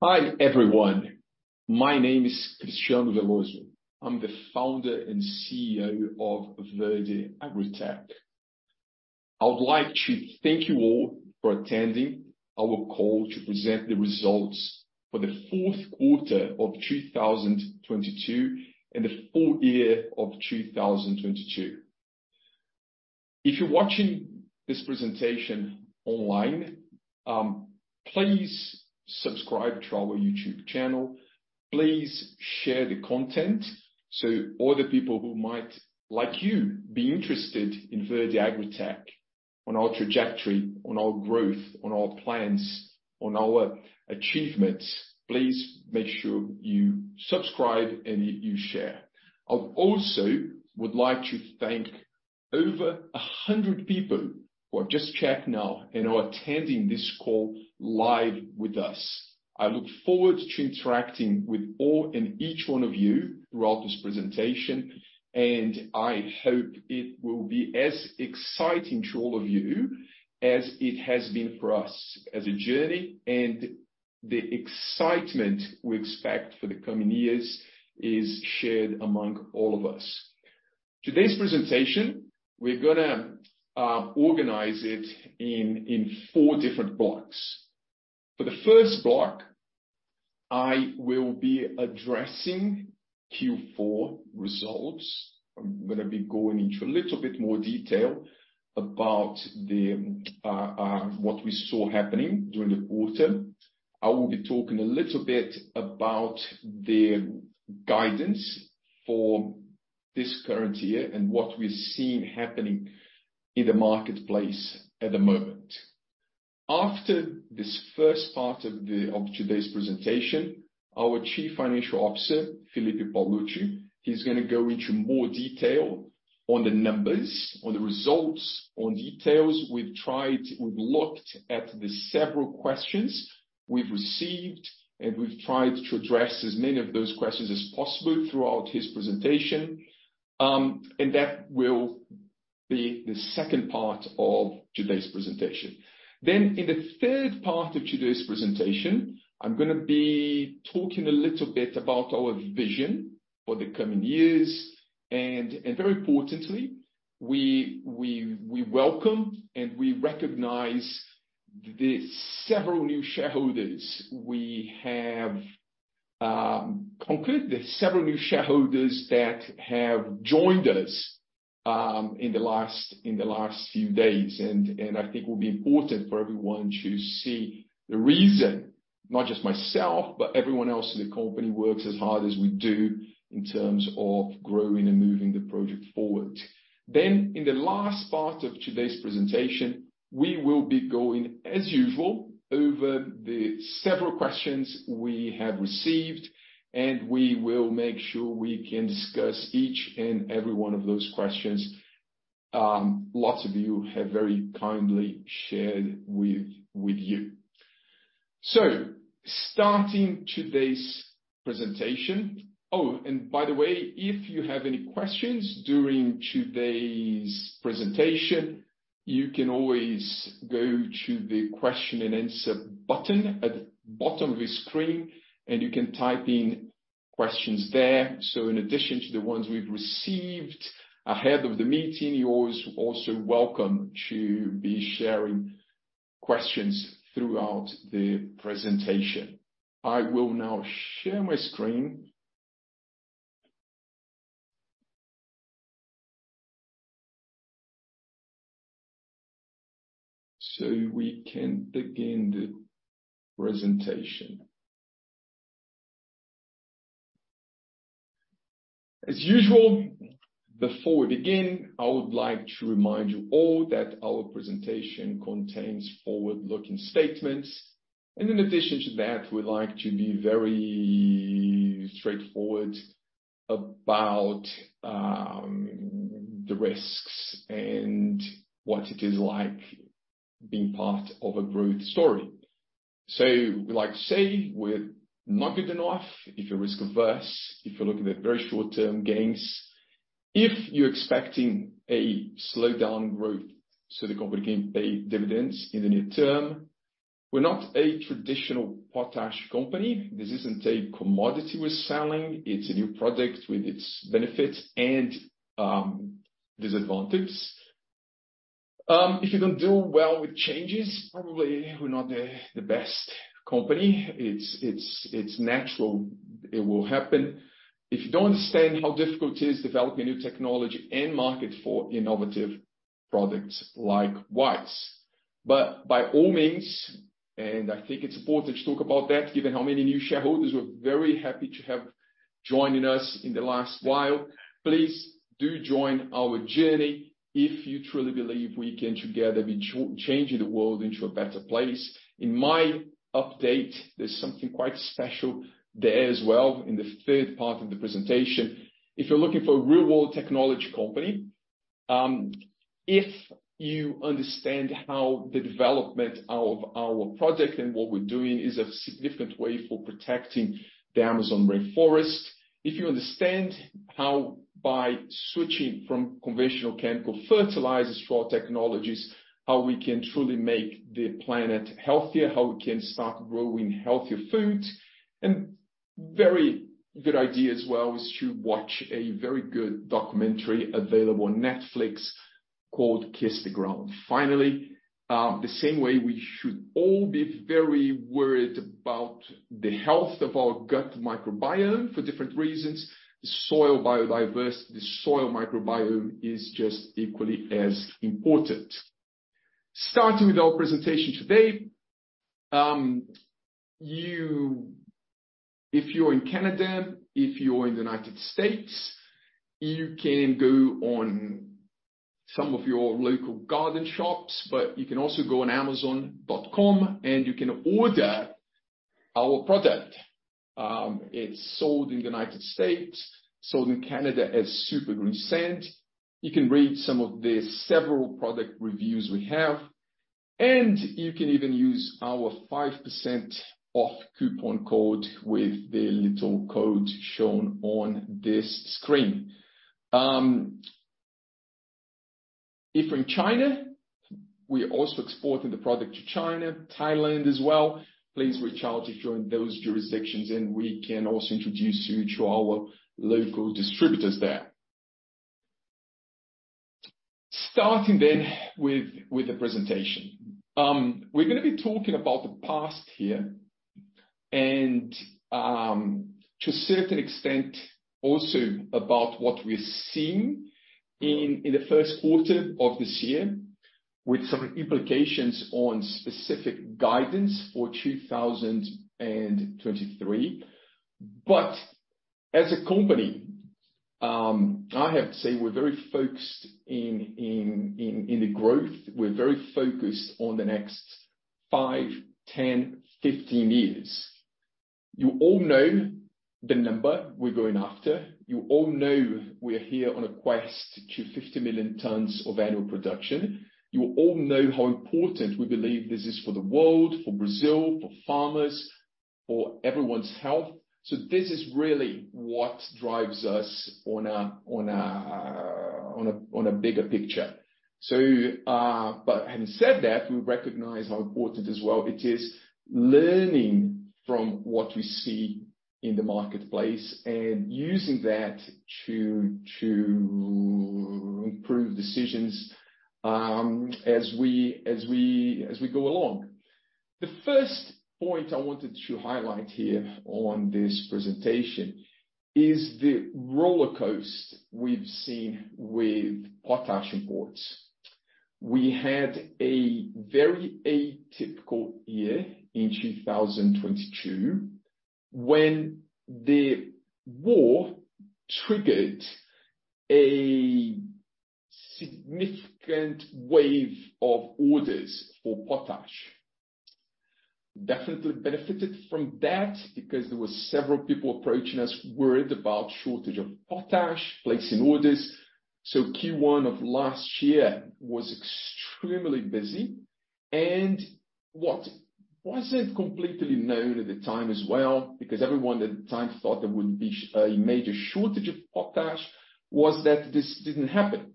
Hi everyone. My name is Cristiano Veloso. I'm the founder and CEO of Verde AgriTech. I would like to thank you all for attending our call to present the results for the fourth quarter of 2022, and the full year of 2022. If you're watching this presentation online, please subscribe to our YouTube channel. Please share the content so all the people who might, like you, be interested in Verde AgriTech on our trajectory, on our growth, on our plans, on our achievements, please make sure you subscribe and you share. I've also would like to thank over 100 people who have just checked now and are attending this call live with us. I look forward to interacting with all and each one of you throughout this presentation. I hope it will be as exciting to all of you as it has been for us as a journey. The excitement we expect for the coming years is shared among all of us. Today's presentation, we're gonna organize it in four different blocks. For the first block, I will be addressing Q4 results. I'm gonna be going into a little bit more detail about what we saw happening during the quarter. I will be talking a little bit about the guidance for this current year and what we're seeing happening in the marketplace at the moment. After this first part of today's presentation, our Chief Financial Officer, Felipe Paolucci, he's gonna go into more detail on the numbers, on the results, on details. We've looked at the several questions we've received, and we've tried to address as many of those questions as possible throughout his presentation, and that will be the second part of today's presentation. In the third part of today's presentation, I'm gonna be talking a little bit about our vision for the coming years. Very importantly, we welcome and we recognize the several new shareholders that have joined us in the last few days. I think it will be important for everyone to see the reason, not just myself, but everyone else in the company works as hard as we do in terms of growing and moving the project forward. In the last part of today's presentation, we will be going, as usual, over the several questions we have received, and we will make sure we can discuss each and every one of those questions, lots of you have very kindly shared with you. Starting today's presentation. By the way, if you have any questions during today's presentation, you can always go to the question and answer button at the bottom of your screen, and you can type in questions there. In addition to the ones we've received ahead of the meeting, you're also welcome to be sharing questions throughout the presentation. I will now share my screen. We can begin the presentation. As usual, before we begin, I would like to remind you all that our presentation contains forward-looking statements. In addition to that, we like to be very straightforward about the risks and what it is like being part of a growth story. We like to say we're not good enough if you're risk-averse, if you're looking at very short-term gains, if you're expecting a slowdown growth so the company can pay dividends in the near term. We're not a traditional potash company. This isn't a commodity we're selling. It's a new product with its benefits and disadvantages. If you don't do well with changes, probably we're not the best company. It's natural, it will happen. If you don't understand how difficult it is developing new technology and market for innovative products likewise. By all means, and I think it's important to talk about that given how many new shareholders we're very happy to have joining us in the last while, please do join our journey if you truly believe we can together be changing the world into a better place. In my update, there's something quite special there as well in the third part of the presentation. If you're looking for a real-world technology company, if you understand how the development of our project and what we're doing is a significant way for protecting the Amazon rainforest. If you understand how by switching from conventional chemical fertilizers for our technologies, how we can truly make the planet healthier, how we can start growing healthier foods. Very good idea as well is to watch a very good documentary available on Netflix called Kiss the Ground. Finally, the same way we should all be very worried about the health of our gut microbiome for different reasons, the soil biodiversity, soil microbiome is just equally as important. Starting with our presentation today, if you're in Canada, if you're in the United States, you can go on some of your local garden shops, you can also go on amazon.com, and you can order our product. It's sold in the United States, sold in Canada as Super Greensand. You can read some of the several product reviews we have, and you can even use our 5% off coupon code with the little code shown on this screen. If in China, we're also exporting the product to China, Thailand as well. Please reach out if you're in those jurisdictions, and we can also introduce you to our local distributors there. Starting with the presentation. We're gonna be talking about the past here, and to a certain extent, also about what we're seeing in the first quarter of this year, with some implications on specific guidance for 2023. As a company, I have to say we're very focused in the growth, we're very focused on the next five, 10, 15 years. You all know the number we're going after. You all know we're here on a quest to 50 million tons of annual production. You all know how important we believe this is for the world, for Brazil, for farmers, for everyone's health. This is really what drives us on a bigger picture. Having said that, we recognize how important as well it is learning from what we see in the marketplace and using that to improve decisions as we go along. The first point I wanted to highlight here on this presentation is the rollercoaster we've seen with potash imports. We had a very atypical year in 2022 when the war triggered a significant wave of orders for potash. Definitely benefited from that because there were several people approaching us worried about shortage of potash, placing orders. Q1 of last year was extremely busy. What wasn't completely known at the time as well, because everyone at the time thought there would be a major shortage of potash, was that this didn't happen.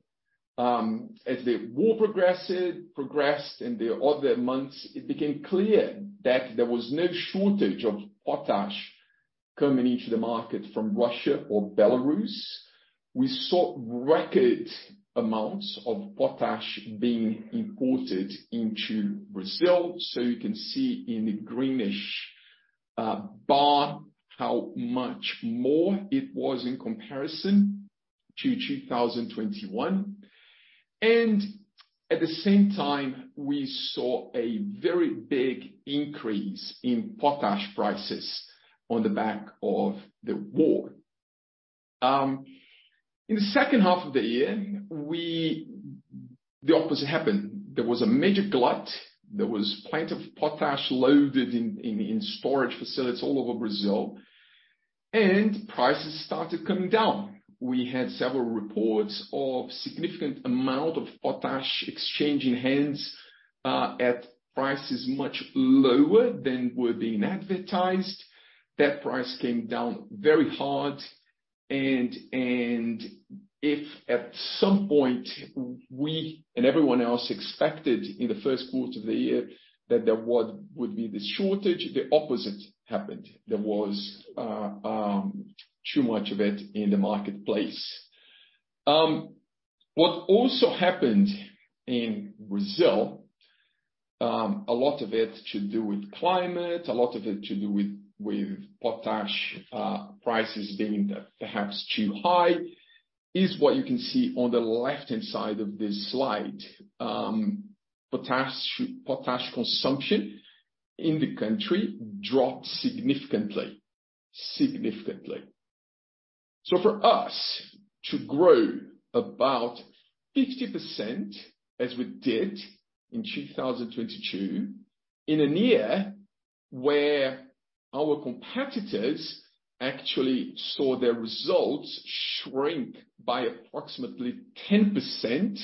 As the war progressed in the other months, it became clear that there was no shortage of potash coming into the market from Russia or Belarus. We saw record amounts of potash being imported into Brazil. You can see in the greenish bar how much more it was in comparison to 2021. At the same time, we saw a very big increase in potash prices on the back of the war. In the second half of the year, the opposite happened. There was a major glut. There was plenty of potash loaded in storage facilities all over Brazil. Prices started coming down. We had several reports of significant amount of potash exchanging hands at prices much lower than were being advertised. That price came down very hard. If at some point we and everyone else expected in the first quarter of the year that there would be this shortage, the opposite happened. There was too much of it in the marketplace. What also happened in Brazil, a lot of it to do with climate, a lot of it to do with potash prices being perhaps too high, is what you can see on the left-hand side of this slide. Potash consumption in the country dropped significantly. Significantly. For us to grow about 50% as we did in 2022, in a year where our competitors actually saw their results shrink by approximately 10%.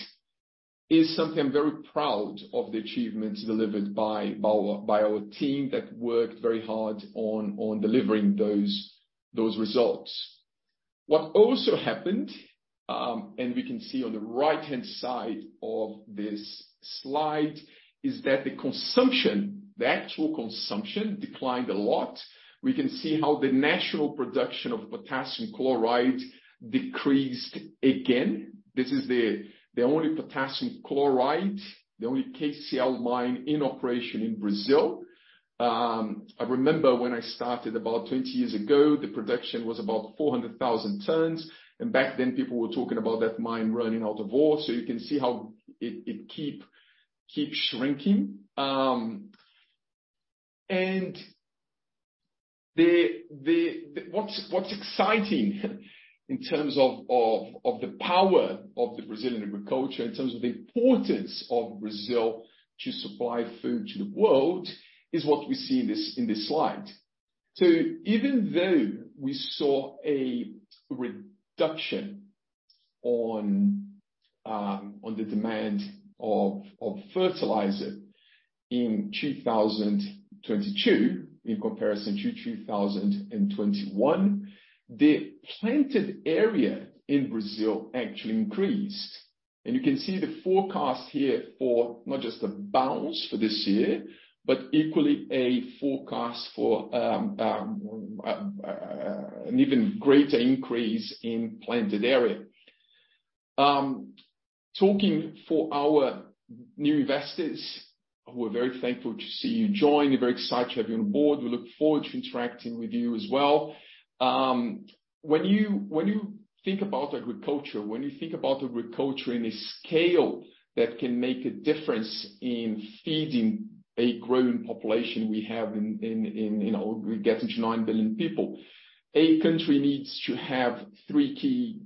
Is something I'm very proud of the achievements delivered by our team that worked very hard on delivering those results. What also happened, and we can see on the right-hand side of this slide, is that the actual consumption declined a lot. We can see how the national production of potassium chloride decreased again. This is the only potassium chloride, the only KCl mine in operation in Brazil. I remember when I started about 20 years ago, the production was about 400,000 tons, and back then people were talking about that mine running out of ore. You can see how it keep shrinking. And what's exciting in terms of the power of the Brazilian agriculture, in terms of the importance of Brazil to supply food to the world is what we see in this, in this slide. Even though we saw a reduction on the demand of fertilizer in 2022 in comparison to 2021, the planted area in Brazil actually increased. You can see the forecast here for not just a bounce for this year, but equally a forecast for an even greater increase in planted area. Talking for our new investors, we're very thankful to see you join. We're very excited to have you on board. We look forward to interacting with you as well. When you think about agriculture, when you think about agriculture in a scale that can make a difference in feeding a growing population we have in, you know, getting to 9 billion people, a country needs to have three key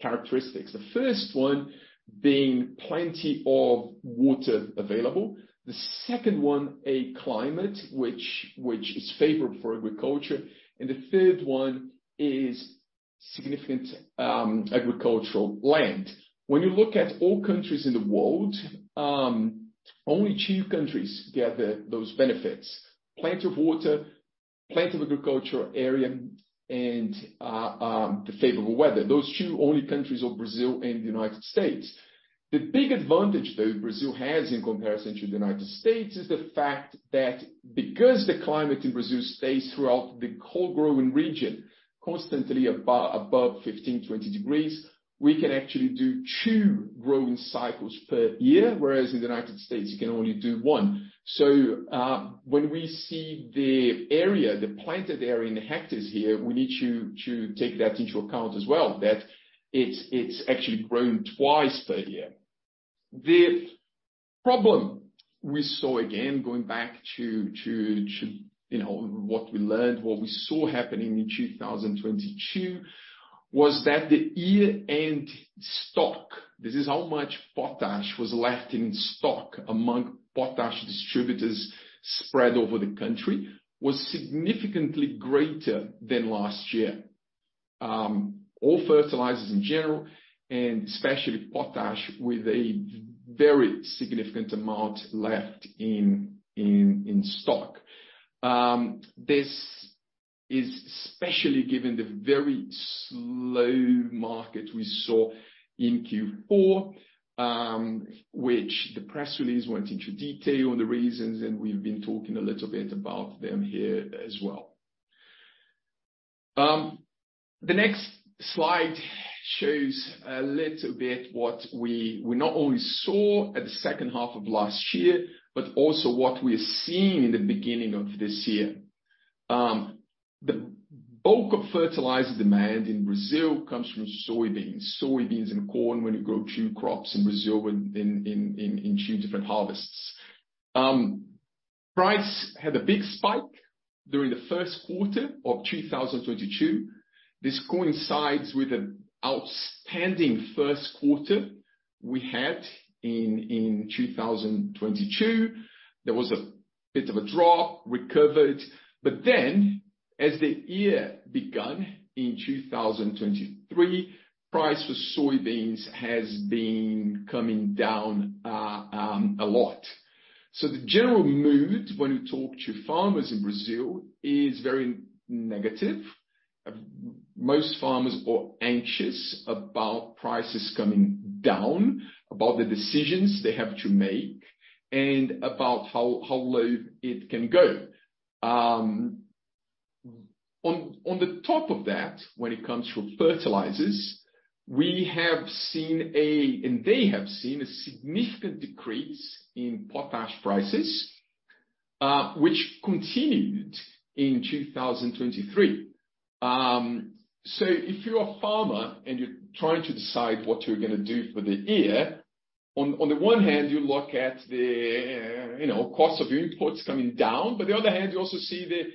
characteristics. The first one being plenty of water available. The second one, a climate which is favorable for agriculture. The third one is significant agricultural land. When you look at all countries in the world, only two countries gather those benefits: plenty of water, plenty of agricultural area, and the favorable weather. Those two only countries are Brazil and the United States. The big advantage though Brazil has in comparison to the United States is the fact that because the climate in Brazil stays throughout the cold growing region constantly above 15, 20 degrees, we can actually do two growing cycles per year, whereas in the United States, you can only do one. When we see the area, the planted area in the hectares here, we need to take that into account as well, that it's actually grown twice per year. The problem we saw, again, going back to, you know, what we learned, what we saw happening in 2022 was that the year-end stock, this is how much potash was left in stock among potash distributors spread over the country, was significantly greater than last year. All fertilizers in general, especially potash with a very significant amount left in stock. This is especially given the very slow market we saw in Q4, which the press release went into detail on the reasons, we've been talking a little bit about them here as well. The next slide shows a little bit what we not only saw at the second half of last year, but also what we're seeing in the beginning of this year. The bulk of fertilizer demand in Brazil comes from soybeans. Soybeans and corn when you grow two crops in Brazil in two different harvests. Price had a big spike during the first quarter of 2022. This coincides with an outstanding first quarter we had in 2022. There was a bit of a drop, recovered, but then as the year begun in 2023, price for soybeans has been coming down a lot. The general mood when you talk to farmers in Brazil is very negative. Most farmers are anxious about prices coming down, about the decisions they have to make, and about how low it can go. On the top of that, when it comes to fertilizers, we have seen and they have seen a significant decrease in potash prices, which continued in 2023. If you're a farmer and you're trying to decide what you're gonna do for the year, on the one hand you look at the, you know, cost of your inputs coming down, but the other hand you also see the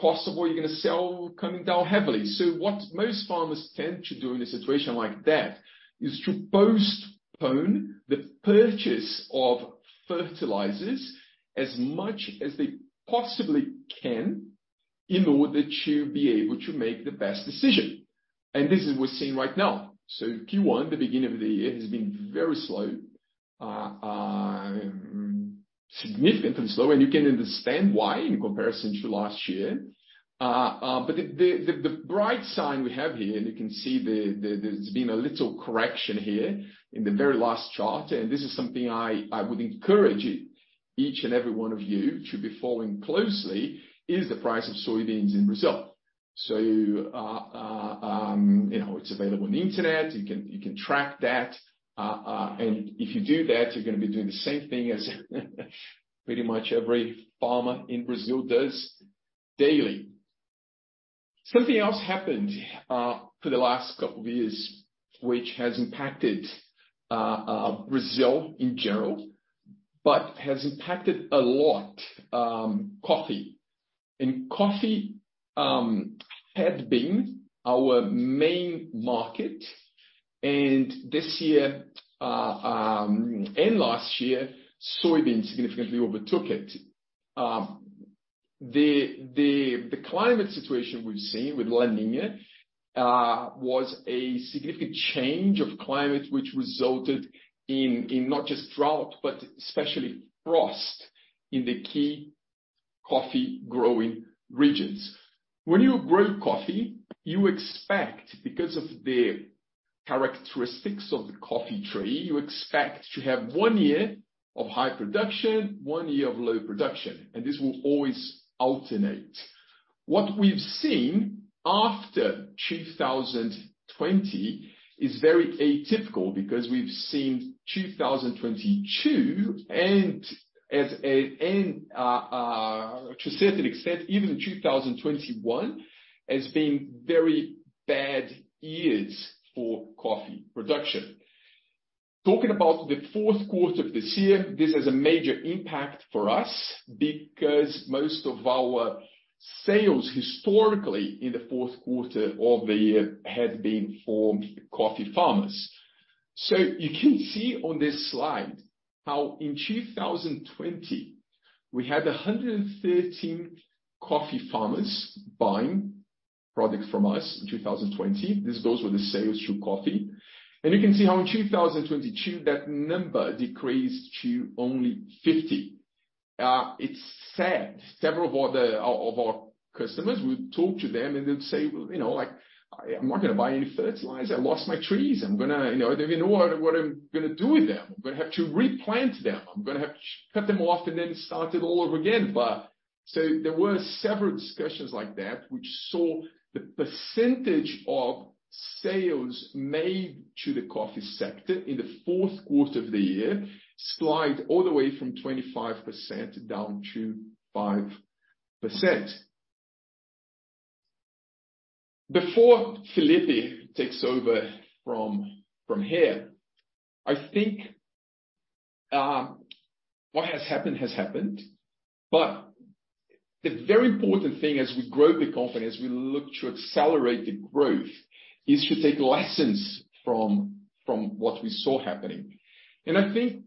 cost of what you're gonna sell coming down heavily. What most farmers tend to do in a situation like that is to postpone the purchase of fertilizers as much as they possibly can. In order to be able to make the best decision. This is what we're seeing right now. Q1, the beginning of the year, has been very slow, significantly slow, and you can understand why in comparison to last year. The bright sign we have here, and you can see there's been a little correction here in the very last chart, and this is something I would encourage you, each and every one of you, to be following closely, is the price of soybeans in Brazil. You know, it's available on the internet. You can track that. If you do that, you're gonna be doing the same thing as pretty much every farmer in Brazil does daily. Something else happened for the last couple of years, which has impacted Brazil in general, but has impacted a lot, coffee. Coffee had been our main market, and this year, and last year, soybeans significantly overtook it. The climate situation we've seen with La Niña was a significant change of climate which resulted in not just drought, but especially frost in the key coffee-growing regions. When you grow coffee, you expect, because of the characteristics of the coffee tree, you expect to have one year of high production, one year of low production, and this will always alternate. What we've seen after 2020 is very atypical because we've seen 2022 and to a certain extent, even in 2021 as being very bad years for coffee production. Talking about the fourth quarter of this year, this has a major impact for us because most of our sales historically in the fourth quarter of the year had been for coffee farmers. You can see on this slide how in 2020, we had 113 coffee farmers buying products from us in 2020. This goes with the sales through coffee. You can see how in 2022, that number decreased to only 50. It's sad. Several of our customers, we talk to them and they'd say, "Well, you know, like, I'm not gonna buy any fertilizers. I lost my trees. You know, I don't even know what I'm gonna do with them. I'm gonna have to replant them. I'm gonna have to cut them off and then start it all over again." There were several discussions like that, which saw the percentage of sales made to the coffee sector in the fourth quarter of the year slide all the way from 25% down to 5%. Before Felipe takes over from here, I think what has happened has happened. The very important thing as we grow the company, as we look to accelerate the growth, is to take lessons from what we saw happening. I think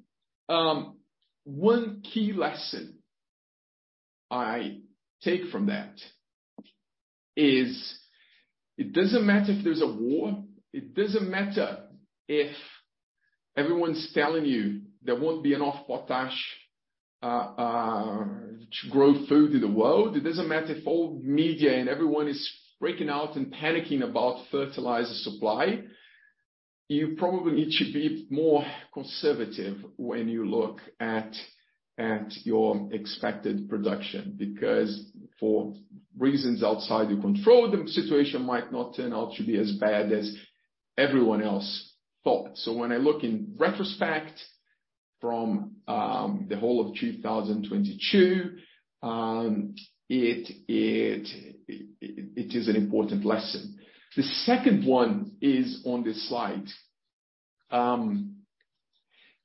one key lesson I take from that is it doesn't matter if there's a war, it doesn't matter if everyone's telling you there won't be enough potash to grow food in the world. It doesn't matter if all media and everyone is freaking out and panicking about fertilizer supply. You probably need to be more conservative when you look at your expected production, because for reasons outside your control, the situation might not turn out to be as bad as everyone else thought. When I look in retrospect from the whole of 2022, it is an important lesson. The second one is on this slide. Can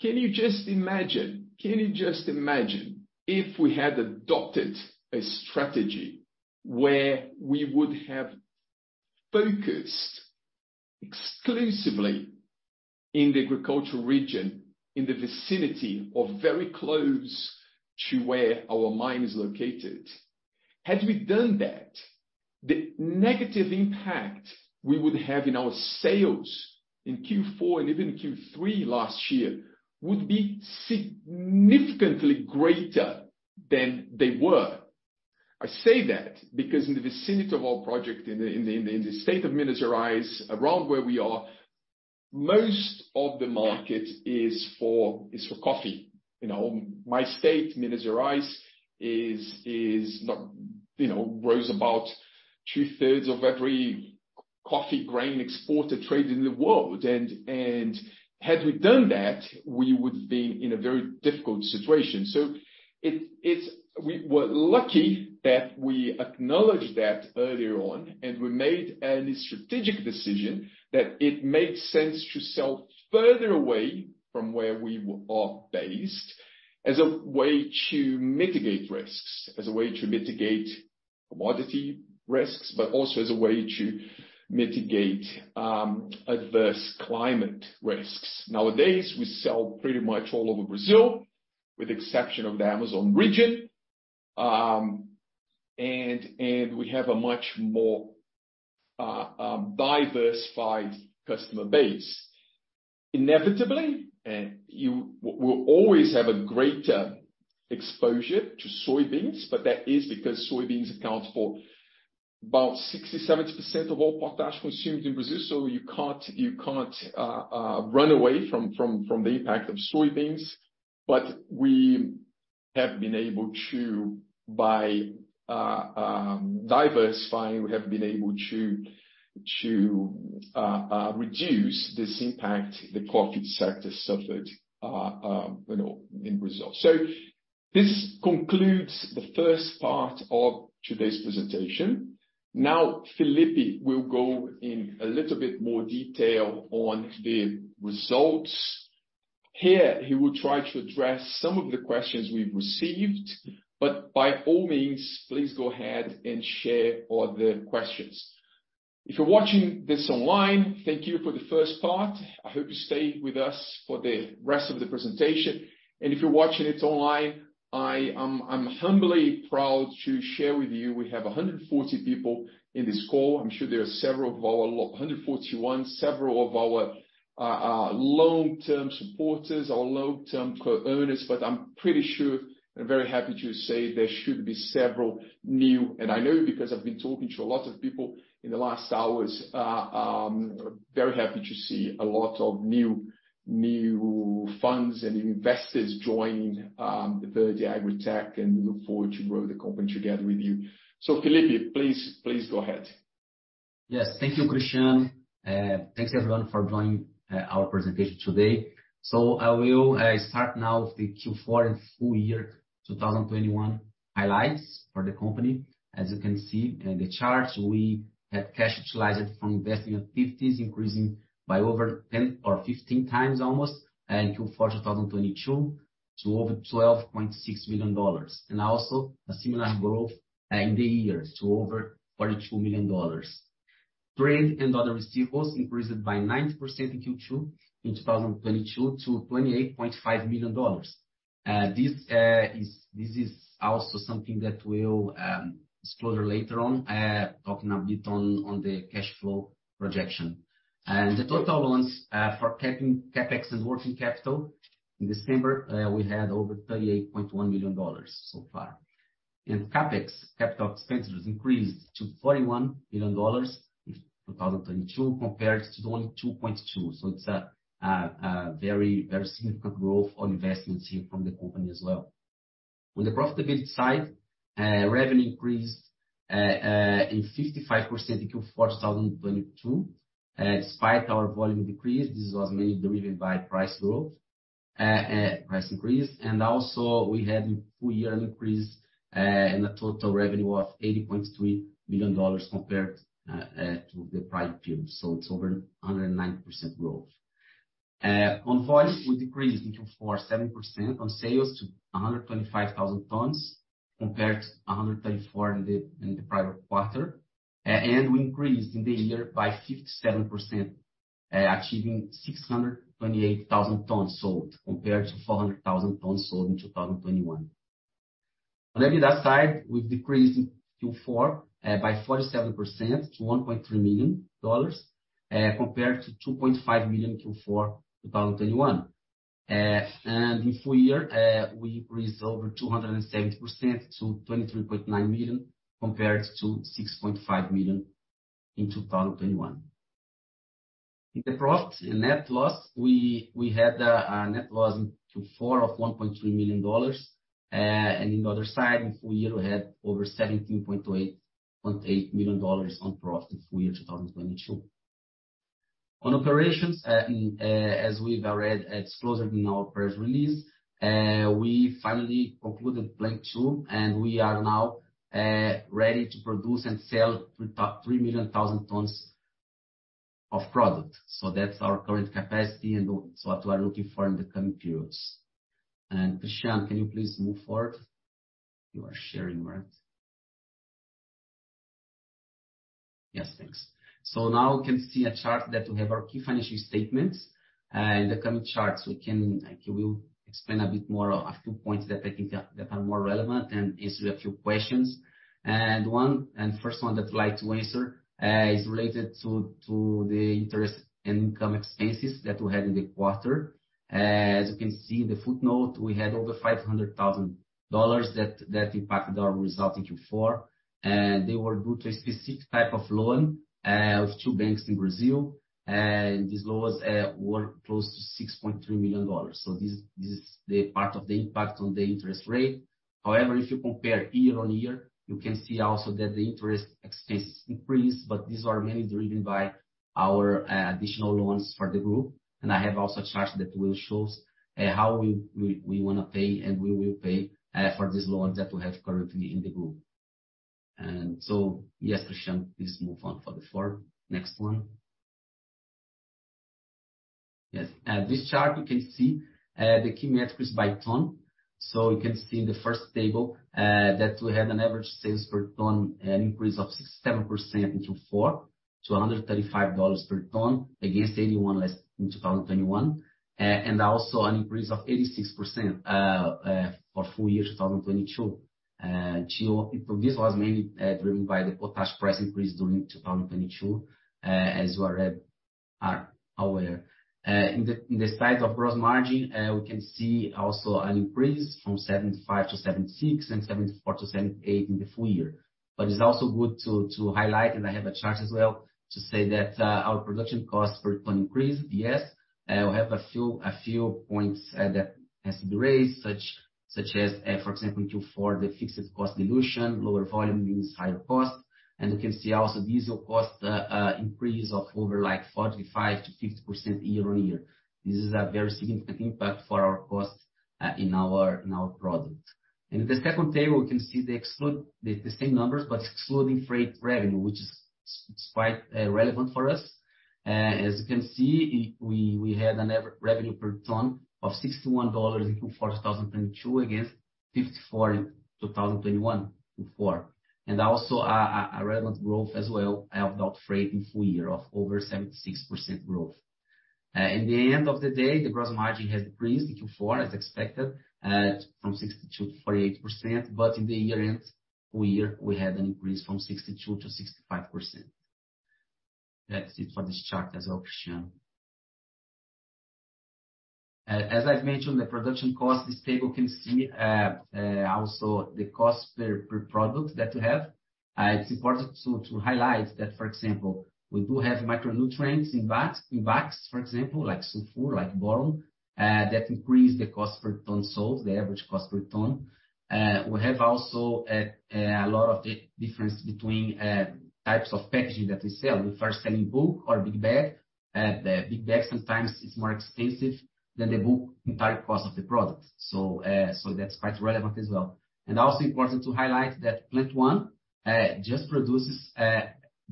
you just imagine if we had adopted a strategy where we would have focused exclusively in the agricultural region, in the vicinity or very close to where our mine is located? Had we done that, the negative impact we would have in our sales in Q4 and even Q3 last year would be significantly greater than they were. I say that because in the vicinity of our project in the state of Minas Gerais, around where we are, most of the market is for, is for coffee. You know, my state, Minas Gerais, is not... You know, grows about 2/3 of every coffee grain exported trade in the world. Had we done that, we would have been in a very difficult situation. It's. We were lucky that we acknowledged that earlier on, and we made a strategic decision that it makes sense to sell further away from where we are based as a way to mitigate risks, as a way to mitigate commodity risks, but also as a way to mitigate adverse climate risks. Nowadays, we sell pretty much all over Brazil. With exception of the Amazon region. We have a much more diversified customer base. Inevitably, you will always have a greater exposure to soybeans, but that is because soybeans account for about 60%, 70% of all potash consumed in Brazil. You can't run away from the impact of soybeans. We have been able to, by diversifying, we have been able to reduce this impact the coffee sector suffered, you know, in Brazil. This concludes the first part of today's presentation. Now, Felipe will go in a little bit more detail on the results. Here, he will try to address some of the questions we've received, but by all means, please go ahead and share all the questions. If you're watching this online, thank you for the first part. I hope you stay with us for the rest of the presentation. If you're watching it online, I'm humbly proud to share with you we have 140 people in this call. I'm sure there are several of our 141, several of our long-term supporters or long-term co-owners. I'm pretty sure and very happy to say there should be several new, and I know because I've been talking to a lot of people in the last hours, very happy to see a lot of new funds and investors join the AgriTech, and we look forward to grow the company together with you. Felipe, please go ahead. Yes. Thank you, Cristiano. Thanks everyone for joining our presentation today. I will start now with the Q4 and full year 2021 highlights for the company. As you can see in the charts, we had cash utilized from investing activities increasing by over 10 or 15x almost in Q4 2022 to over $12.6 million. Also a similar growth in the year to over $42 million. Trade and other receivables increased by 90% in Q2 in 2022 to $28.5 million. This is also something that we'll explore later on talking a bit on the cash flow projection. The total balance for CapEx and working capital in December, we had over $38.1 million so far. In CapEx, capital expenditures increased to $41 million in 2022 compared to only $2.2 million. It's a very, very significant growth on investments here from the company as well. On the profitability side, revenue increased in 55% in Q4 2022 despite our volume decrease. This was mainly driven by price growth, price increase. Also we had in full year an increase in the total revenue of $80.3 million compared to the prior period, it's over 109% growth. On volume, we decreased in Q4 7% on sales to 125,000 tons compared to 134,000 tons in the prior quarter. We increased in the year by 57%, achieving 628,000 tons sold compared to 400,000 tons sold in 2021. On EBITDA side, we've decreased Q4 by 47% to $1.3 million compared to $2.5 million Q4 2021. In full year, we increased over 270% to $23.9 million compared to $6.5 million in 2021. In the profit and net loss, we had a net loss in Q4 of $1.3 million. In the other side, in full year, we had over $17.8 million on profit in full year 2022. On operations, as we've already exposed in our press release, we finally concluded Plant 2, and we are now ready to produce and sell 3 million thousand tons of product. That's our current capacity and what we are looking for in the coming periods. Cristiano, can you please move forward? You are sharing, right? Yes, thanks. Now we can see a chart that we have our key financial statements. In the coming charts, I will explain a bit more a few points that I think are, that are more relevant and answer a few questions. One, and first one that I'd like to answer, is related to the interest income expenses that we had in the quarter. As you can see in the footnote, we had over $500,000 that impacted our result in Q4. They were due to a specific type of loan with 2 banks in Brazil. These loans were close to $6.3 million. This is the part of the impact on the interest rate. However, if you compare year-over-year, you can see also that the interest expenses increased, but these are mainly driven by our additional loans for the group. I have also charts that will shows how we wanna pay and we will pay for these loans that we have currently in the group. Yes, Cristiano, please move on for the form. Next one. Yes. This chart you can see the key metrics by ton. You can see in the first table, that we had an average sales per ton, an increase of 67% in Q4. To $135 per ton against $81 last, in 2021. Also an increase of 86%, for full year 2022. This was mainly driven by the potash price increase during 2022, as you are aware. In the, in the size of gross margin, we can see also an increase from 75%-76% and 74%-78% in the full year. It's also good to highlight, and I have a chart as well, to say that our production cost per ton increased, yes. We have a few points that has been raised, for example, Q4, the fixed cost dilution, lower volume means higher cost. You can see also diesel cost increase of over like 45%-50% year-on-year. This is a very significant impact for our cost in our product. In the second table, we can see the same numbers, but excluding freight revenue, which is quite relevant for us. As you can see, we had a revenue per ton of $61 in Q4 2022, against $54 in 2021, Q4. Also a relevant growth as well of about freight in full year of over 76% growth. In the end of the day, the gross margin has increased in Q4 as expected, from 62% to 48%, in the year end, full year, we had an increase from 62% to 65%. That's it for this chart as well, Cristiano. As I've mentioned, the production cost, this table can see, also the cost per product that we have. It's important to highlight that, for example, we do have micronutrients in bags, for example, like sulfur, like boron, that increase the cost per ton sold, the average cost per ton. We have also, a lot of the difference between types of packaging that we sell. If we're selling bulk or big bag, the big bag sometimes is more expensive than the bulk entire cost of the product. That's quite relevant as well. Also important to highlight that Plant 1 just produces,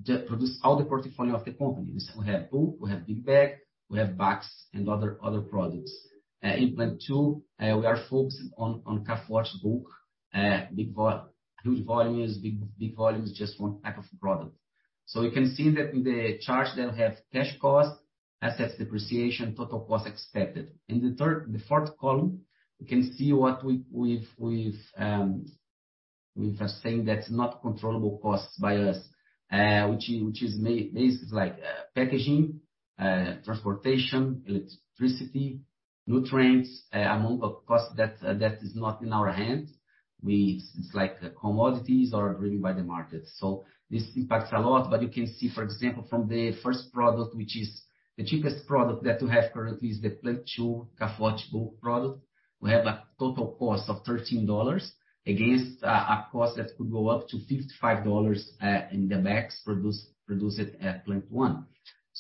just produce all the portfolio of the company. We have bulk, we have big bag, we have box and other products. In Plant 2, we are focusing on K Forte bulk, huge volumes, big volumes, just one type of product. You can see that with the charts that have cash costs, assets depreciation, total cost expected. In the fourth column, you can see what we've assigned that's not controllable costs by us, which is basically like packaging, transportation, electricity, nutrients, amount of cost that is not in our hand. It's like commodities or driven by the market. This impacts a lot, but you can see, for example, from the first product, which is the cheapest product that we have currently is the Plant 2 K Forte bulk product. We have a total cost of $13 against a cost that could go up to $55 in the bags produced at Plant 1.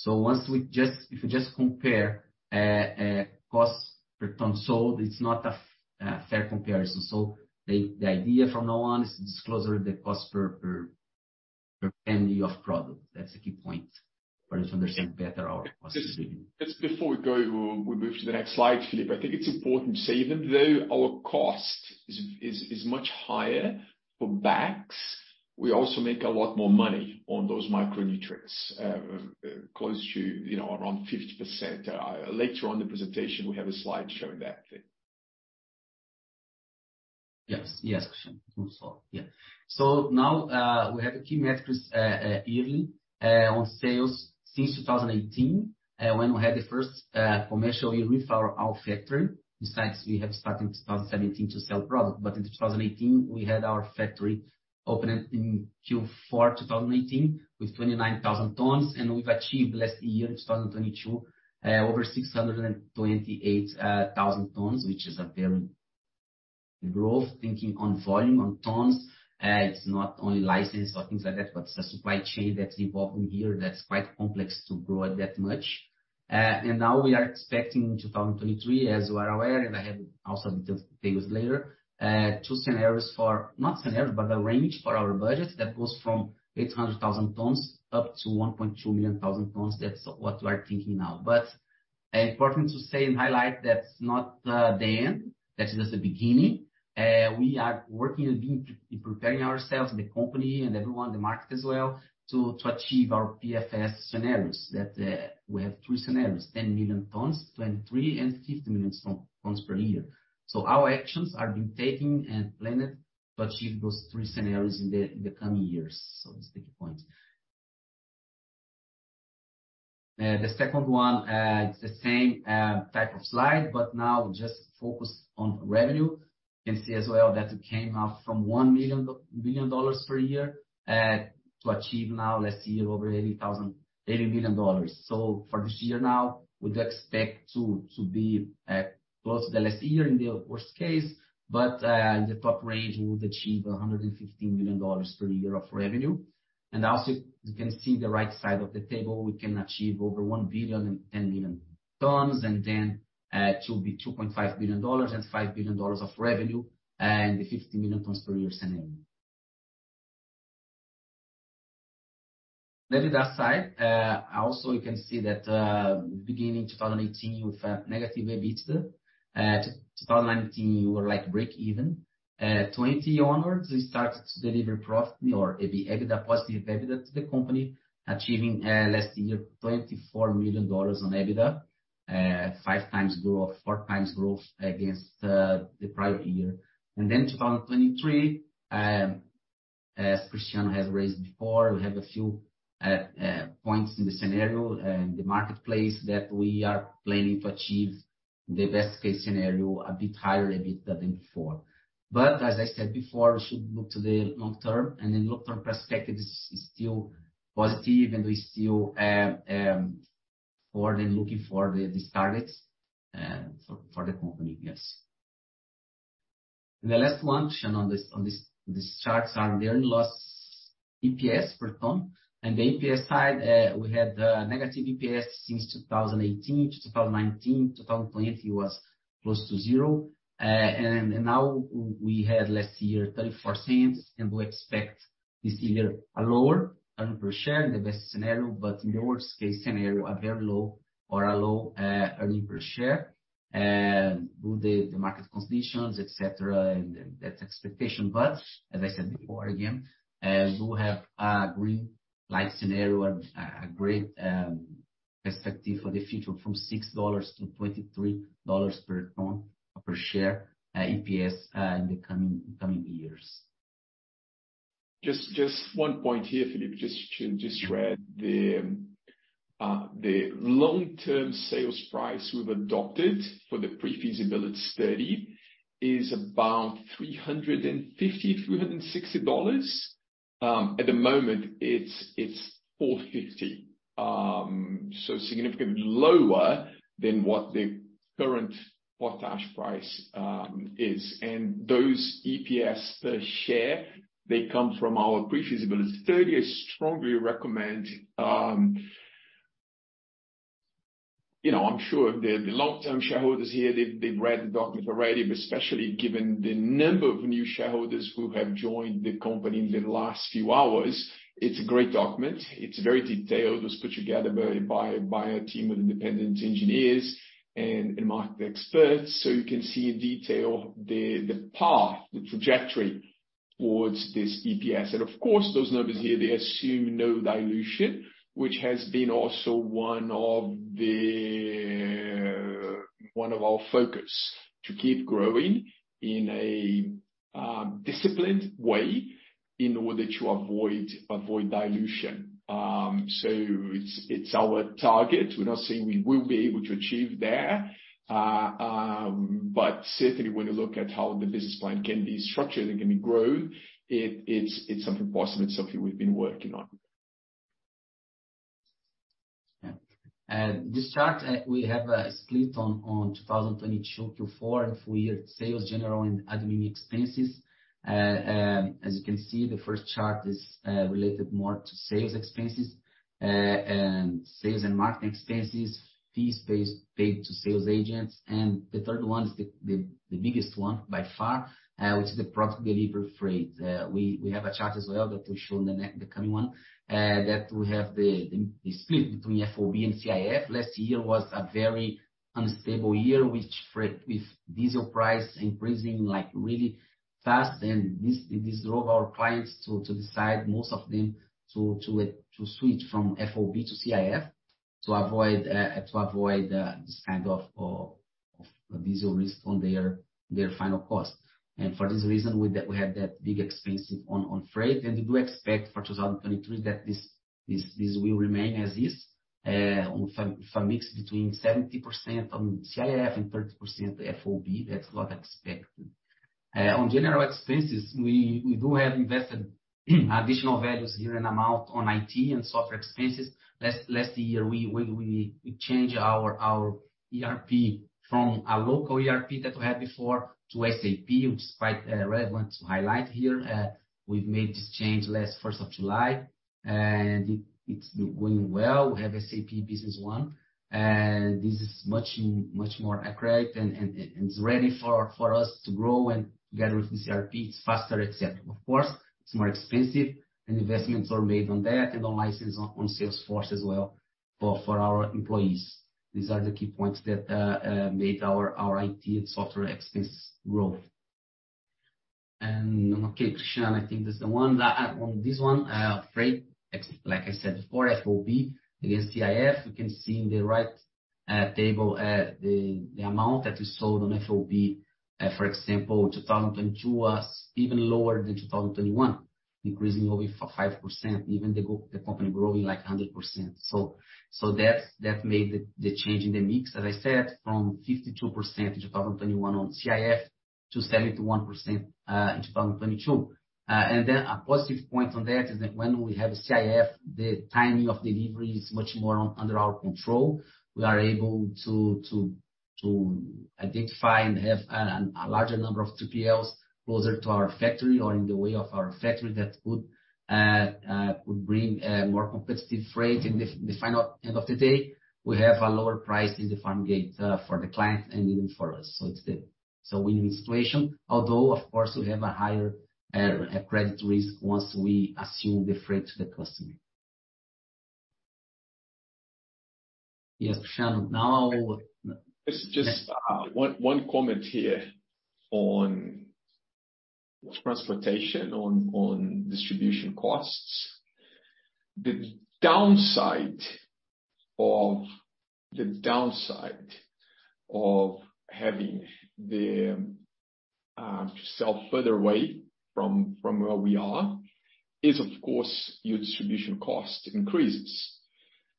Once we just, if you just compare cost per ton sold, it's not a fair comparison. The idea from now on is to disclosure the cost per unit of product. That's the key point for you to understand better our cost. Just before we move to the next slide, Felipe, I think it's important to say, even though our cost is much higher for BAKS, we also make a lot more money on those micronutrients, close to, you know, around 50%. Later on in the presentation, we have a slide showing that, Felipe. Yes, Cristiano. Now, we have the key metrics yearly on sales since 2018, when we had the first commercial year with our factory. Besides, we have started in 2017 to sell product, but in 2018, we had our factory opened in Q4 2018 with 29,000 tons. We've achieved last year, 2022, over 628,000 tons, which is a very growth thinking on volume, on tons. It's not only license or things like that, but it's a supply chain that's involved in here that's quite complex to grow it that much. Now, we are expecting in 2023, as you are aware, and I have also details later, two scenarios for... Not scenarios, but a range for our budget that goes from 800,000 tons up to 1.2 million thousand tons. That's what we are thinking now. Important to say and highlight that's not the end. That is just the beginning. We are working and preparing ourselves, the company and everyone in the market as well to achieve our PFS scenarios. We have three scenarios, 10 million tons, 23, and 50 million tons per year. Our actions are being taken and planned to achieve those three scenarios in the coming years. That's the key point. The second one, it's the same type of slide, but now just focus on revenue. You can see as well that it came up from $1 million per year to achieve now last year over $80 million. For this year now, we'd expect to be close to the last year in the worst case. In the top range, we would achieve $115 million per year of revenue. Also, you can see the right side of the table, we can achieve over 10 million tons, it will be $2.5 million and $5 million of revenue and the 50 million tons per year scenario. Revenue aside, also you can see that beginning 2018, we found negative EBITDA. 2019, we were like breakeven. 2020 onwards, we started to deliver profit or EBITDA, positive EBITDA to the company, achieving last year $24 million on EBITDA. Five times growth, four times growth against the prior year. 2023, as Cristiano has raised before, we have a few points in the scenario in the marketplace that we are planning to achieve the best case scenario a bit higher than before. As I said before, we should look to the long term, and the long-term perspective is still positive, and we still forward in looking for these targets for the company. Yes. The last one, Cristiano, on these charts are the earnings plus EPS per ton. The EPS side, we had negative EPS since 2018 to 2019. 2020 was close to zero. Now we had last year $0.34, and we expect this year a lower earning per share in the best scenario. In the worst case scenario, a very low or a low earning per share due to the market conditions, et cetera, and that expectation. As I said before, again, we have a green light scenario and a great perspective for the future, from $6 to $23 per ton per share EPS in the coming years. Just one point here, Felipe, just to share the long-term sales price we've adopted for the pre-feasibility study is about $350-$360. At the moment it's $450. So significantly lower than what the current potash price is. Those EPS per share, they come from our pre-feasibility study. I strongly recommend. You know, I'm sure the long-term shareholders here, they've read the document already, but especially given the number of new shareholders who have joined the company in the last few hours, it's a great document. It's very detailed. It was put together by a team of independent engineers and market experts, so you can see in detail the path, the trajectory towards this EPS. Of course, those numbers here, they assume no dilution, which has been also one of our focus, to keep growing in a disciplined way in order to avoid dilution. It's our target. We're not saying we will be able to achieve there, but certainly when you look at how the business plan can be structured and can be grown, it's something possible. It's something we've been working on. This chart, we have split on 2022 to 2024, a full year sales general and admin expenses. As you can see, the first chart is related more to sales expenses and sales and marketing expenses, fees based paid to sales agents. The third one is the biggest one by far, which is the product delivery freight. We have a chart as well that we show in the coming one, that we have the split between FOB and CIF. Last year was a very unstable year with freight, with diesel price increasing like really fast and this drove our clients to decide most of them to switch from FOB to CIF to avoid this kind of diesel risk on their final cost. For this reason, we had that big expensive on freight. We do expect for 2023 that this will remain as is. If a mix between 70% on CIF and 30% FOB, that's what expected. On general expenses, we do have invested additional values year and amount on IT and software expenses. Last year, we changed our ERP from a local ERP that we had before to SAP, which is quite relevant to highlight here. We've made this change last first of July, it's been going well. We have SAP Business One, this is much more accurate and it's ready for us to grow and together with this ERP it's faster, et cetera. Of course, it's more expensive, investments are made on that and on license on Salesforce as well for our employees. These are the key points that made our IT and software expense grow. Okay, Cristiano, I think that's the one. On this one, like I said before, FOB against CIF. We can see in the right table, the amount that we sold on FOB. For example, 2022 was even lower than 2021, decreasing over 5%, even the company growing like 100%. That's, that made the change in the mix, as I said, from 52% in 2021 on CIF to 71% in 2022. A positive point on that is that when we have CIF, the timing of delivery is much more under our control. We are able to identify and have a larger number of TPLs closer to our factory or in the way of our factory that could bring more competitive freight. In the final end of the day, we have a lower price in the farm gate, for the client and even for us. it's the... win-win situation. Although of course we have a higher credit risk once we assume the freight to the customer. Yes, Cristiano. Just one comment here on distribution costs. The downside of having the sell further way from where we are is of course your distribution cost increases.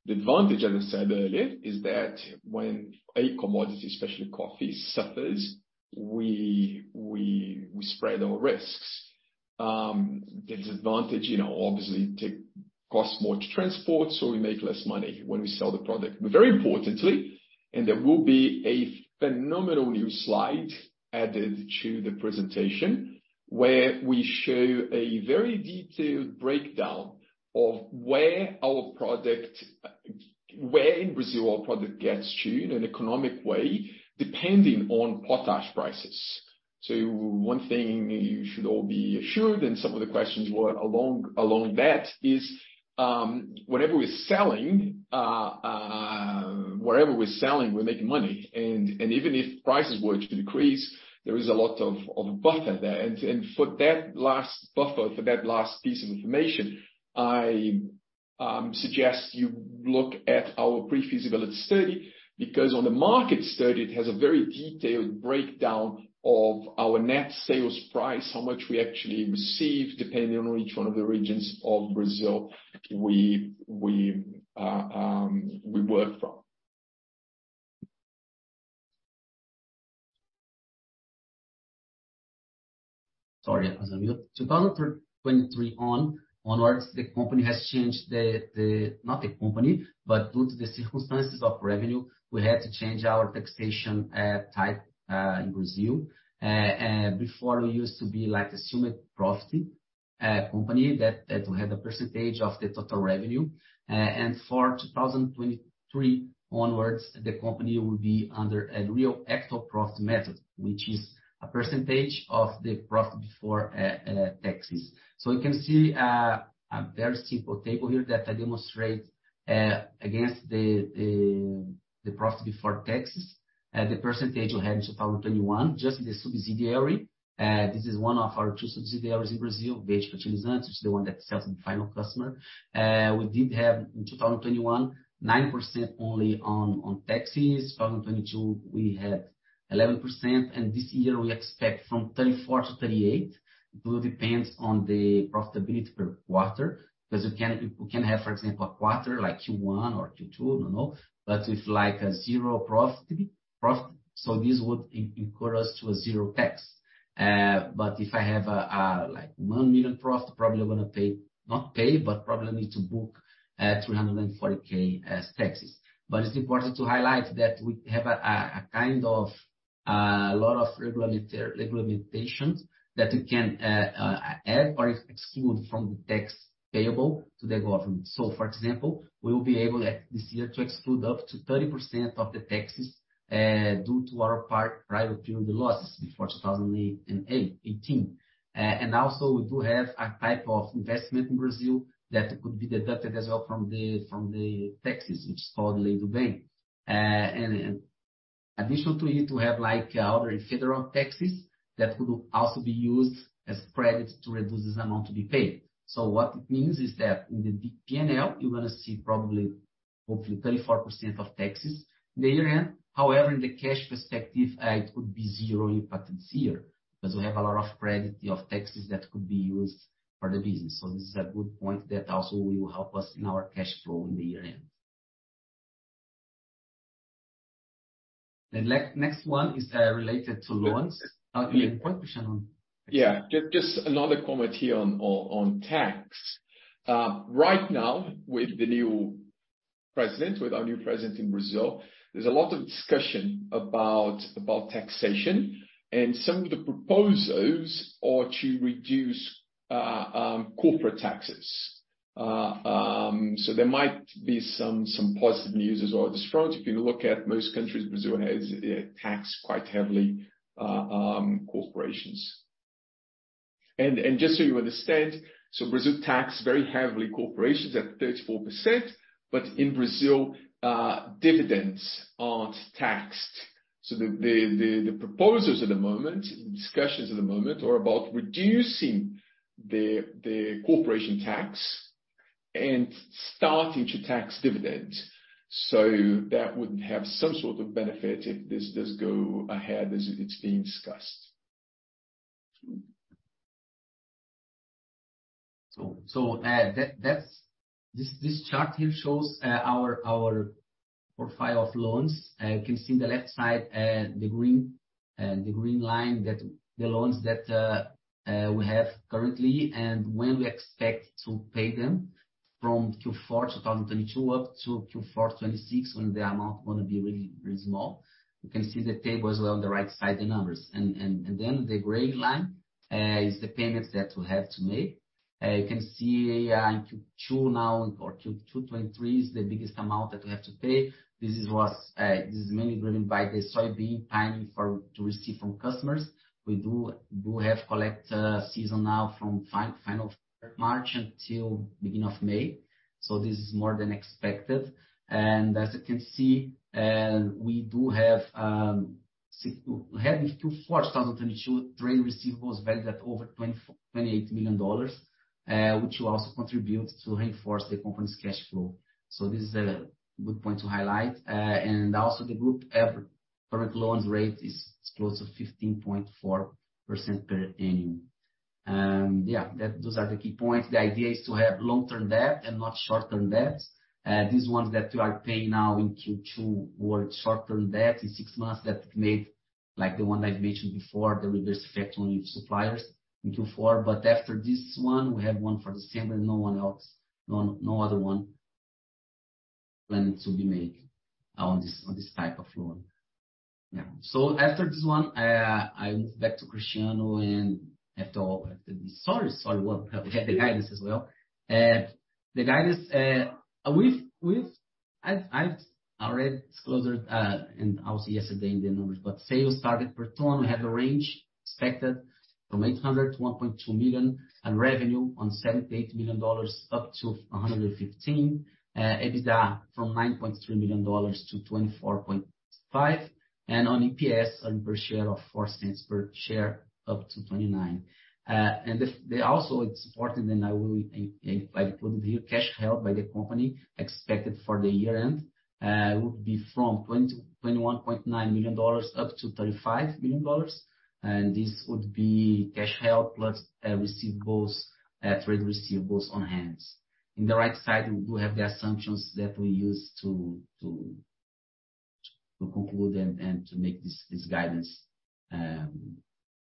The advantage, as I said earlier, is that when a commodity, especially coffee suffers, we spread our risks. The disadvantage, you know, obviously costs more to transport, so we make less money when we sell the product. Very importantly, there will be a phenomenal new slide added to the presentation, where we show a very detailed breakdown of where our product, where in Brazil our product gets to in an economic way, depending on potash prices. One thing you should all be assured, some of the questions were along that, is whatever we're selling, wherever we're selling, we're making money. Even if prices were to decrease, there is a lot of buffer there. For that last buffer, for that last piece of information, I suggest you look at our pre-feasibility study, because on the market study, it has a very detailed breakdown of our net sales price, how much we actually receive depending on which one of the regions of Brazil we work from. Sorry, I wasn't muted. 2023 onwards, the company has changed. Not the company, but due to the circumstances of revenue, we had to change our taxation type in Brazil. Before we used to be like assumed profit company that will have a percentage of the total revenue. For 2023 onwards, the company will be under a real actual profit method, which is a percentage of the profit before taxes. You can see a very simple table here that I demonstrate against the profit before taxes. The percentage we had in 2021, just the subsidiary. This is one of our two subsidiaries in Brazil, [Veiga Utilizan], which is the one that sells to the final customer. We did have in 2021, 9% only on taxes. 2022, we had 11%. This year we expect from 34%-38%. It will depends on the profitability per quarter. We can have for example a quarter like Q1 or Q2, I don't know, but with like a zero profit. This would equal us to a zero tax. If I have a like 1 million profit, probably I'm gonna pay... Not pay, but probably need to book 340K as taxes. It's important to highlight that we have a kind of lot of regulations that we can add or exclude from the tax payable to the government. For example, we will be able at this year to exclude up to 30% of the taxes due to our part prior period losses before 2018. Also we do have a type of investment in Brazil that could be deducted as well from the taxes which is called Lei do Bem. Additional to it, we have like other federal taxes that could also be used as credit to reduce this amount to be paid. What it means is that in the P&L, you're gonna see probably hopefully 34% of taxes in the year-end. However, in the cash perspective, it could be zero impact this year because we have a lot of credit of taxes that could be used for the business. This is a good point that also will help us in our cash flow in the year-end. The next one is related to loans. One question. Yeah. Just another comment here on tax. Right now with the new president, with our new president in Brazil, there's a lot of discussion about taxation and some of the proposals are to reduce corporate taxes. There might be some positive news as well at this front. If you look at most countries, Brazil has taxed quite heavily corporations. Just so you understand, Brazil tax very heavily corporations at 34%, but in Brazil, dividends aren't taxed. The proposals at the moment, discussions at the moment are about reducing the corporation tax and starting to tax dividends. That would have some sort of benefit if this does go ahead as it's being discussed. That's. This chart here shows our profile of loans. You can see in the left side, the green line that the loans that we have currently and when we expect to pay them from Q4 2022 up to Q4 2026 when the amount gonna be really small. You can see the table as well on the right side, the numbers. Then the gray line is the payments that we have to make. You can see in Q2 now or Q2 2023 is the biggest amount that we have to pay. This is what's. This is mainly driven by the soybean timing to receive from customers. We do have collect season now from final March until beginning of May. This is more than expected. As you can see, we do have heading to 4,022, trade receivables valued at over $28 million, which will also contribute to reinforce the company's cash flow. This is a good point to highlight. Also the group average current loans rate is close to 15.4% per annum. Yeah, those are the key points. The idea is to have long-term debt and not short-term debts. These ones that you are paying now in Q2 were short-term debts in six months that made, like the one I mentioned before, the reverse effect on your suppliers in Q4. After this one, we have one for December, no one else. No other one planned to be made on this, on this type of loan. Yeah. After this one, I move back to Cristiano and after all the stories. Sorry, what? We have the guidance as well. The guidance I've already disclosed and also yesterday in the numbers, sales target per ton, we have a range expected from 800,000 to 1.2 million, and revenue on $78 million up to $115 million. EBITDA from $9.3 million to $24.5 million. On EPS, earn per share of $0.04 per share up to $0.29. If they also supported, I will include here, cash held by the company expected for the year-end would be from $21.9 million up to $35 million. This would be cash held plus receivables, trade receivables on hand. In the right side, we have the assumptions that we used to conclude and to make this guidance,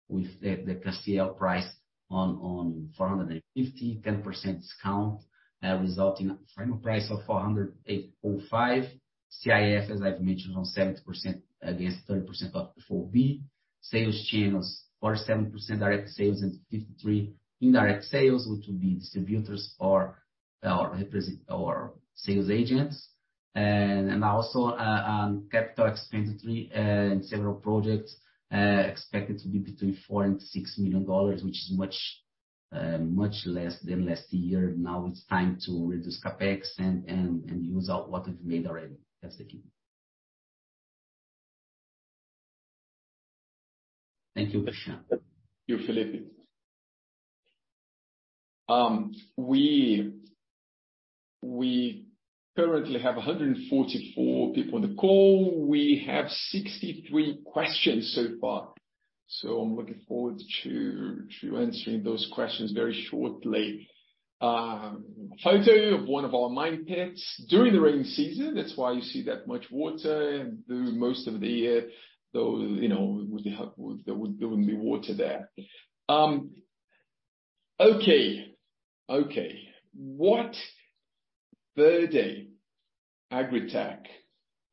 with the CIF price on 450, 10% discount, resulting in a final price of 408.05. CIF, as I've mentioned, on 70% against 30% before B. Sales channels, 47% direct sales and 53% indirect sales, which will be distributors or represent our sales agents. Also, capital expenditure in several projects expected to be between $4 million and $6 million, which is much less than last year. Now it's time to reduce CapEx and use up what it made already. That's the team. Thank you, Cristiano. Thank you, Felipe. We currently have 144 people on the call. We have 63 questions so far, I'm looking forward to answering those questions very shortly. Photo of one of our mine pits during the rainy season. That's why you see that much water. Through most of the year, though, you know, there wouldn't be water there. What Verde AgriTech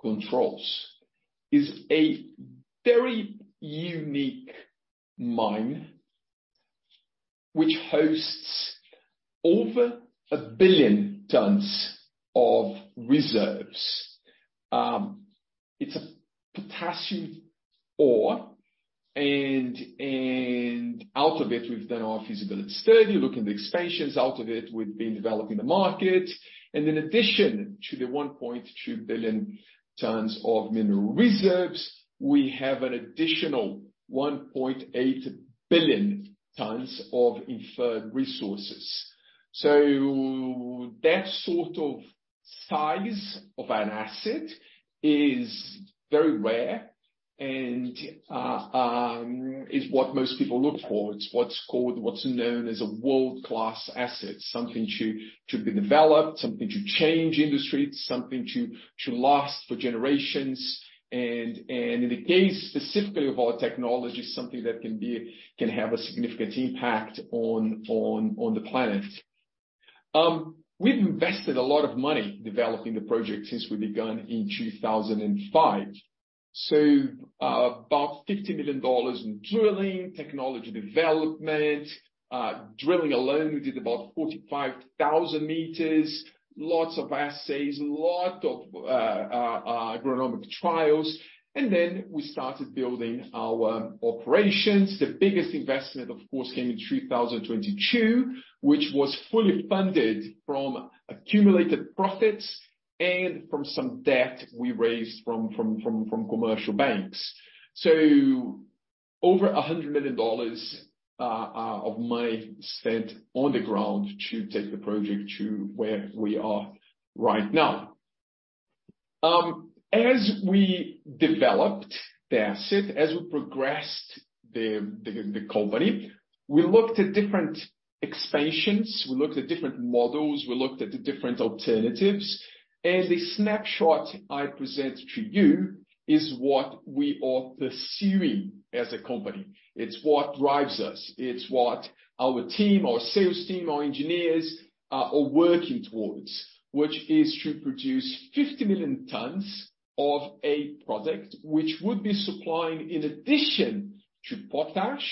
controls is a very unique mine which hosts over 1 billion tons of reserves. It's a potassium ore, and out of it, we've done our feasibility study, looking at the expansions. Out of it, we've been developing the market. In addition to the 1.2 billion tons of mineral reserves, we have an additional 1.8 billion tons of inferred resources. That sort of size of an asset is very rare and is what most people look for. It's what's called, what's known as a world-class asset, something to be developed, something to change industry, something to last for generations. In the case specifically of our technology, something that can have a significant impact on the planet. We've invested a lot of money developing the project since we began in 2005. About $50 million in drilling, technology development. Drilling alone, we did about 45,000 meters, lots of assays, a lot of agronomic trials. Then we started building our operations. The biggest investment, of course, came in 2022, which was fully funded from accumulated profits and from some debt we raised from commercial banks. Over $100 million of money spent on the ground to take the project to where we are right now. As we developed the asset, as we progressed the company, we looked at different expansions, we looked at different models, we looked at the different alternatives. The snapshot I present to you is what we are pursuing as a company. It's what drives us. It's what our team, our sales team, our engineers are working towards, which is to produce 50 million tons of a product which would be supplying in addition to potash,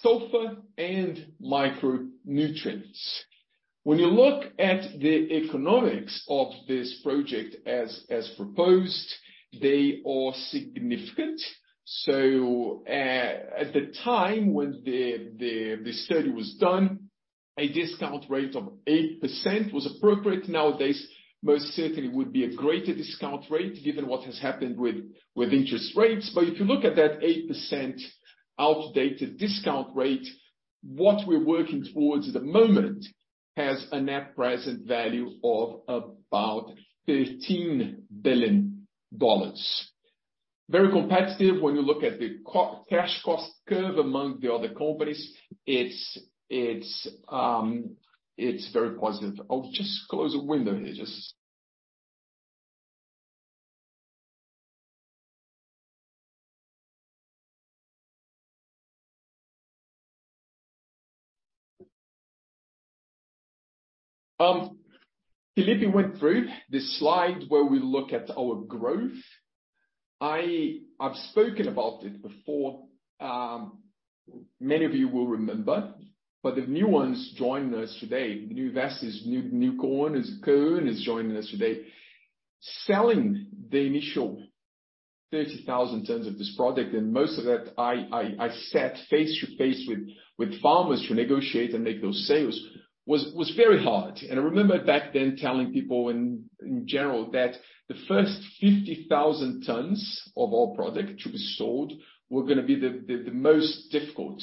sulfur, and micronutrients. When you look at the economics of this project as proposed, they are significant. At the time when the study was done. A discount rate of 8% was appropriate nowadays, most certainly would be a greater discount rate given what has happened with interest rates. If you look at that 8% outdated discount rate, what we're working towards at the moment has a net present value of about $15 billion. Very competitive when you look at the co-cash cost curve among the other companies. It's very positive. I'll just close a window here. Felipe went through the slide where we look at our growth. I've spoken about it before, many of you will remember, the new ones joining us today, new investors, new corners, Cohen is joining us today. Selling the initial 30,000 tons of this product, most of that I sat face to face with farmers to negotiate and make those sales, was very hard. I remember back then telling people in general that the first 50,000 tons of our product to be sold were gonna be the most difficult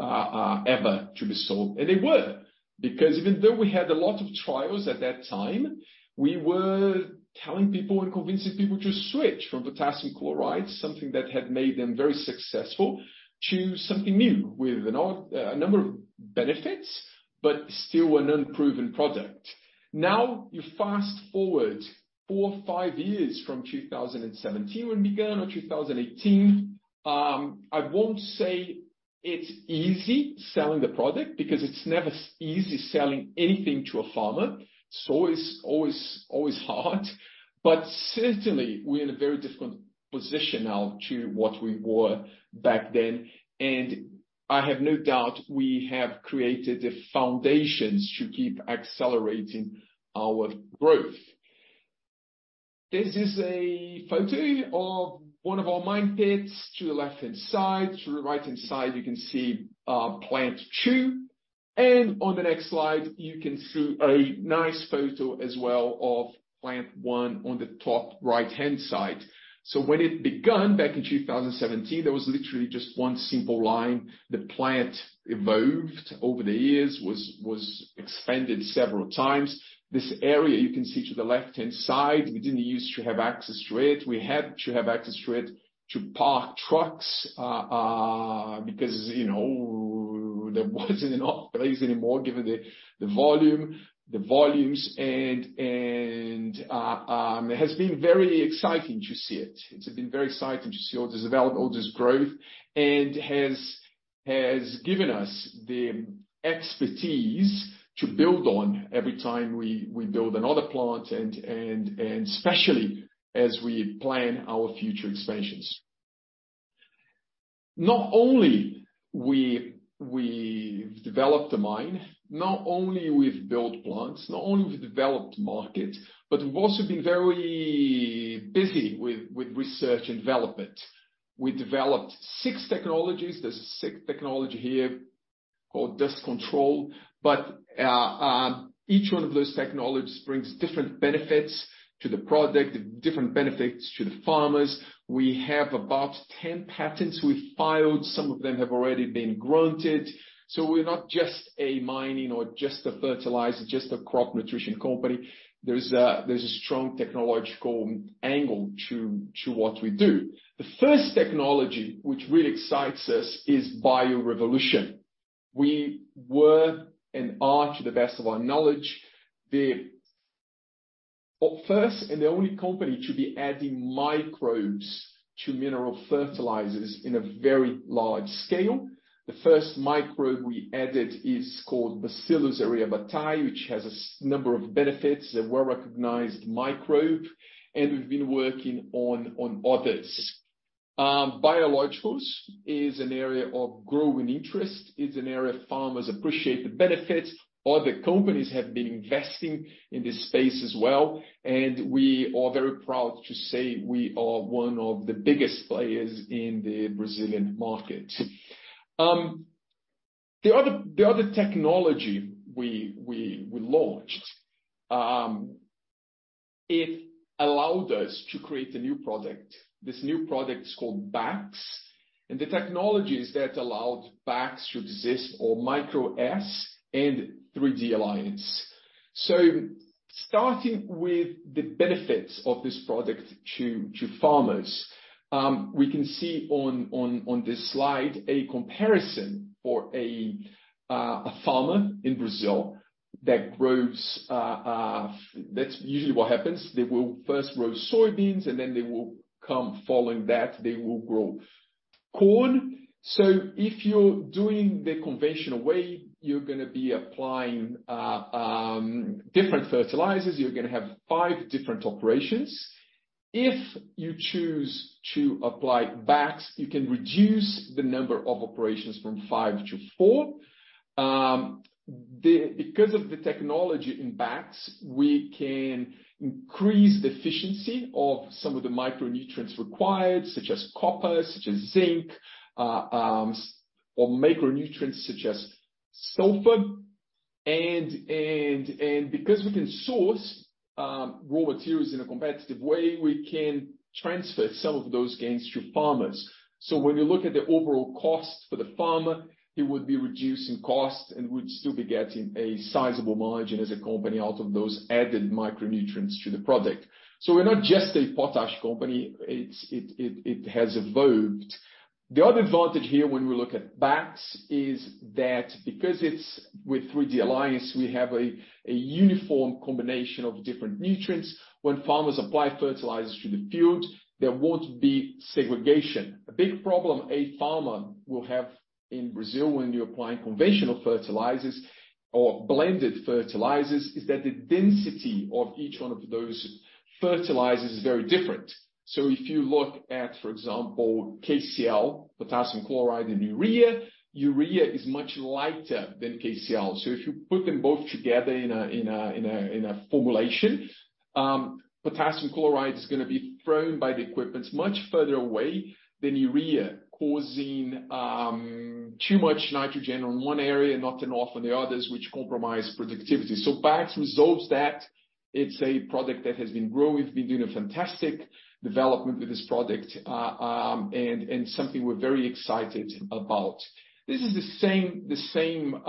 ever to be sold. They were, because even though we had a lot of trials at that time, we were telling people and convincing people to switch from potassium chloride, something that had made them very successful, to something new with a number of benefits, but still an unproven product. You fast-forward four, five years from 2017 when we began or 2018, I won't say it's easy selling the product because it's never easy selling anything to a farmer. It's always hard. Certainly we're in a very different position now to what we were back then. I have no doubt we have created the foundations to keep accelerating our growth. This is a photo of one of our mine pits to the left-hand side. To the right-hand side, you can see Plant 2. On the next slide, you can see a nice photo as well of Plant 1 on the top right-hand side. When it begun back in 2017, there was literally just one simple line. The plant evolved over the years, was expanded several times. This area you can see to the left-hand side, we didn't use to have access to it. We had to have access to it to park trucks, because, you know, there wasn't enough place anymore given the volume, the volumes, and it has been very exciting to see it. It has been very exciting to see all this develop, all this growth. Has given us the expertise to build on every time we build another plant and especially as we plan our future expansions. Not only we've developed a mine, not only we've built plants, not only we've developed markets, but we've also been very busy with research and development. We developed six technologies. There's a sixth technology here called Dust Control, but each one of those technologies brings different benefits to the product, different benefits to the farmers. We have about 10 patents we filed. Some of them have already been granted. We're not just a mining or just a fertilizer, just a crop nutrition company. There's a strong technological angle to what we do. The first technology, which really excites us, is Bio Revolution. We were and are to the best of our knowledge, the first and the only company to be adding microbes to mineral fertilizers in a very large scale. The first microbe we added is called Bacillus aryabhattai, which has a number of benefits, a well-recognized microbe, and we've been working on others. Biologicals is an area of growing interest. It's an area farmers appreciate the benefits. Other companies have been investing in this space as well, and we are very proud to say we are one of the biggest players in the Brazilian market. The other technology we launched, it allowed us to create a new product. This new product is called BAKS. The technologies that allowed BAKS to exist are MicroS and 3D Alliance. Starting with the benefits of this product to farmers, we can see on this slide a comparison for a farmer in Brazil that grows... That's usually what happens. They will first grow soybeans, and then they will come, following that, they will grow corn. If you're doing the conventional way, you're gonna be applying different fertilizers, you're gonna have five different operations. If you choose to apply BAKS, you can reduce the number of operations from five to four. Because of the technology in BAKS, we can increase the efficiency of some of the micronutrients required, such as copper, such as zinc, or macronutrients such as sulfur. Because we can source raw materials in a competitive way, we can transfer some of those gains to farmers. When you look at the overall cost for the farmer, it would be reducing costs and would still be getting a sizable margin as a company out of those added micronutrients to the product. We're not just a potash company, it has evolved. The other advantage here when we look at BAKS is that because it's with 3D Alliance, we have a uniform combination of different nutrients. When farmers apply fertilizers to the field, there won't be segregation. A big problem a farmer will have in Brazil when you're applying conventional fertilizers or blended fertilizers, is that the density of each one of those fertilizers is very different. If you look at, for example, KCl, potassium chloride and urea is much lighter than KCl. If you put them both together in a formulation, potassium chloride is going to be thrown by the equipment much further away than urea, causing too much nitrogen in one area and not enough in the others, which compromise productivity. BAKS resolves that. It's a product that has been growing. We've been doing a fantastic development with this product and something we're very excited about. This is the same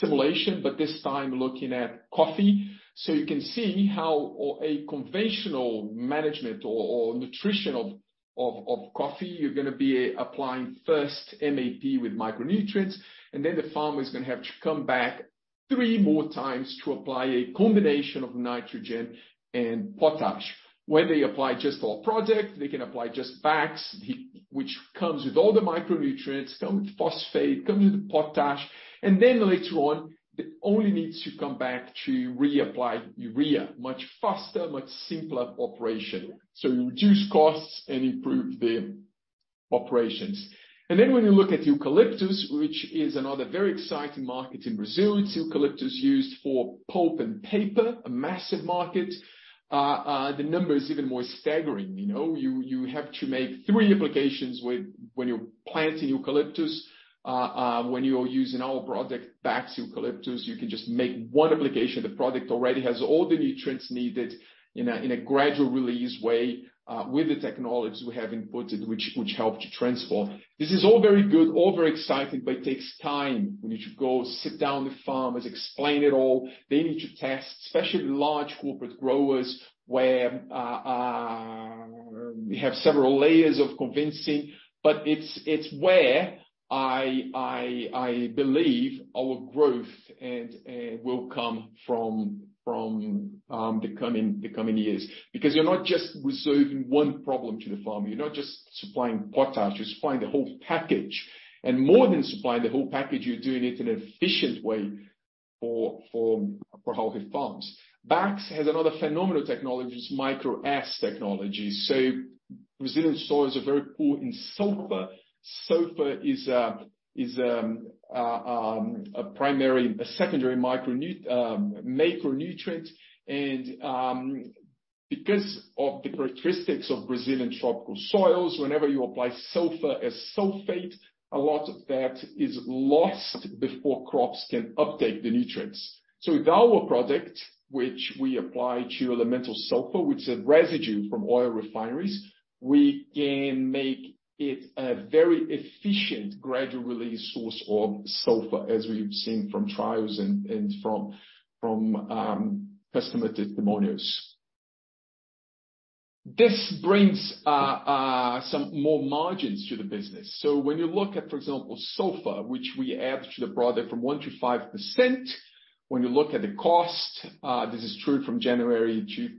simulation, this time looking at coffee. You can see how a conventional management or nutrition of coffee, you're gonna be applying first MAP with micronutrients, the farmer is gonna have to come back three more times to apply a combination of nitrogen and potash. When they apply just to our product, they can apply just BAKS, which comes with all the micronutrients, come with phosphate, come with the potash, later on, they only need to come back to reapply urea much faster, much simpler operation. You reduce costs and improve the operations. When you look at eucalyptus, which is another very exciting market in Brazil, it's eucalyptus used for pulp and paper, a massive market. The number is even more staggering. You know, you have to make three applications when you're planting eucalyptus. When you're using our product, BAKS eucalyptus, you can just make one application. The product already has all the nutrients needed in a gradual release way, with the technologies we have inputted, which help to transform. This is all very good, all very exciting, it takes time. We need to go sit down with farmers, explain it all. They need to test, especially large corporate growers where we have several layers of convincing, but it's where I believe our growth and will come from the coming years. You're not just resolving one problem to the farmer, you're not just supplying potash, you're supplying the whole package. More than supplying the whole package, you're doing it in an efficient way for healthy farms. BAKS has another phenomenal technology, it's MicroS Technology. Brazilian soils are very poor in sulfur. Sulfur is a secondary macronutrient. Because of the characteristics of Brazilian tropical soils, whenever you apply sulfur as sulfate, a lot of that is lost before crops can update the nutrients. With our product, which we apply to elemental sulfur, which is a residue from oil refineries, we can make it a very efficient gradual release source of sulfur, as we've seen from trials and from customer testimonials. This brings some more margins to the business. When you look at, for example, sulfur, which we add to the product from 1%-5%, when you look at the cost, this is true from 20th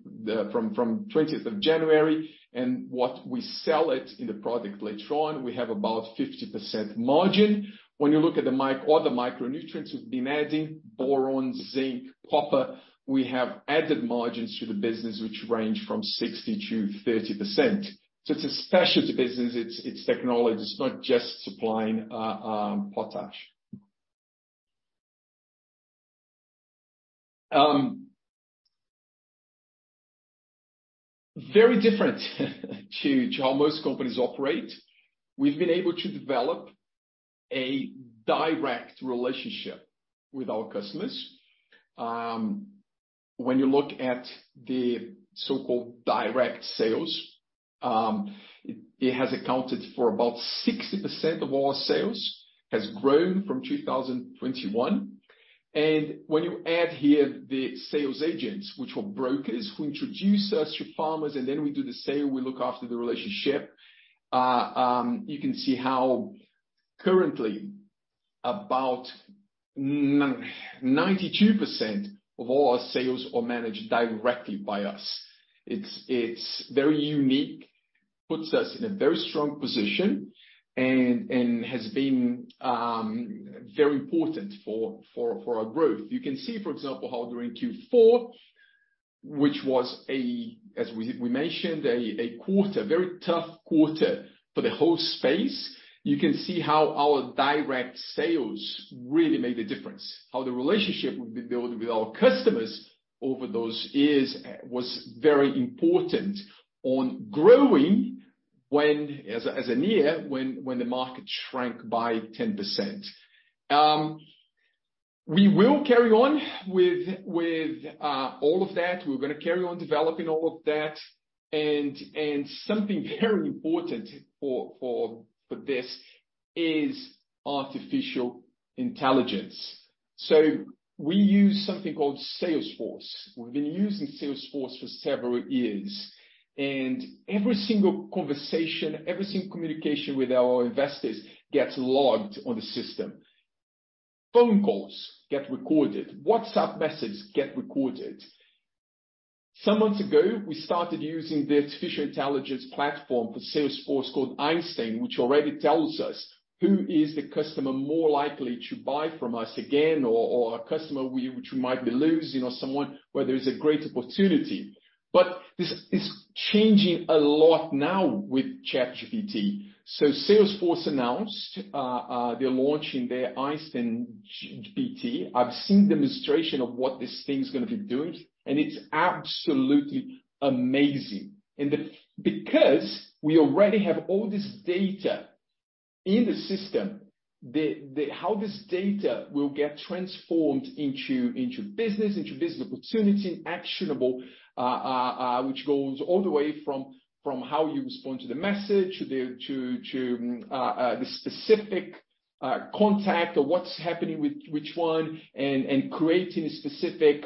of January, and what we sell it in the product later on, we have about 50% margin. When you look at all the micronutrients we've been adding, boron, zinc, copper, we have added margins to the business, which range from 60%-30%. It's a specialty business, it's technology. It's not just supplying potash. Very different to how most companies operate. We've been able to develop a direct relationship with our customers. When you look at the so-called direct sales, it has accounted for about 60% of all sales, has grown from 2021. When you add here the sales agents, which were brokers who introduce us to farmers, and then we do the sale, we look after the relationship, you can see how currently about 92% of all our sales are managed directly by us. It's very unique, puts us in a very strong position and has been very important for our growth. You can see, for example, how during Q4, which was as we mentioned, a very tough quarter for the whole space. You can see how our direct sales really made a difference. How the relationship we've been building with our customers over those years was very important on growing as a year, when the market shrank by 10%. We will carry on with all of that. We're gonna carry on developing all of that and something very important for this is artificial intelligence. We use something called Salesforce. We've been using Salesforce for several years. Every single conversation, every single communication with our investors gets logged on the system. Phone calls get recorded, WhatsApp messages get recorded. Some months ago, we started using the artificial intelligence platform for Salesforce called Einstein, which already tells us who is the customer more likely to buy from us again, or a customer which we might be losing or someone where there is a great opportunity. This is changing a lot now with ChatGPT. Salesforce announced they're launching their Einstein GPT. I've seen demonstration of what this thing's gonna be doing, and it's absolutely amazing. The... Because we already have all this data in the system, how this data will get transformed into business opportunity, actionable, which goes all the way from how you respond to the message to the specific contact or what's happening with which one and creating a specific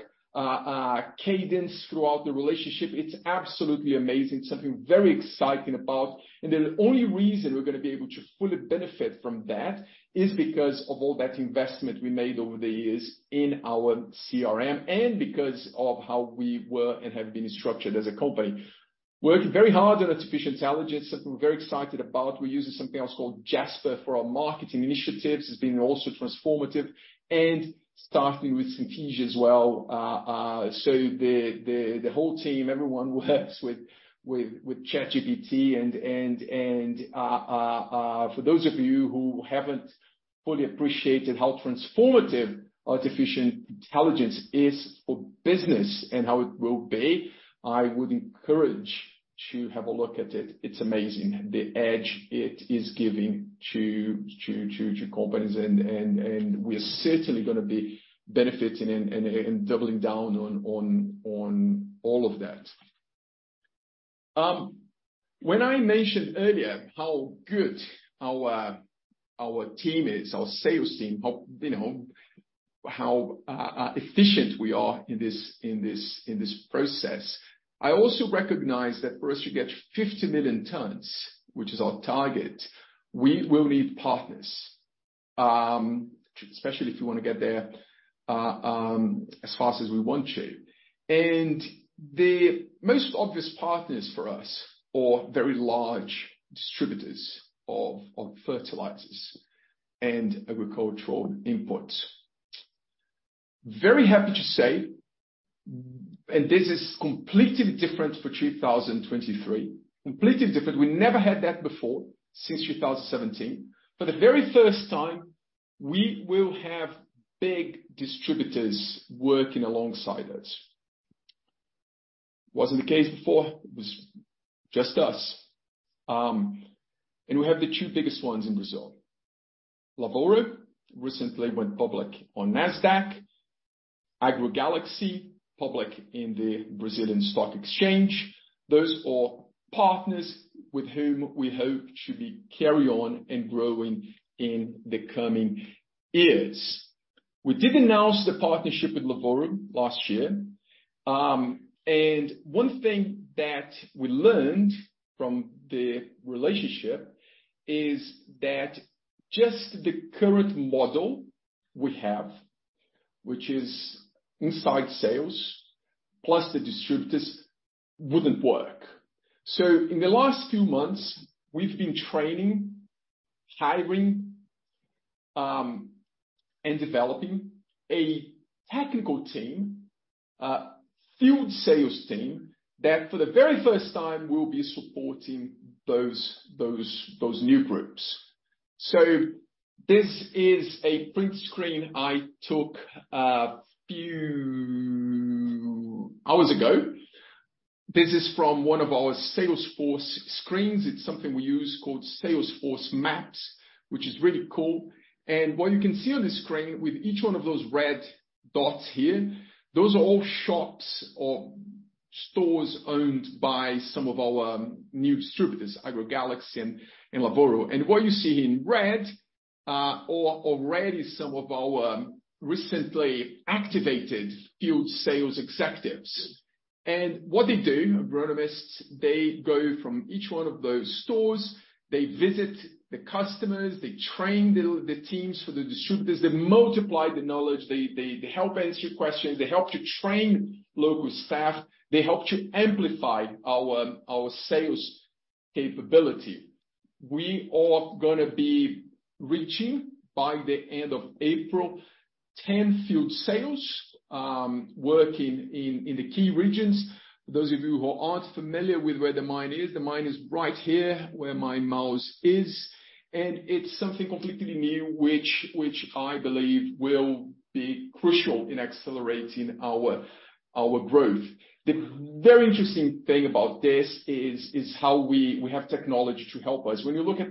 cadence throughout the relationship, it's absolutely amazing. Something very exciting about. The only reason we're gonna be able to fully benefit from that is because of all that investment we made over the years in our CRM, and because of how we were and have been structured as a company. Working very hard on artificial intelligence, something we're very excited about. We're using something else called Jasper for our marketing initiatives. It's been also transformative and starting with [confusion] as well. The whole team, everyone works with ChatGPT. For those of you who haven't fully appreciated how transformative artificial intelligence is for business and how it will be, I would encourage to have a look at it. It's amazing the edge it is giving to companies and we're certainly gonna be benefiting and doubling down on all of that. When I mentioned earlier how good our team is, our sales team, how, you know, how efficient we are in this process, I also recognize that for us to get 50 million tons, which is our target, we will need partners. Especially if we wanna get there as fast as we want to. The most obvious partners for us are very large distributors of fertilizers and agricultural inputs. Very happy to say, this is completely different for 2023, completely different. We never had that before, since 2017. For the very first time, we will have big distributors working alongside us. Wasn't the case before. It was just us. We have the two biggest ones in Brazil. Lavoro recently went public on Nasdaq. AgroGalaxy, public in the Brazilian Stock Exchange. Those are partners with whom we hope to be carry on and growing in the coming years. We did announce the partnership with Lavoro last year. One thing that we learned from the relationship is that just the current model we have, which is inside sales plus the distributors wouldn't work. In the last few months, we've been training, hiring, and developing a technical team, a field sales team that for the very first time will be supporting those new groups. This is a print screen I took a few hours ago. This is from one of our Salesforce screens. It's something we use called Salesforce Maps, which is really cool. What you can see on the screen with each one of those red dots here, those are all shops or stores owned by some of our new distributors, AgroGalaxy and Lavoro. What you see in red are already some of our recently activated field sales executives. What they do, agronomists, they go from each one of those stores, they visit the customers, they train the teams for the distributors. They multiply the knowledge. They help answer questions. They help to train local staff. They help to amplify our sales capability. We are gonna be reaching, by the end of April, 10 field sales, working in the key regions. Those of you who aren't familiar with where the mine is, the mine is right here where my mouse is. It's something completely new which I believe will be crucial in accelerating our growth. The very interesting thing about this is how we have technology to help us. When you look at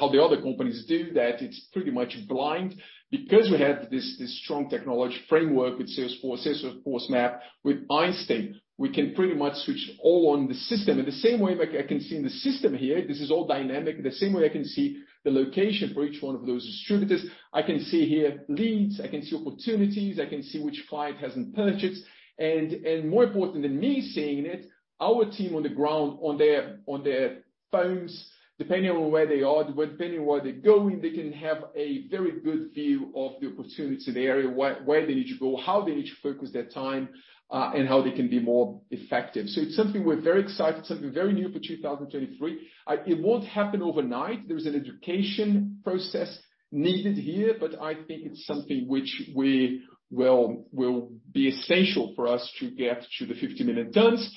how the other companies do that, it's pretty much blind. We have this strong technology framework with Salesforce Maps, with Einstein, we can pretty much switch all on the system. In the same way, like I can see in the system here, this is all dynamic. The same way I can see the location for each one of those distributors, I can see here leads, I can see opportunities, I can see which client hasn't purchased. More important than me seeing it, our team on the ground on their phones, depending on where they are, depending where they're going, they can have a very good view of the opportunity in the area, where they need to go, how they need to focus their time, and how they can be more effective. It's something we're very excited, something very new for 2023. It won't happen overnight. There's an education process needed here, but I think it's something which we will be essential for us to get to the 50 million tons.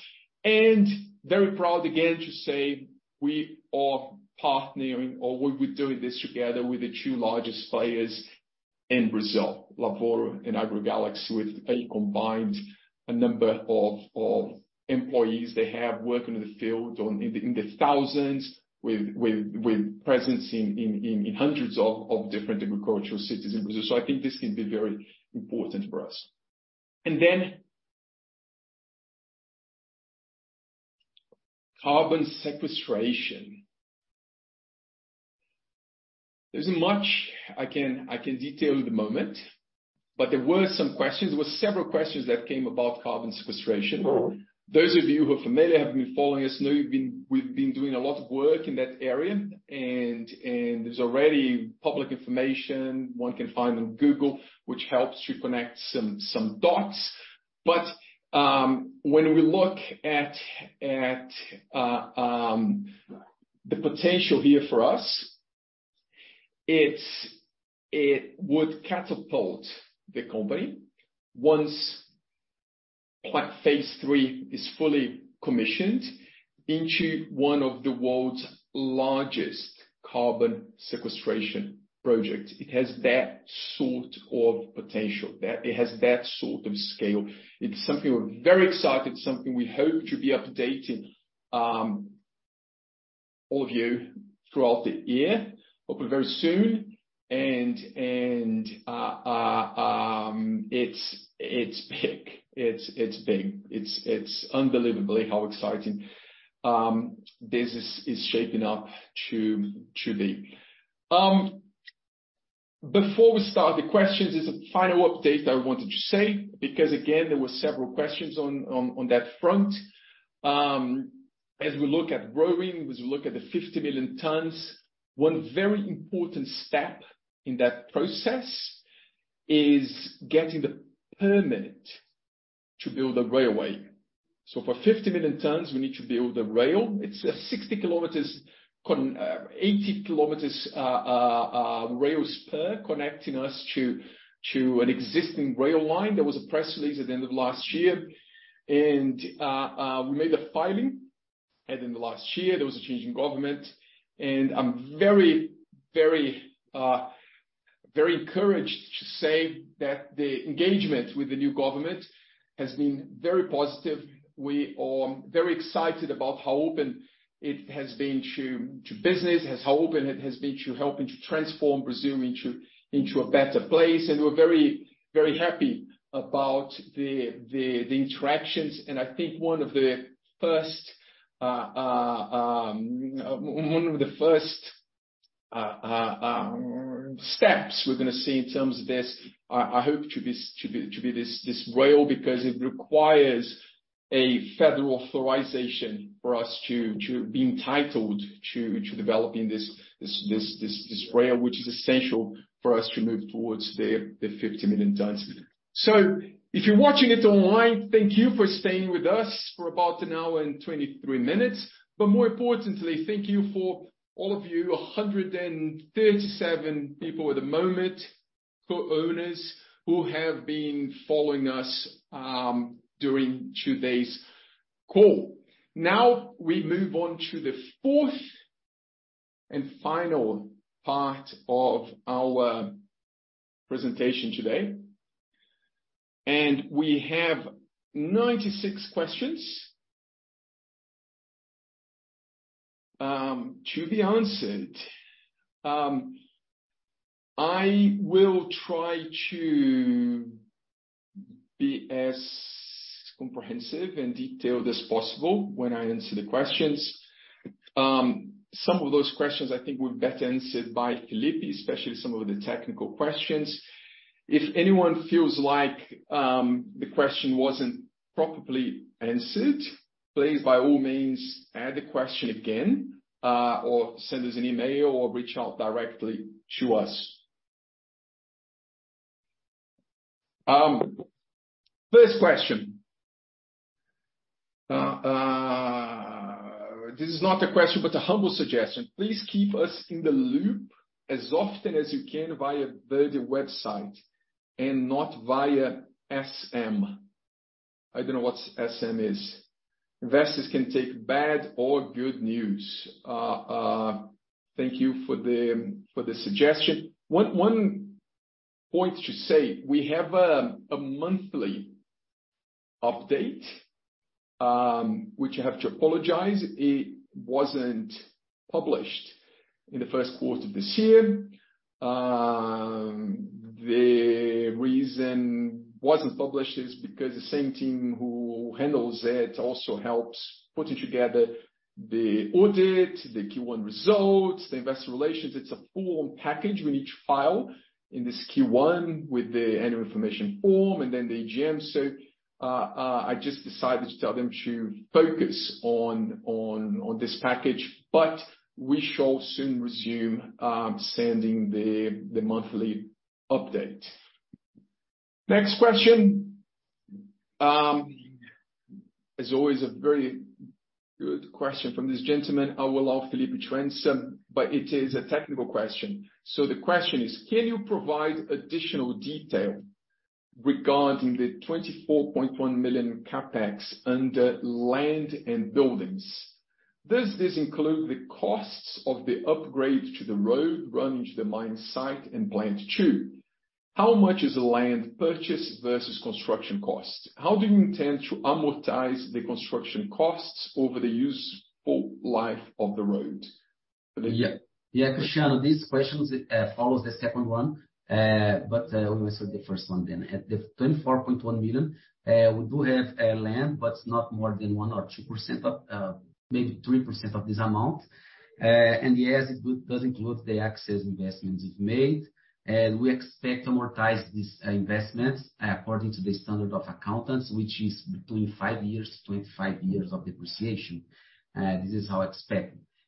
Very proud again to say we are partnering or we're doing this together with the two largest players in Brazil, Lavoro and AgroGalaxy, with a combined number of employees they have working in the field in the thousands with presence in hundreds of different agricultural cities in Brazil. I think this can be very important for us. Carbon sequestration. There isn't much I can detail at the moment. There were some questions. There were several questions that came about carbon sequestration. Those of you who are familiar have been following us know we've been doing a lot of work in that area and there's already public information one can find on Google, which helps to connect some dots. When we look at the potential here for us, it would catapult the company once Plant Phase 3 is fully commissioned into one of the world's largest carbon sequestration project. It has that sort of potential. It has that sort of scale. It's something we're very excited, something we hope to be updating all of you throughout the year, hopefully very soon. It's big. It's big. It's unbelievably how exciting this is shaping up to be. Before we start the questions, there's a final update I wanted to say because again, there were several questions on that front. As we look at growing, as we look at the 50 million tons, one very important step in that process is getting the permit to build a railway. For 50 million tons, we need to build a rail. It's 60 km, 80 km rails connecting us to an existing rail line. There was a press release at the end of last year. We made the filing at the end of last year. There was a change in government. I'm very encouraged to say that the engagement with the new government has been very positive. We are very excited about how open it has been to business, how open it has been to helping to transform Brazil into a better place. We're very happy about the interactions. I think one of the first steps we're gonna see in terms of this, I hope to be this rail because it requires a federal authorization for us to be entitled to developing this rail, which is essential for us to move towards the 50 million tons. If you're watching it online, thank you for staying with us for about an hour and 23 minutes. More importantly, thank you for all of you, 137 people at the moment, co-owners who have been following us during today's call. Now we move on to the fourth and final part of our presentation today. We have 96 questions to be answered. I will try to be as comprehensive and detailed as possible when I answer the questions. Some of those questions I think will be better answered by Felipe, especially some of the technical questions. If anyone feels like the question wasn't properly answered, please by all means, add the question again, or send us an email or reach out directly to us. First question. This is not a question, but a humble suggestion. Please keep us in the loop as often as you can via the website and not via SM. I don't know what SM is. Investors can take bad or good news. Thank you for the suggestion. One point to say, we have a monthly update, which I have to apologize, it wasn't published in the first quarter this year. The reason it wasn't published is because the same team who handles it also helps putting together the audit, the Q1 results, the investor relations. It's a full package we need to file in this Q1 with the annual information form and then the AGM. I just decided to tell them to focus on this package, but we shall soon resume sending the monthly update. Next question. As always, a very good question from this gentleman. I will allow Felipe to answer, but it is a technical question. The question is: Can you provide additional detail regarding the 24.1 million CapEx under land and buildings? Does this include the costs of the upgrade to the road running to the mine site and Plant 2? How much is land purchase versus construction cost? How do you intend to amortize the construction costs over the useful life of the road? Felipe. Yeah. Yeah, Cristiano, these questions follows the second one, but we will start the first one then. At the 24.1 million, we do have land, but not more than 1% or 2% of maybe 3% of this amount. Yes, it does include the access investments is made, and we expect to amortize these investments, according to the standard of accountants, which is between five years to 25 years of depreciation. This is how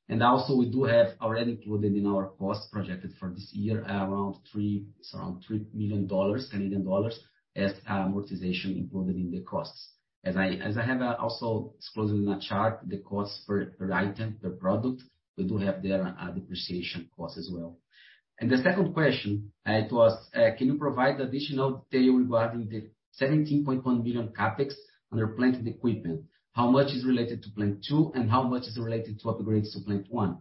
expected. Also we do have already included in our cost projected for this year, it's around 3 million dollars as amortization included in the costs. As I, as I have, also disclosed in a chart, the cost per item, per product, we do have there a depreciation cost as well. The second question, it was: Can you provide additional detail regarding the 17.1 million CapEx under plant and equipment? How much is related to Plant 2, and how much is related to upgrades to Plant 1?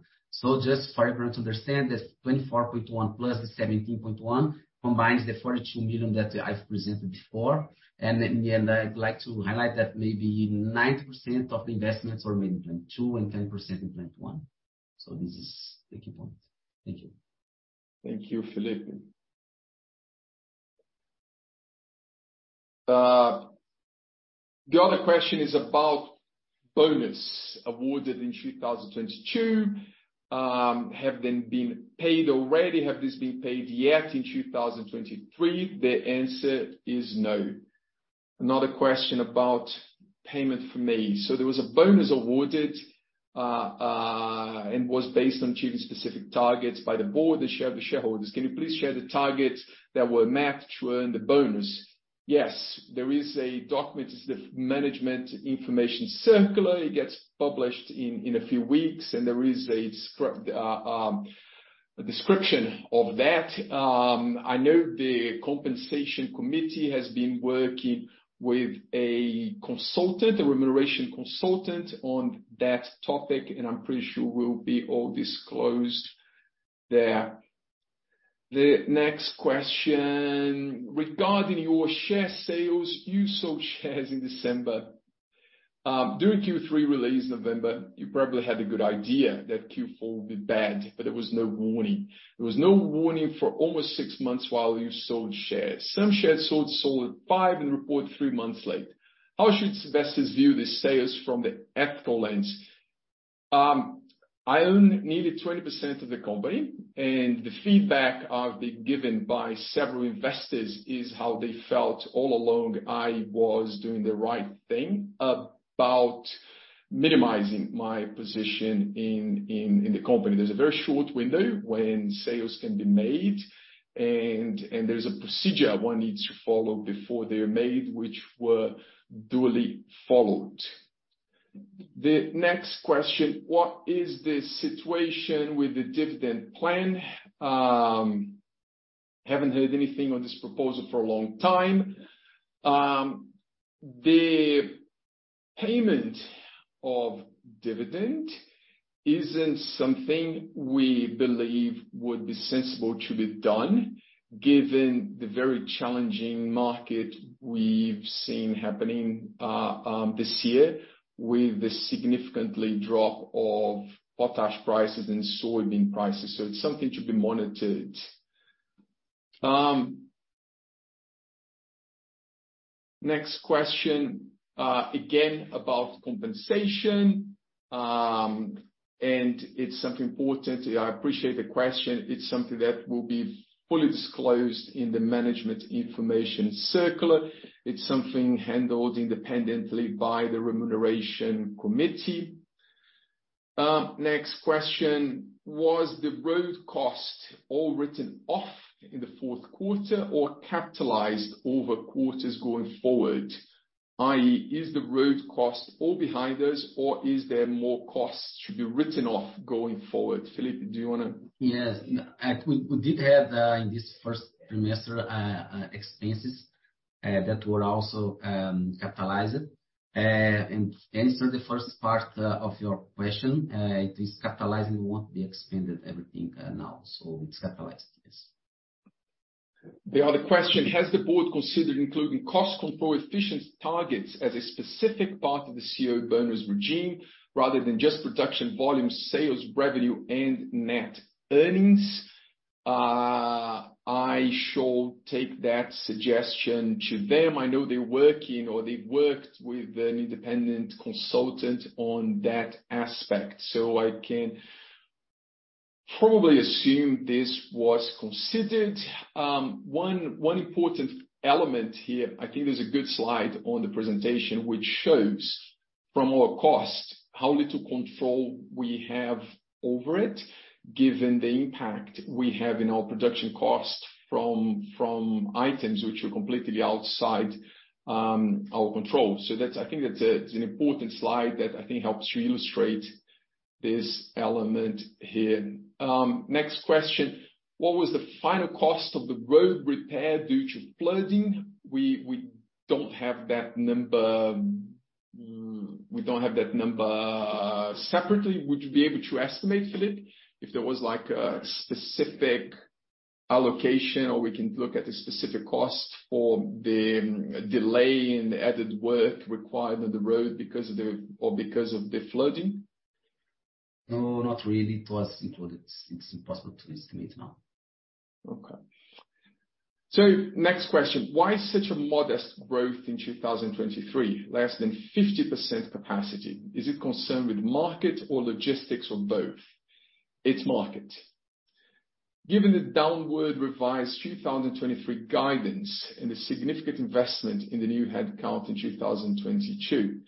Just for everyone to understand, this 24.1 plus the 17.1 combines the 42 million that I've presented before. In the end, I'd like to highlight that maybe 90% of the investments are made in Plant 2 and 10% in Plant 1. This is the key point. Thank you. Thank you, Felipe. The other question is about bonus awarded in 2022. Have them been paid already? Have this been paid yet in 2023? The answer is no. Another question about payment for me. There was a bonus awarded and was based on achieving specific targets by the board, the shareholders. Can you please share the targets that were met to earn the bonus? Yes. There is a document, it's the management information circular. It gets published in a few weeks, and there is a description of that. I know the compensation committee has been working with a consultant, a remuneration consultant on that topic, and I'm pretty sure will be all disclosed there. The next question: Regarding your share sales, you sold shares in December. During Q3 release November, you probably had a good idea that Q4 would be bad, but there was no warning. There was no warning for almost six months while you sold shares. Some shares sold at five and report three months late. How should investors view the sales from the EFCO lens? I own nearly 20% of the company, and the feedback I've been given by several investors is how they felt all along I was doing the right thing about minimizing my position in the company. There's a very short window when sales can be made and there's a procedure one needs to follow before they are made, which were duly followed. The next question: What is the situation with the dividend plan? Haven't heard anything on this proposal for a long time. The payment of dividend isn't something we believe would be sensible to be done given the very challenging market we've seen happening this year with the significantly drop of potash prices and soybean prices. It's something to be monitored. Next question, again, about compensation. It's something important. I appreciate the question. It's something that will be fully disclosed in the management information circular. It's something handled independently by the remuneration committee. Next question: Was the road cost all written off in the fourth quarter or capitalized over quarters going forward, i.e. is the road cost all behind us, or is there more costs to be written off going forward? Felipe, do you wanna? Yes. No. We did have, in this 1st trimester, expenses that were also capitalized. Answer the first part of your question, it is capitalized and won't be expanded everything now. It's capitalized, yes. The other question. Has the board considered including cost control efficiency targets as a specific part of the CEO bonus regime rather than just production volume, sales, revenue, and net earnings? I shall take that suggestion to them. I know they're working or they've worked with an independent consultant on that aspect, so I can probably assume this was considered. One important element here, I think there's a good slide on the presentation which shows from our costs how little control we have over it, given the impact we have in our production cost from items which are completely outside our control. That's an important slide that I think helps to illustrate this element here. Next question. What was the final cost of the road repair due to flooding? We don't have that number. We don't have that number separately. Would you be able to estimate, Felipe? If there was, like, a specific allocation, or we can look at the specific cost for the delay and the added work required on the road because of the flooding. No, not really. It was included. It's impossible to estimate now. Okay. Next question. Why such a modest growth in 2023? Less than 50% capacity. Is it concerned with market or logistics or both? It's market. Given the downward revised 2023 guidance and the significant investment in the new headcount in 2022,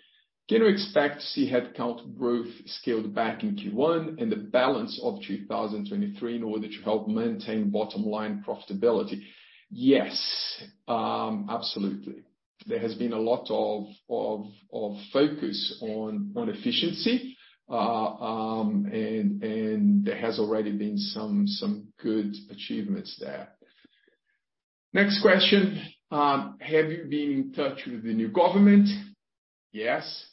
can we expect to see headcount growth scaled back in Q1 and the balance of 2023 in order to help maintain bottom line profitability? Yes. Absolutely. There has been a lot of focus on efficiency. There has already been some good achievements there. Next question. Have you been in touch with the new government? Yes.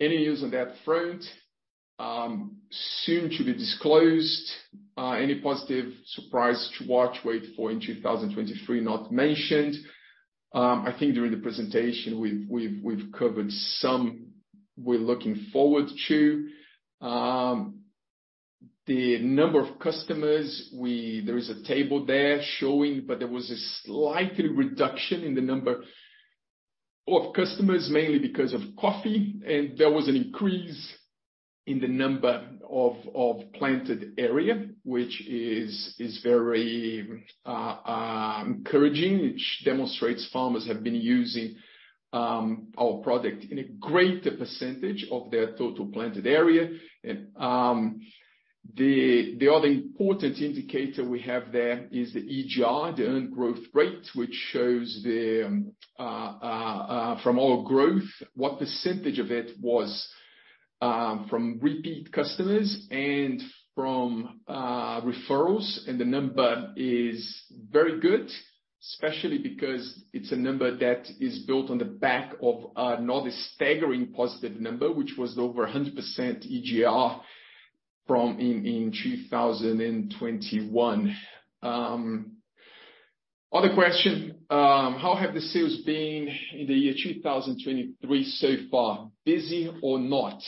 Any news on that front, soon to be disclosed? Any positive surprise to watch, wait for in 2023 not mentioned. I think during the presentation we've covered some we're looking forward to. The number of customers there is a table there showing, but there was a slight reduction in the number of customers, mainly because of coffee, and there was an increase in the number of planted area, which is very encouraging, which demonstrates farmers have been using our product in a greater percentage of their total planted area. The other important indicator we have there is the EGR, the earned growth rate, which shows from all growth, what % of it was from repeat customers and from referrals. The number is very good, especially because it's a number that is built on the back of not a staggering positive number, which was over 100% EGR from in 2021. Other question. How have the sales been in the year 2023 so far? Busy or not?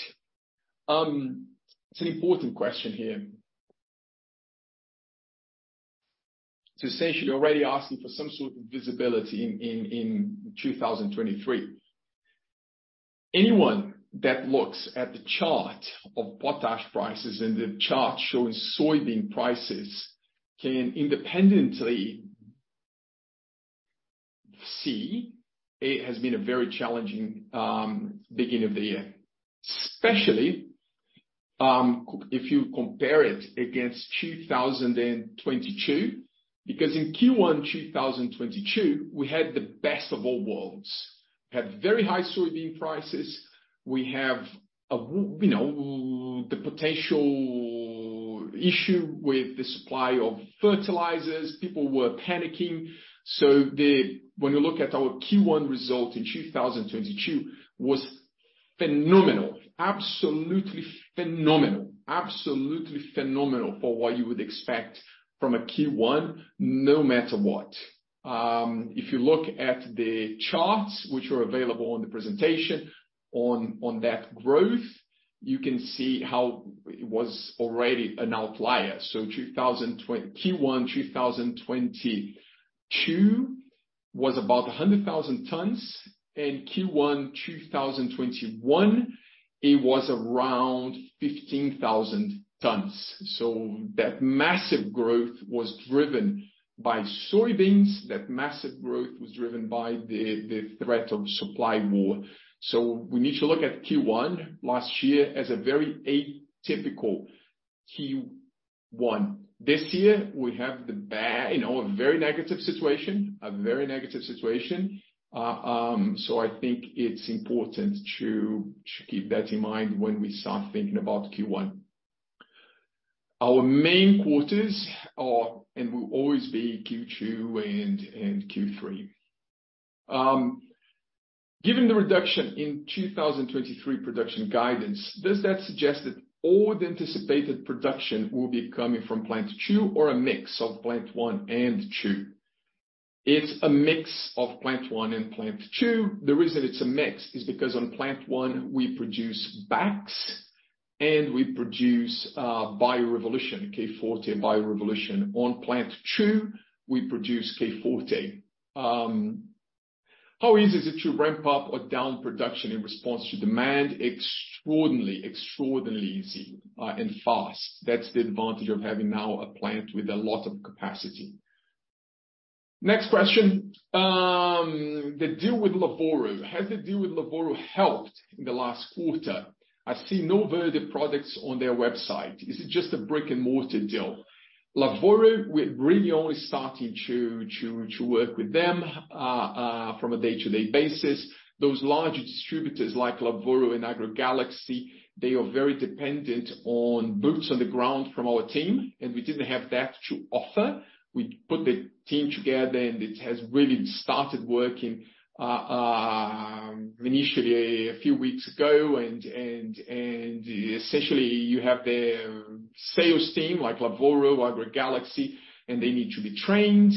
It's an important question here. Essentially, you're already asking for some sort of visibility in 2023. Anyone that looks at the chart of potash prices and the chart showing soybean prices can independently see it has been a very challenging beginning of the year, especially if you compare it against 2022, because in Q1 2022, we had the best of all worlds. We had very high soybean prices. We have, you know, the potential issue with the supply of fertilizers. People were panicking. When you look at our Q1 result in 2022 was phenomenal. Absolutely phenomenal. Absolutely phenomenal for what you would expect from a Q1, no matter what. If you look at the charts which are available on the presentation on that growth, you can see how it was already an outlier. Q1 2022 was about 100,000 tons, and Q1 2021, it was around 15,000 tons. That massive growth was driven by soybeans. That massive growth was driven by the threat of supply war. We need to look at Q1 last year as a very atypical Q1. This year we have, you know, a very negative situation. I think it's important to keep that in mind when we start thinking about Q1. Our main quarters are, and will always be Q2 and Q3. Given the reduction in 2023 production guidance, does that suggest that all the anticipated production will be coming from Plant 2 or a mix of Plant 1 and 2? It's a mix of Plant 1 and Plant 2. The reason it's a mix is because on Plant 1 we produce bags and we produce Bio Revolution, K forte and Bio Revolution. On Plant 2, we produce K forte. How easy is it to ramp up or down production in response to demand? Extraordinarily easy and fast. That's the advantage of having now a Plant with a lot of capacity. Next question. The deal with Lavoro. Has the deal with Lavoro helped in the last quarter? I see no Verde products on their website. Is it just a brick-and-mortar deal? Lavoro, we're really only starting to work with them from a day-to-day basis. Those larger distributors like Lavoro and AgroGalaxy, they are very dependent on boots on the ground from our team, and we didn't have that to offer. We put the team together, and it has really started working initially a few weeks ago. Essentially you have the sales team like Lavoro, AgroGalaxy, and they need to be trained.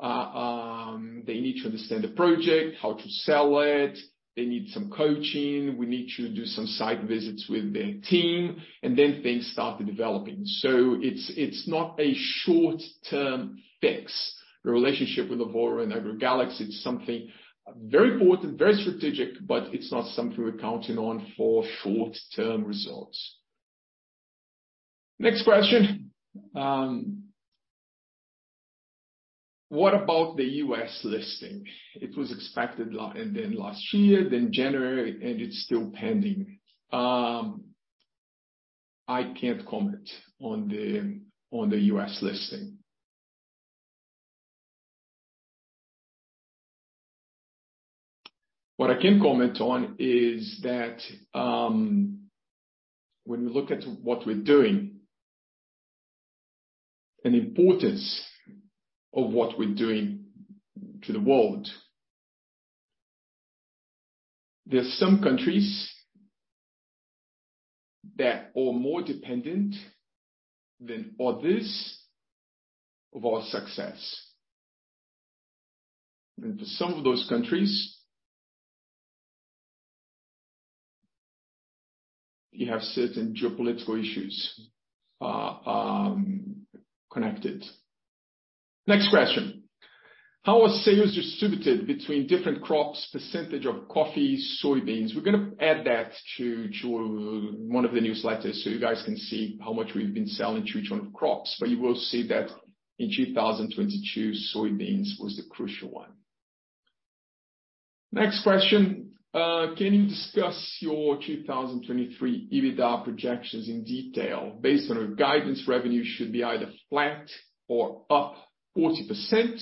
They need to understand the project, how to sell it, they need some coaching. We need to do some site visits with their team, and then things start developing. It's, it's not a short-term fix. The relationship with Lavoro and AgroGalaxy is something very important, very strategic, but it's not something we're counting on for short-term results. Next question. What about the U.S. listing? It was expected and then last year, then January, and it's still pending. I can't comment on the U.S. listing. What I can comment on is that, when we look at what we're doing, an importance of what we're doing to the world. There are some countries that are more dependent than others of our success. For some of those countries, you have certain geopolitical issues connected. Next question. How are sales distributed between different crops, percentage of coffee, soybeans? We're gonna add that to one of the newsletters so you guys can see how much we've been selling to each one of the crops. You will see that in 2022, soybeans was the crucial one. Next question. Can you discuss your 2023 EBITDA projections in detail based on a guidance revenue should be either flat or up 40%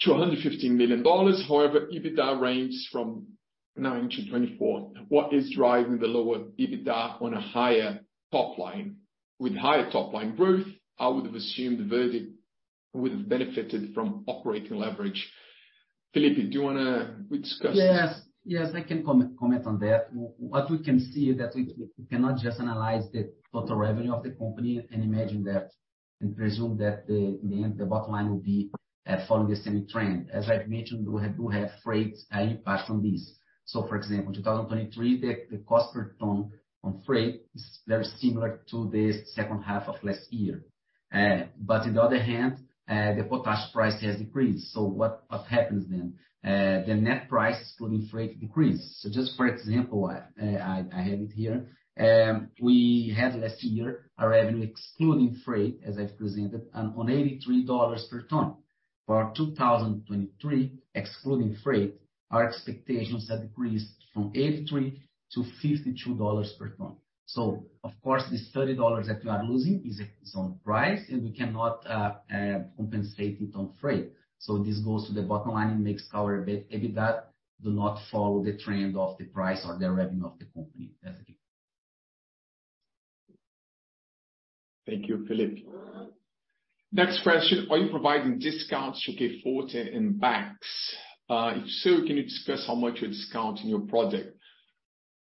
to $115 million. EBITDA ranges from $9 million-$24 million. What is driving the lower EBITDA on a higher top line? With higher top line growth, I would have assumed Verde would have benefited from operating leverage. Felipe, do you wanna discuss? Yes. Yes, I can comment on that. What we can see is that we cannot just analyze the total revenue of the company and imagine that, and presume that the end, the bottom line will be following the same trend. As I've mentioned, we have freight impact on this. For example, 2023, the cost per ton on freight is very similar to the second half of last year. In the other hand, the potash price has decreased. What happens then? The net price excluding freight decrease. Just for example, I have it here, we had last year a revenue excluding freight, as I've presented on $83 per ton. For 2023, excluding freight, our expectations have decreased from $83 to $52 per ton. Of course, this $30 that we are losing is on price, and we cannot compensate it on freight. This goes to the bottom line and makes our EBITDA do not follow the trend of the price or the revenue of the company. That's it. Thank you, Felipe. Next question. Are you providing discounts to K Forte and BAKS? If so, can you discuss how much you're discounting your product?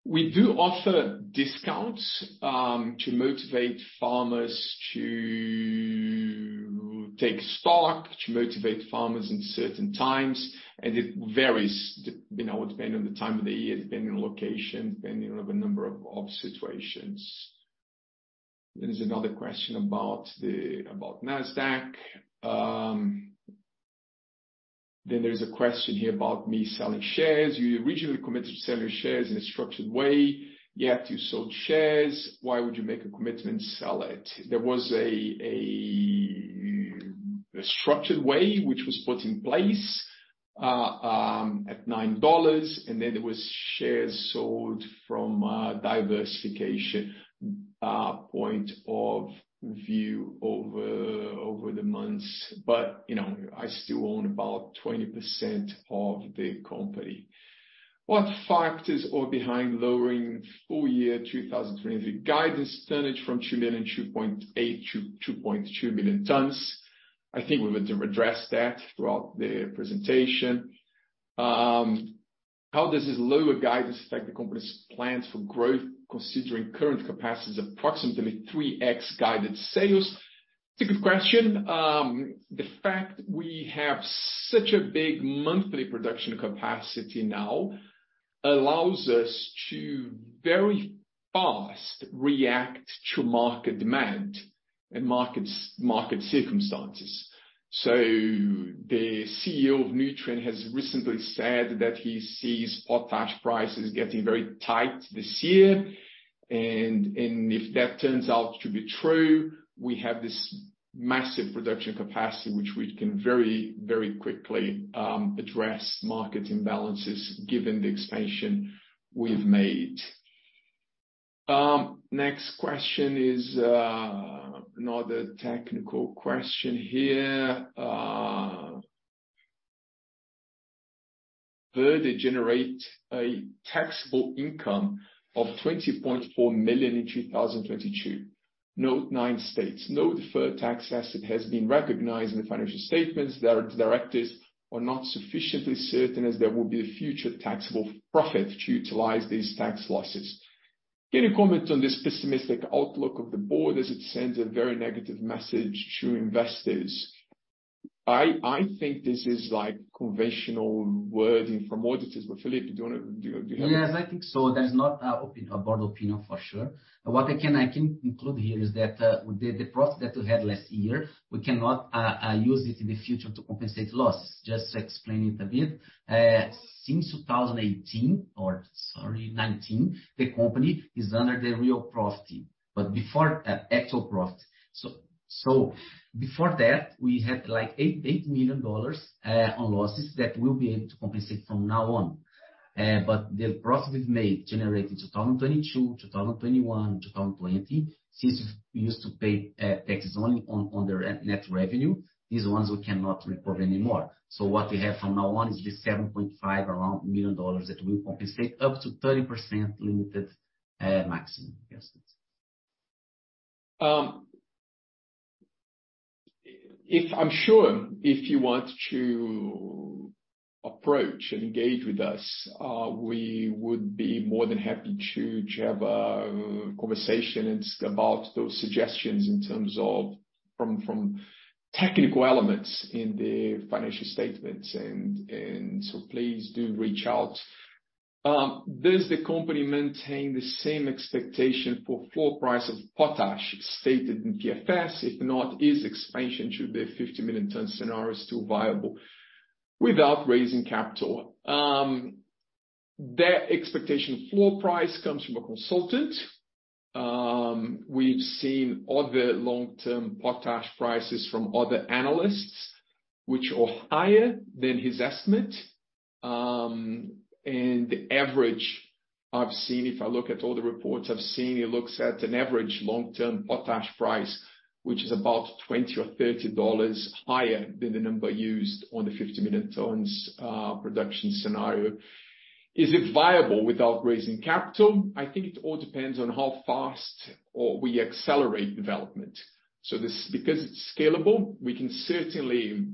We do offer discounts to motivate farmers to take stock, to motivate farmers in certain times. It varies, you know, depending on the time of the year, depending on location, depending on the number of situations. There is another question about Nasdaq. There's a question here about me selling shares. You originally committed to sell your shares in a structured way, yet you sold shares. Why would you make a commitment and sell it? There was a structured way which was put in place at 9 dollars. There was shares sold from diversification point of view over the months. You know, I still own about 20% of the company. What factors are behind lowering full year 2023 guidance tonnage from 2 million and 2.8 to 2.2 million tons? I think we were to address that throughout the presentation. How does this lower guidance affect the company's plans for growth, considering current capacity is approximately 3x guided sales? It's a good question. The fact we have such a big monthly production capacity now allows us to very fast react to market demand and market circumstances. The CEO of Nutrien has recently said that he sees potash prices getting very tight this year. And if that turns out to be true, we have this massive production capacity, which we can very quickly address market imbalances given the expansion we've made. Next question is another technical question here. Further generate a taxable income of $20.4 million in 2022. Note nine states, no deferred tax asset has been recognized in the financial statements. The directives are not sufficiently certain as there will be a future taxable profit to utilize these tax losses. Can you comment on this pessimistic outlook of the board as it sends a very negative message to investors? I think this is like conventional wording from auditors. Felipe, do you wanna? Yes, I think so. That's not our board opinion for sure. What I can include here is that the profit that we had last year, we cannot use it in the future to compensate loss. Just to explain it a bit, since 2018 or, sorry, 2019, the company is under the real profit. Before actual profit, we had like $8 million on losses that we'll be able to compensate from now on. The profit we've made generated 2022, 2021, 2020, since we used to pay taxes only on the net revenue, these ones we cannot report anymore. What we have from now on is just $7.5 million around that we'll compensate up to 30% limited, maximum. Yes. I'm sure if you want to approach and engage with us, we would be more than happy to have a conversation. It's about those suggestions in terms of from technical elements in the financial statements, please do reach out. Does the company maintain the same expectation for full price of potash stated in PFS? If not, is expansion to the 50 million ton scenario still viable without raising capital? That expectation floor price comes from a consultant. We've seen other long-term potash prices from other analysts which are higher than his estimate. The average I've seen, if I look at all the reports I've seen, it looks at an average long-term potash price, which is about 20 or 30 dollars higher than the number used on the 50 million tons production scenario. Is it viable without raising capital? I think it all depends on how fast or we accelerate development. This because it's scalable, we can certainly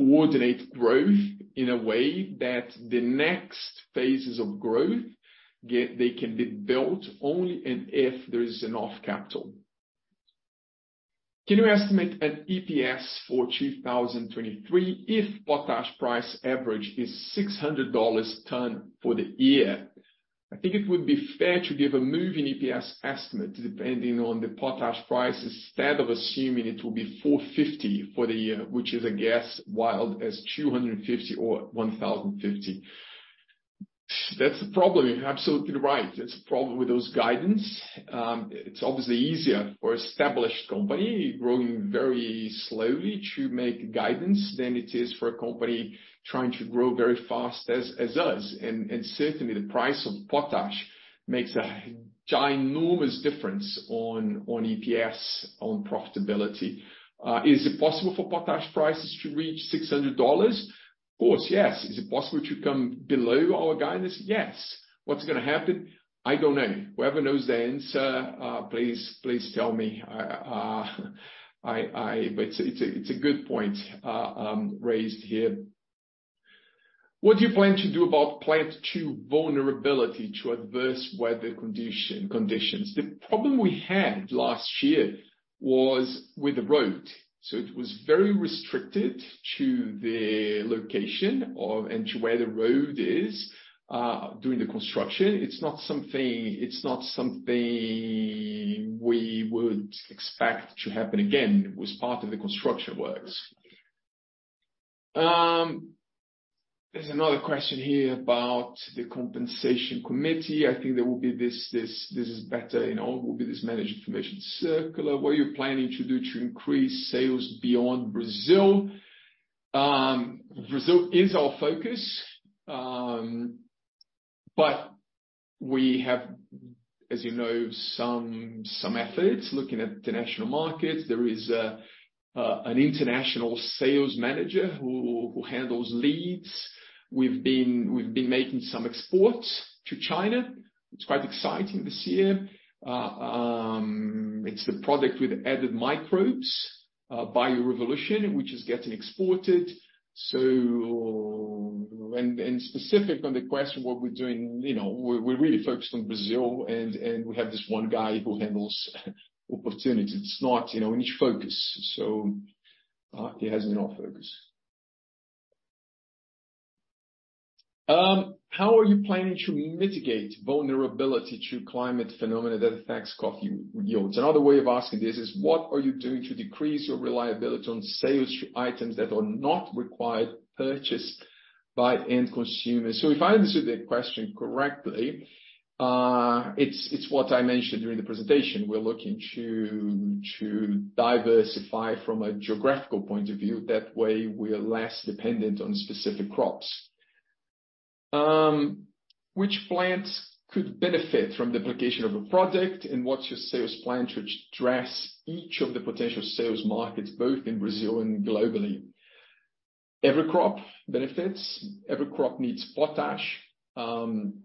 coordinate growth in a way that the next phases of growth they can be built only and if there is enough capital. Can you estimate an EPS for 2023 if potash price average is $600 ton for the year? I think it would be fair to give a moving EPS estimate depending on the potash price, instead of assuming it will be $450 for the year, which is a guess, wild as $250 or $1,050. That's the problem. You're absolutely right. That's the problem with those guidance. It's obviously easier for established company growing very slowly to make guidance than it is for a company trying to grow very fast as us. Certainly the price of potash makes a ginormous difference on EPS, on profitability. Is it possible for potash prices to reach $600? Of course, yes. Is it possible to come below our guidance? Yes. What's gonna happen? I don't know. Whoever knows the answer, please tell me. It's a good point raised here. What do you plan to do about Plant 2 vulnerability to adverse weather conditions? The problem we had last year was with the road. It was very restricted to the location of... and to where the road is during the construction. It's not something we would expect to happen again. It was part of the construction works. There's another question here about the compensation committee. I think there will be this is better known, will be this managed information circular. What are you planning to do to increase sales beyond Brazil? Brazil is our focus, but we have, as you know, some efforts looking at international markets. There is an international sales manager who handles leads. We've been making some exports to China. It's quite exciting this year. It's the product with added microbes, Bio Revolution, which is getting exported. Specific on the question what we're doing, you know, we're really focused on Brazil and we have this one guy who handles opportunities. It's not, you know, a niche focus, so he has enough focus. How are you planning to mitigate vulnerability to climate phenomena that affects coffee yields? Another way of asking this is what are you doing to decrease your reliability on sales to items that are not required purchase by end consumers? If I understood the question correctly, it's what I mentioned during the presentation. We're looking to diversify from a geographical point of view. That way, we're less dependent on specific crops. Which plants could benefit from the application of a product and what's your sales plan to address each of the potential sales markets, both in Brazil and globally? Every crop benefits. Every crop needs potash. In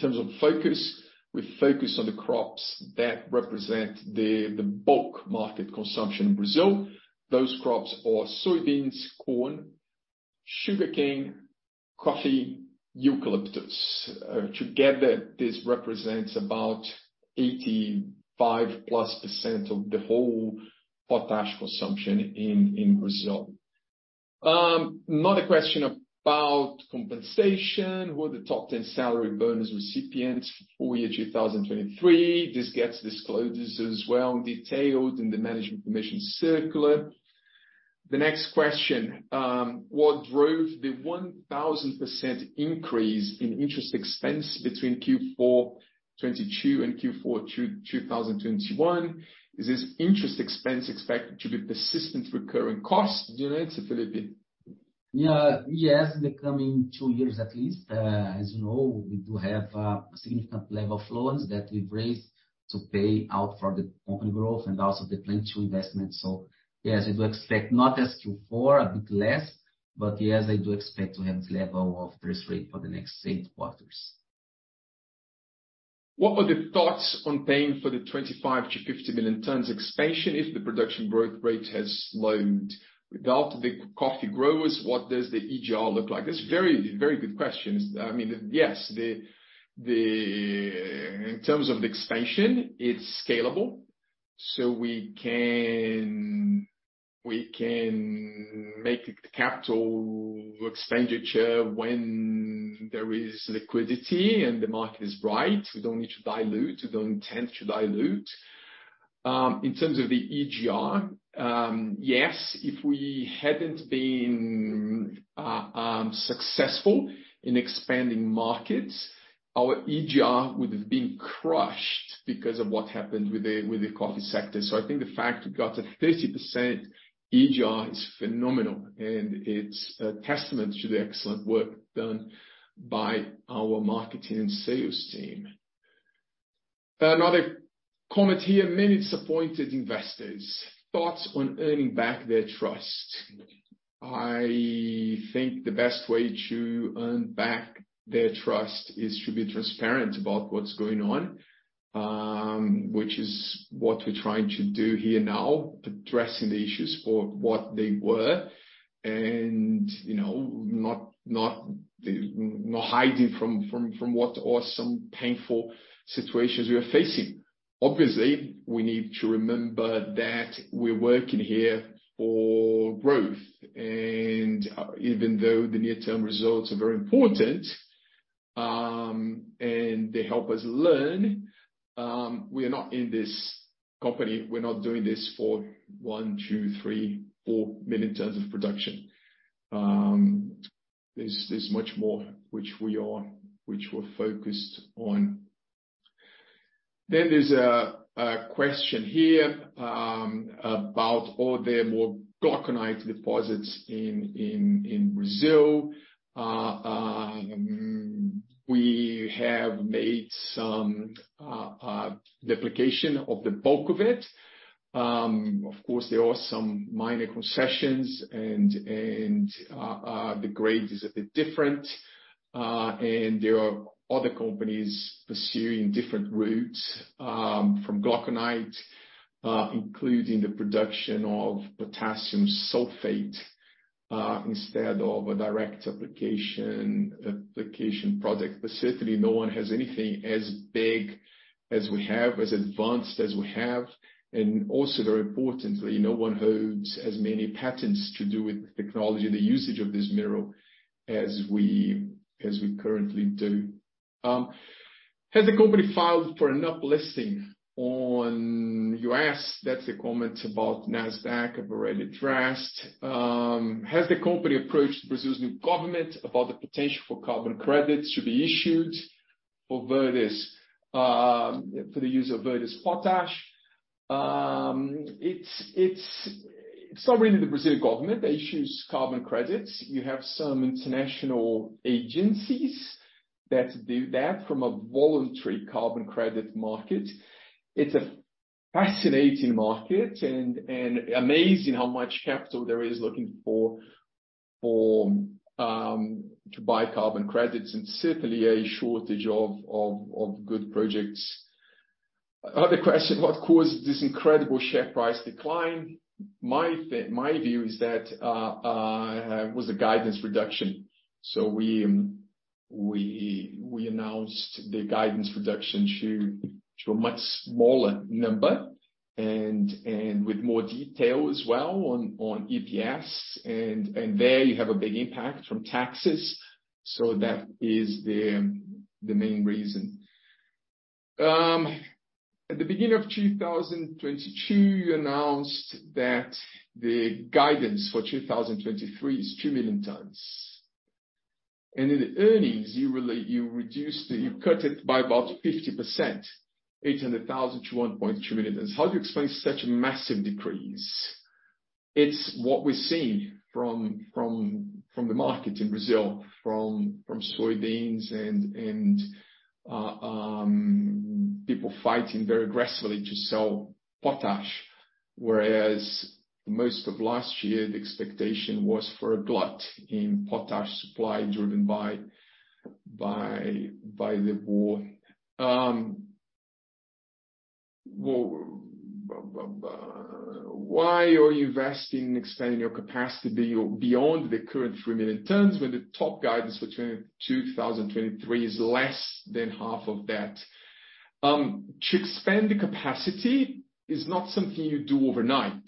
terms of focus, we focus on the crops that represent the bulk market consumption in Brazil. Those crops are soybeans, corn, sugarcane, coffee, eucalyptus. Together, this represents about 85%+ of the whole potash consumption in Brazil. Another question about compensation. Who are the top 10 salary bonus recipients for year 2023? This gets disclosures as well, detailed in the management commission circular. The next question, what drove the 1,000% increase in interest expense between Q4 2022 and Q4 2021? Is this interest expense expected to be persistent recurring costs? Do you know that, Felipe? Yes, the coming two years at least. As you know, we do have a significant level of loans that we've raised to pay out for the company growth and also the Plant 2 investment. Yes, we do expect not as Q4, a bit less, but yes, I do expect to have level of interest rate for the next eight quarters. What were the thoughts on paying for the 25-50 million tons expansion if the production growth rate has slowed? Without the coffee growers, what does the EGR look like? That's very good questions. I mean, yes, in terms of the expansion, it's scalable. We can make capital expenditure when there is liquidity and the market is right. We don't need to dilute. We don't intend to dilute. In terms of the EGR, yes, if we hadn't been successful in expanding markets, our EGR would have been crushed because of what happened with the coffee sector. I think the fact we got a 30% EGR is phenomenal, and it's a testament to the excellent work done by our marketing and sales team. Another comment here. Many disappointed investors. Thoughts on earning back their trust. I think the best way to earn back their trust is to be transparent about what's going on, which is what we're trying to do here now, addressing the issues for what they were, and, you know, not hiding from what are some painful situations we are facing. Obviously, we need to remember that we're working here for growth. Even though the near-term results are very important, and they help us learn, we are not in this company, we're not doing this for 1, 2, 3, 4 million tons of production. There's much more which we are, which we're focused on. There's a question here about all the more glauconite deposits in Brazil. We have made some a replication of the bulk of it. Of course, there are some minor concessions and, the grade is a bit different, and there are other companies pursuing different routes, from glauconite, including the production of potassium sulfate, instead of a direct application product. Certainly no one has anything as big as we have, as advanced as we have. Also, very importantly, no one holds as many patents to do with the technology and the usage of this mineral as we currently do. Has the company filed for an up listing on U.S.? That's a comment about Nasdaq I've already addressed. Has the company approached Brazil's new government about the potential for carbon credits to be issued for Verde's, for the use of Verde's potash? It's not really the Brazilian government that issues carbon credits. You have some international agencies that do that from a voluntary carbon credit market. It's a fascinating market and amazing how much capital there is looking for to buy carbon credits, and certainly a shortage of good projects. Other question, what caused this incredible share price decline? My view is that it was a guidance reduction. We announced the guidance reduction to a much smaller number and with more detail as well on EPS. There you have a big impact from taxes. That is the main reason. At the beginning of 2022, you announced that the guidance for 2023 is 2 million tons. In the earnings you really reduced it, you cut it by about 50%, 800,000-1.2 million tons. How do you explain such a massive decrease? It's what we're seeing from the market in Brazil, from soybeans and people fighting very aggressively to sell potash. Whereas most of last year, the expectation was for a glut in potash supply driven by the war. Why are you investing in expanding your capacity beyond the current 3 million tons, when the top guidance for 2023 is less than half of that? To expand the capacity is not something you do overnight.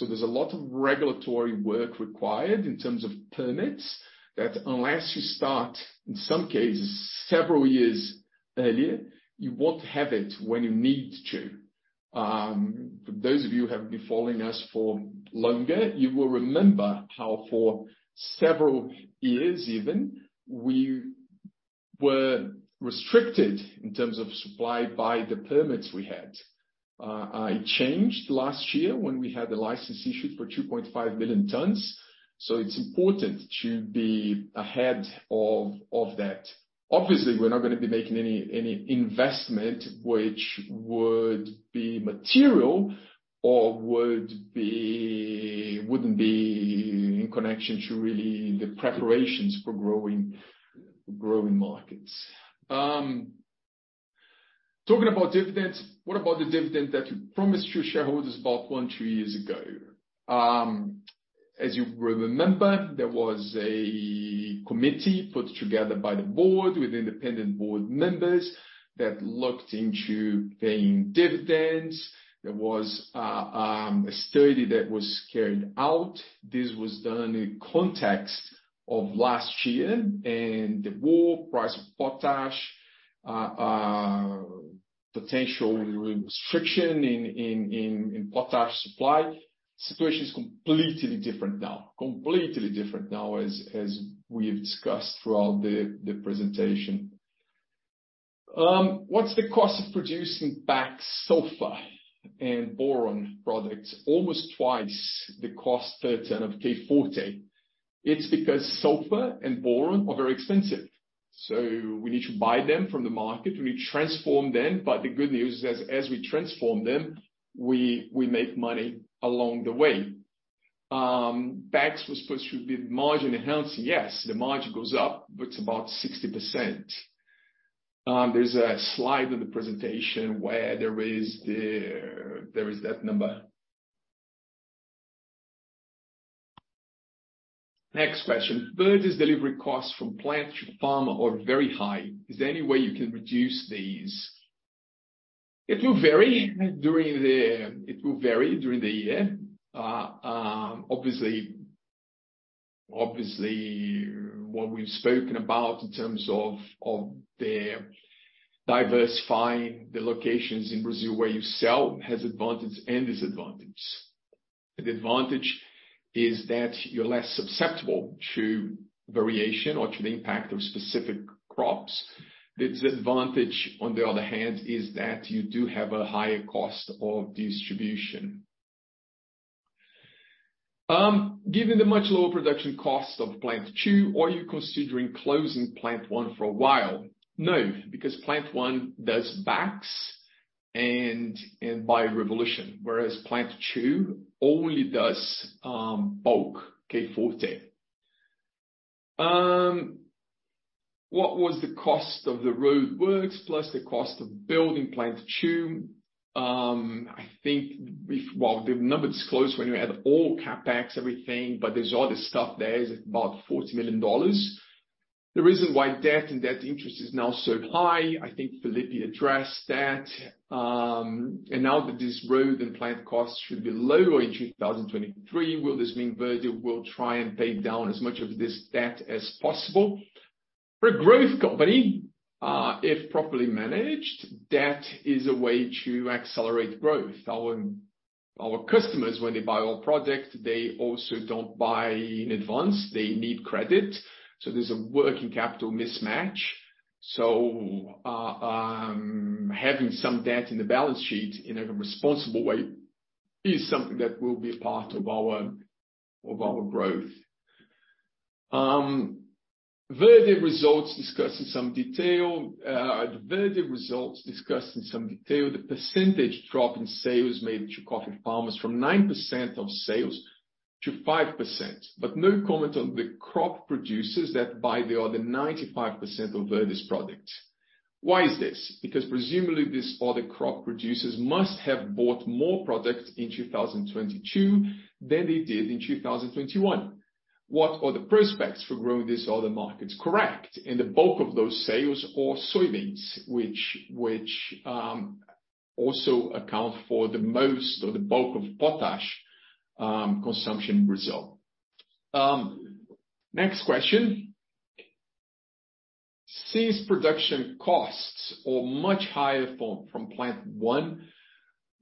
There's a lot of regulatory work required in terms of permits, that unless you start, in some cases several years earlier, you won't have it when you need to. For those of you who have been following us for longer, you will remember how for several years even, we were restricted in terms of supply by the permits we had. It changed last year when we had the license issued for 2.5 million tons. It's important to be ahead of that. Obviously, we're not going to be making any investment which would be material or wouldn't be in connection to really the preparations for growing markets. Talking about dividends. What about the dividend that you promised your shareholders about one, two years ago? As you will remember, there was a committee put together by the board with independent board members that looked into paying dividends. There was a study that was carried out. This was done in context of last year and the war, price of potash, potential restriction in potash supply. Situation is completely different now. Completely different now, as we have discussed throughout the presentation. What's the cost of producing BAKS sulfur and boron products? Almost twice the cost per ton of K Forte. It's because sulfur and boron are very expensive, we need to buy them from the market. We transform them, the good news is as we transform them, we make money along the way. BAKS was supposed to be margin enhancing. Yes, the margin goes up, but it's about 60%. There's a slide in the presentation where there is that number. Next question. Verde's delivery costs from plant to farm are very high. Is there any way you can reduce these? It will vary during the year. Obviously what we've spoken about in terms of the diversifying the locations in Brazil where you sell has advantage and disadvantage. The advantage is that you're less susceptible to variation or to the impact of specific crops. The disadvantage, on the other hand, is that you do have a higher cost of distribution. Given the much lower production costs of Plant 2, are you considering closing Plant 1 for a while? No, because Plant 1 does BAKS and Bio Revolution, whereas Plant 2 only does bulk K Forte. What was the cost of the roadworks plus the cost of building Plant 2? The number disclosed when you add all CapEx, everything, but there's all this stuff there is about $40 million. The reason why debt and debt interest is now so high, I think Felipe addressed that. Now that this road and plant costs should be lower in 2023, will this mean Verde will try and pay down as much of this debt as possible? For a growth company, if properly managed, debt is a way to accelerate growth. Our customers, when they buy our product, they also don't buy in advance. They need credit, so there's a working capital mismatch. Having some debt in the balance sheet in a responsible way is something that will be a part of our, of our growth. Verde results discussed in some detail. The Verde results discussed in some detail, the percentage drop in sales made to coffee farmers from 9% of sales to 5%. No comment on the crop producers that buy the other 95% of Verde's products. Why is this? Presumably, these other crop producers must have bought more products in 2022 than they did in 2021. What are the prospects for growing these other markets? Correct. The bulk of those sales are soybeans, which also account for the most or the bulk of potash consumption in Brazil. Next question. Since production costs are much higher from Plant 1,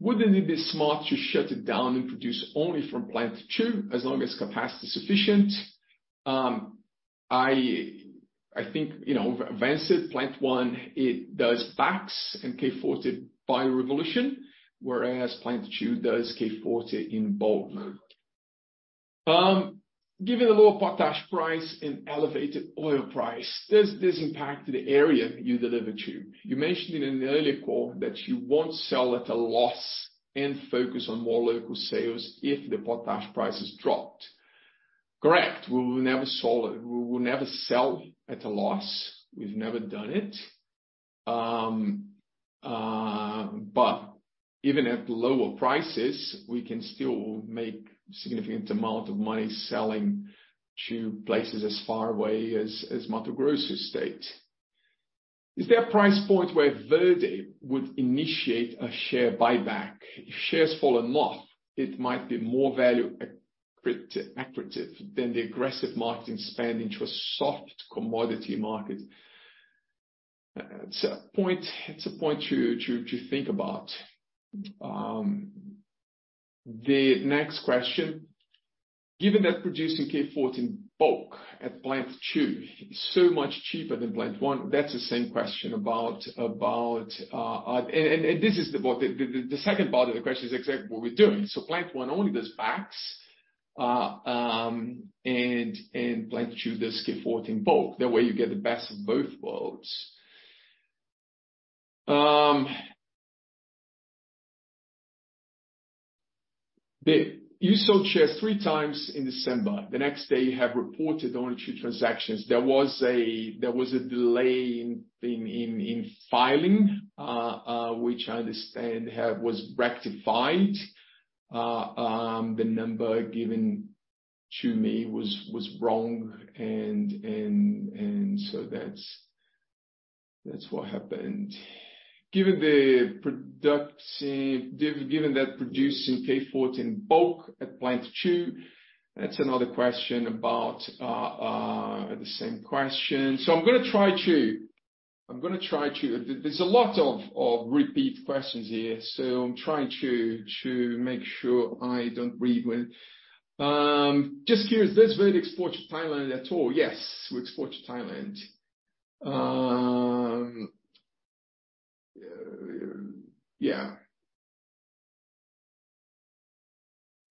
wouldn't it be smart to shut it down and produce only from Plant 2 as long as capacity is sufficient? I think, you know, advanced Plant 1, it does BAKS and K Forte Bio Revolution, whereas Plant 2 does K Forte in bulk. Given the lower potash price and elevated oil price, does this impact the area you deliver to? You mentioned in an earlier call that you won't sell at a loss and focus on more local sales if the potash price has dropped. Correct. We will never sell at a loss. We've never done it. Even at lower prices, we can still make significant amount of money selling to places as far away as Mato Grosso state. Is there a price point where Verde would initiate a share buyback? If shares fallen off, it might be more value accretive than the aggressive marketing spend into a soft commodity market. It's a point to think about. The next question. Given that producing K Forte bulk at Plant 2 is so much cheaper than Plant 1, that's the same question about. This is about the second part of the question is exactly what we're doing. Plant 1 only does BAKS and Plant 2 does K Forte in bulk. That way you get the best of both worlds. You sold shares three times in December. The next day, you have reported only two transactions. There was a delay in filing which I understand was rectified. The number given to me was wrong, and that's what happened. Given that producing K Forte in bulk at Plant 2, that's another question about the same question. I'm gonna try to... There's a lot of repeat questions here. I'm trying to make sure I don't read when... Just curious, does Verde export to Thailand at all? Yes, we export to Thailand. Yeah.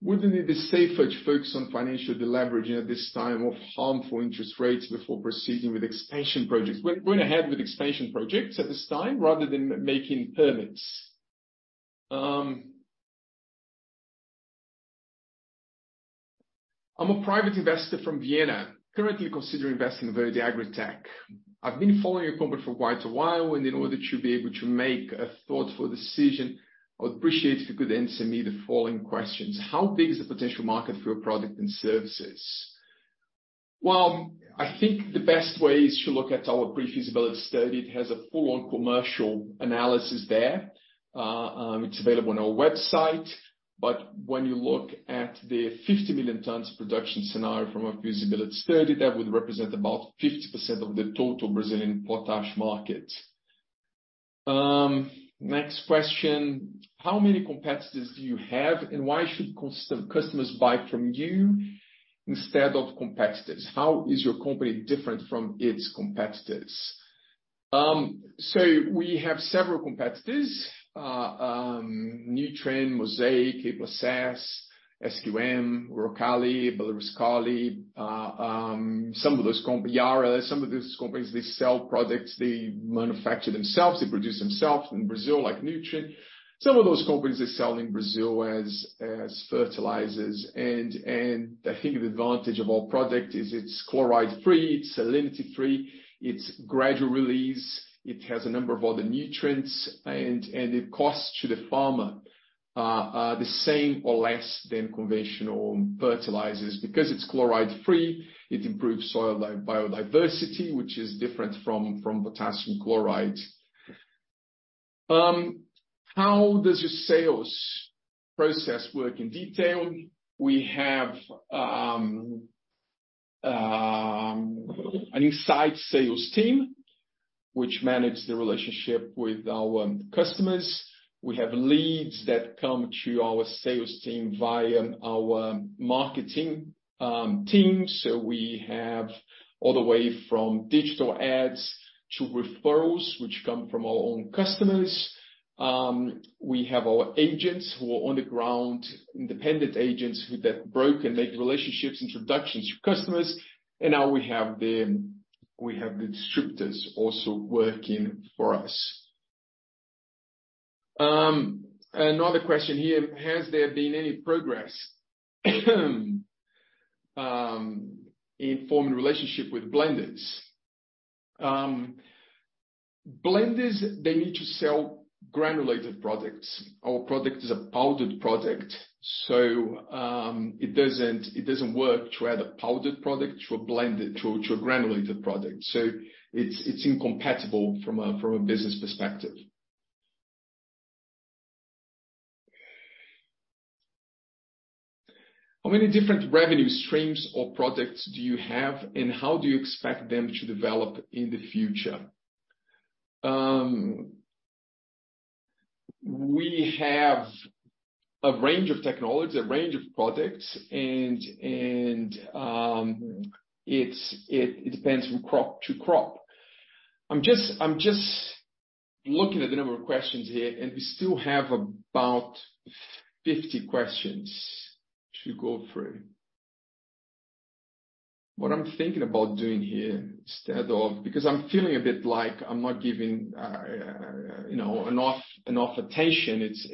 Wouldn't it be safer to focus on financial deleveraging at this time of harmful interest rates before proceeding with expansion projects? We're going ahead with expansion projects at this time rather than making payments. I'm a private investor from Vienna currently considering investing in Verde AgriTech. I've been following your company for quite a while, in order to be able to make a thoughtful decision, I would appreciate if you could answer me the following questions. How big is the potential market for your product and services? Well, I think the best way is to look at our pre-feasibility study. It has a full-on commercial analysis there. It's available on our website. When you look at the 50 million tons of production scenario from our feasibility study, that would represent about 50% of the total Brazilian potash market. Next question. How many competitors do you have, and why should customers buy from you instead of competitors? How is your company different from its competitors? We have several competitors. Nutrien, Mosaic, Atlas, SQM, Uralkali, Belaruskali, Yara. Some of these companies, they sell products they manufacture themselves, they produce themselves in Brazil, like Nutrien. Some of those companies, they sell in Brazil as fertilizers. I think the advantage of our product is it's chloride-free, it's salinity-free, it's gradual release, it has a number of other nutrients and it costs to the farmer the same or less than conventional fertilizers. It's chloride-free, it improves soil biodiversity, which is different from potassium chloride. How does your sales process work in detail? We have an inside sales team which manage the relationship with our customers. We have leads that come to our sales team via our marketing team. We have all the way from digital ads to referrals, which come from our own customers. We have our agents who are on the ground, independent agents who broker make relationships, introductions to customers, and now we have the distributors also working for us. Another question here. Has there been any progress in forming a relationship with blenders? Blenders, they need to sell granulated products. Our product is a powdered product, so it doesn't work to add a powdered product to a blended, to a granulated product. It's incompatible from a business perspective. How many different revenue streams or products do you have, and how do you expect them to develop in the future? We have a range of technologies, a range of products and it depends from crop to crop. I'm just looking at the number of questions here, and we still have about 50 questions to go through. What I'm thinking about doing here, instead of. Because I'm feeling a bit like I'm not giving, you know, enough attention. It's.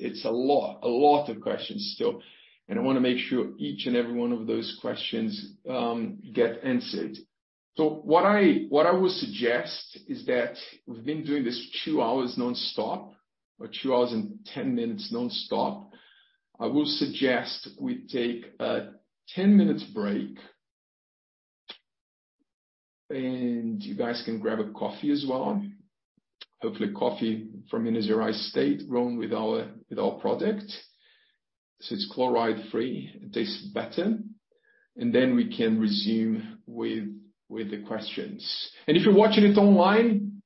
It's a lot of questions still, and I wanna make sure each and every one of those questions get answered. What I would suggest is that we've been doing this two hours nonstop or two hours and 10 minutes nonstop. I would suggest we take a 10-minute break. You guys can grab a coffee as well. Hopefully coffee from Minas Gerais State grown with our product. Since it's chloride-free, it tastes better. We can resume with the questions. If you're watching it online,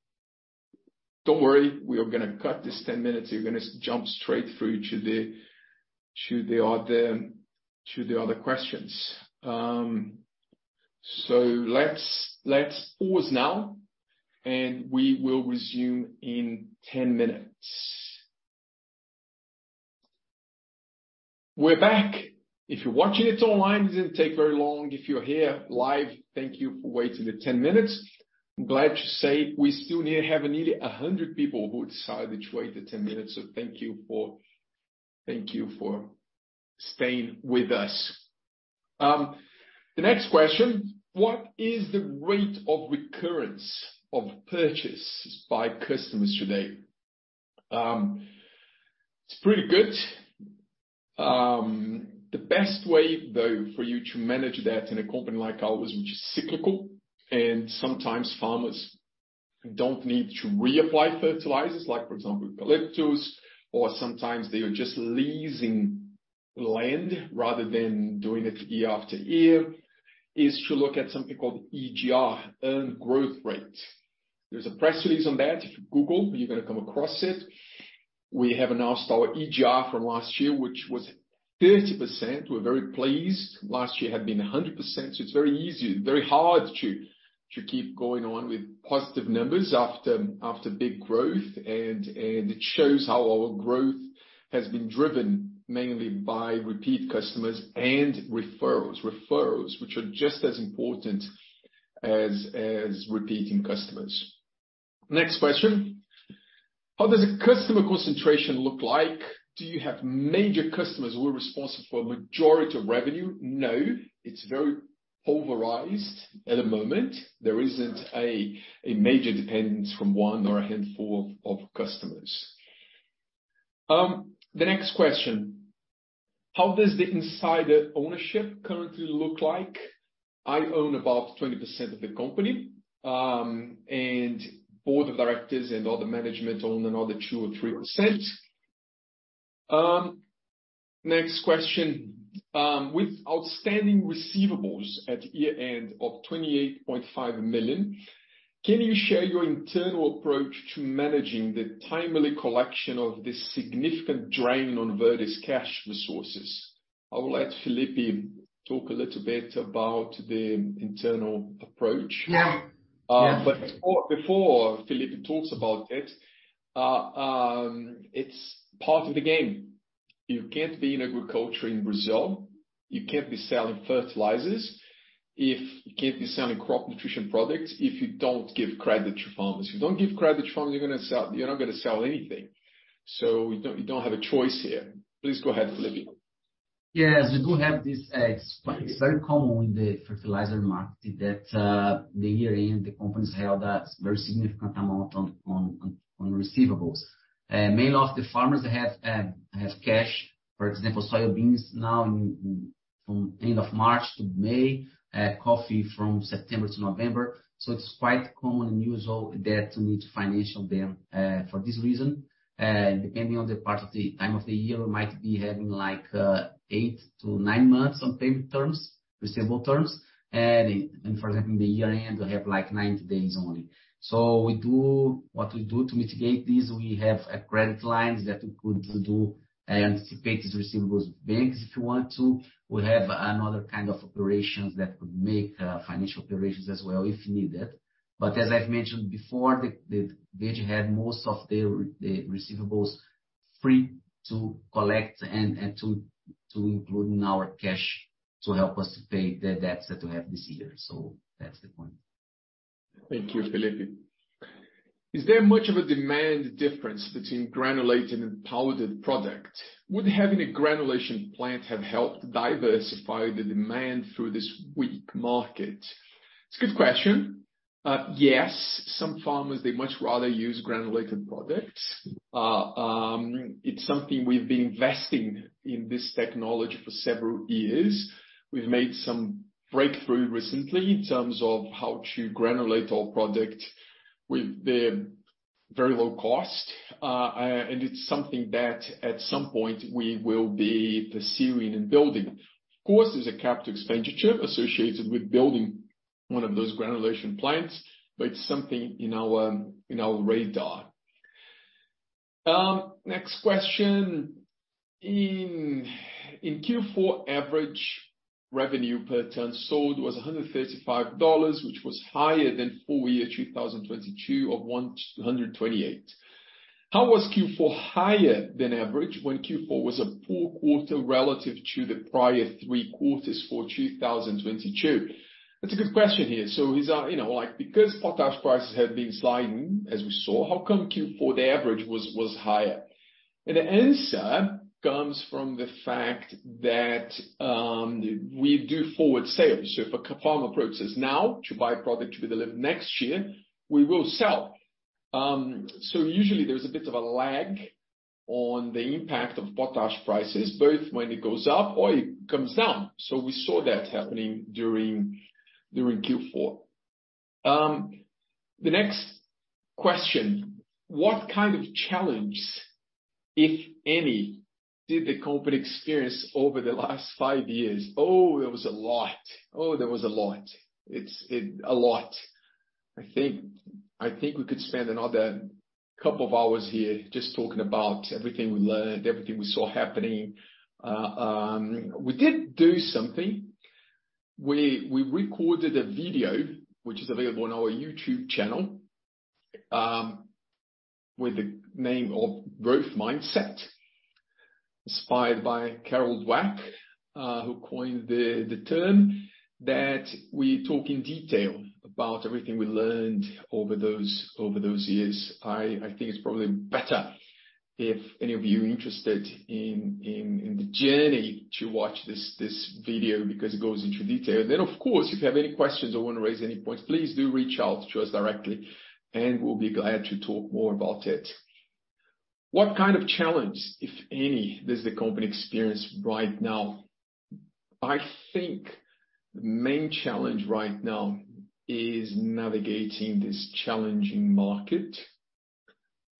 don't worry, we are gonna cut this 10 minutes. You're gonna jump straight through to the other questions. Let's pause now, and we will resume in 10 minutes. We're back. If you're watching it online, it didn't take very long. If you're here live, thank you for waiting the 10 minutes. I'm glad to say we still have nearly 100 people who decided to wait the 10 minutes, so thank you for staying with us. The next question: What is the rate of recurrence of purchases by customers today? It's pretty good. The best way, though, for you to manage that in a company like ours, which is cyclical, and sometimes farmers don't need to reapply fertilizers, like, for example, eucalyptus, or sometimes they are just leasing land rather than doing it year after year, is to look at something called EGR, earned growth rate. There's a press release on that. If you Google, you're gonna come across it. We have announced our EGR from last year, which was 30%. We're very pleased. Last year had been 100%. Very hard to keep going on with positive numbers after big growth. It shows how our growth has been driven mainly by repeat customers and referrals. Referrals, which are just as important as repeating customers. Next question: How does the customer concentration look like? Do you have major customers who are responsible for a majority of revenue? No. It's very polarized at the moment. There isn't a major dependence from one or a handful of customers. The next question: How does the insider ownership currently look like? I own about 20% of the company, and board of directors and other management own another 2% or 3%. Next question. with outstanding receivables at year-end of $28.5 million, can you share your internal approach to managing the timely collection of this significant drain on Verde's cash resources? I will let Felipe talk a little bit about the internal approach. Yeah. Yeah. Before Felipe talks about it's part of the game. You can't be in agriculture in Brazil. You can't be selling crop nutrition products, if you don't give credit to farmers. You don't give credit to farmers, you're not gonna sell anything. We don't have a choice here. Please go ahead, Felipe. Yes, we do have this. It's very common in the fertilizer market that the year-end, the companies have a very significant amount on receivables. Many of the farmers have cash. For example, soybeans now in from end of March to May, coffee from September to November. It's quite common and usual there to need to financial them for this reason. Depending on the part of the time of the year, we might be having like eight-nine months on payment terms, receivable terms. For example, in the year-end, we have, like, 90 days only. What we do to mitigate this, we have credit lines that we could do and anticipate these receivables banks if you want to. We have another kind of operations that could make financial operations as well, if needed. As I've mentioned before, they had most of the receivables free to collect and to include in our cash to help us to pay the debts that we have this year. That's the point. Thank you, Felipe. Is there much of a demand difference between granulated and powdered product? Would having a granulation plant have helped diversify the demand through this weak market? It's a good question. Yes, some farmers, they much rather use granulated products. It's something we've been investing in this technology for several years. We've made some breakthrough recently in terms of how to granulate our product with the very low cost. It's something that at some point we will be pursuing and building. Of course, there's a capital expenditure associated with building one of those granulation plants, but it's something in our radar. Next question. In Q4, average revenue per ton sold was 135 dollars, which was higher than full year 2022 of 128. How was Q4 higher than average when Q4 was a poor quarter relative to the prior three quarters for 2022? That's a good question here. Is, you know, like, because potash prices have been sliding as we saw, how come Q4, the average was higher? The answer comes from the fact that we do forward sales. If a farm approaches now to buy product to be delivered next year, we will sell. Usually there's a bit of a lag on the impact of potash prices, both when it goes up or it comes down. We saw that happening during Q4. The next question. What kind of challenge, if any, did the company experience over the last five years? Oh, there was a lot. Oh, there was a lot. A lot. I think, I think we could spend another couple of hours here just talking about everything we learned, everything we saw happening. We did do something. We recorded a video which is available on our YouTube channel, with the name of Growth Mindset, inspired by Carol Dweck, who coined the term, that we talk in detail about everything we learned over those, over those years. I think it's probably better if any of you are interested in, in the journey to watch this video because it goes into detail. Of course, if you have any questions or wanna raise any points, please do reach out to us directly and we'll be glad to talk more about it. What kind of challenge, if any, does the company experience right now? I think the main challenge right now is navigating this challenging market.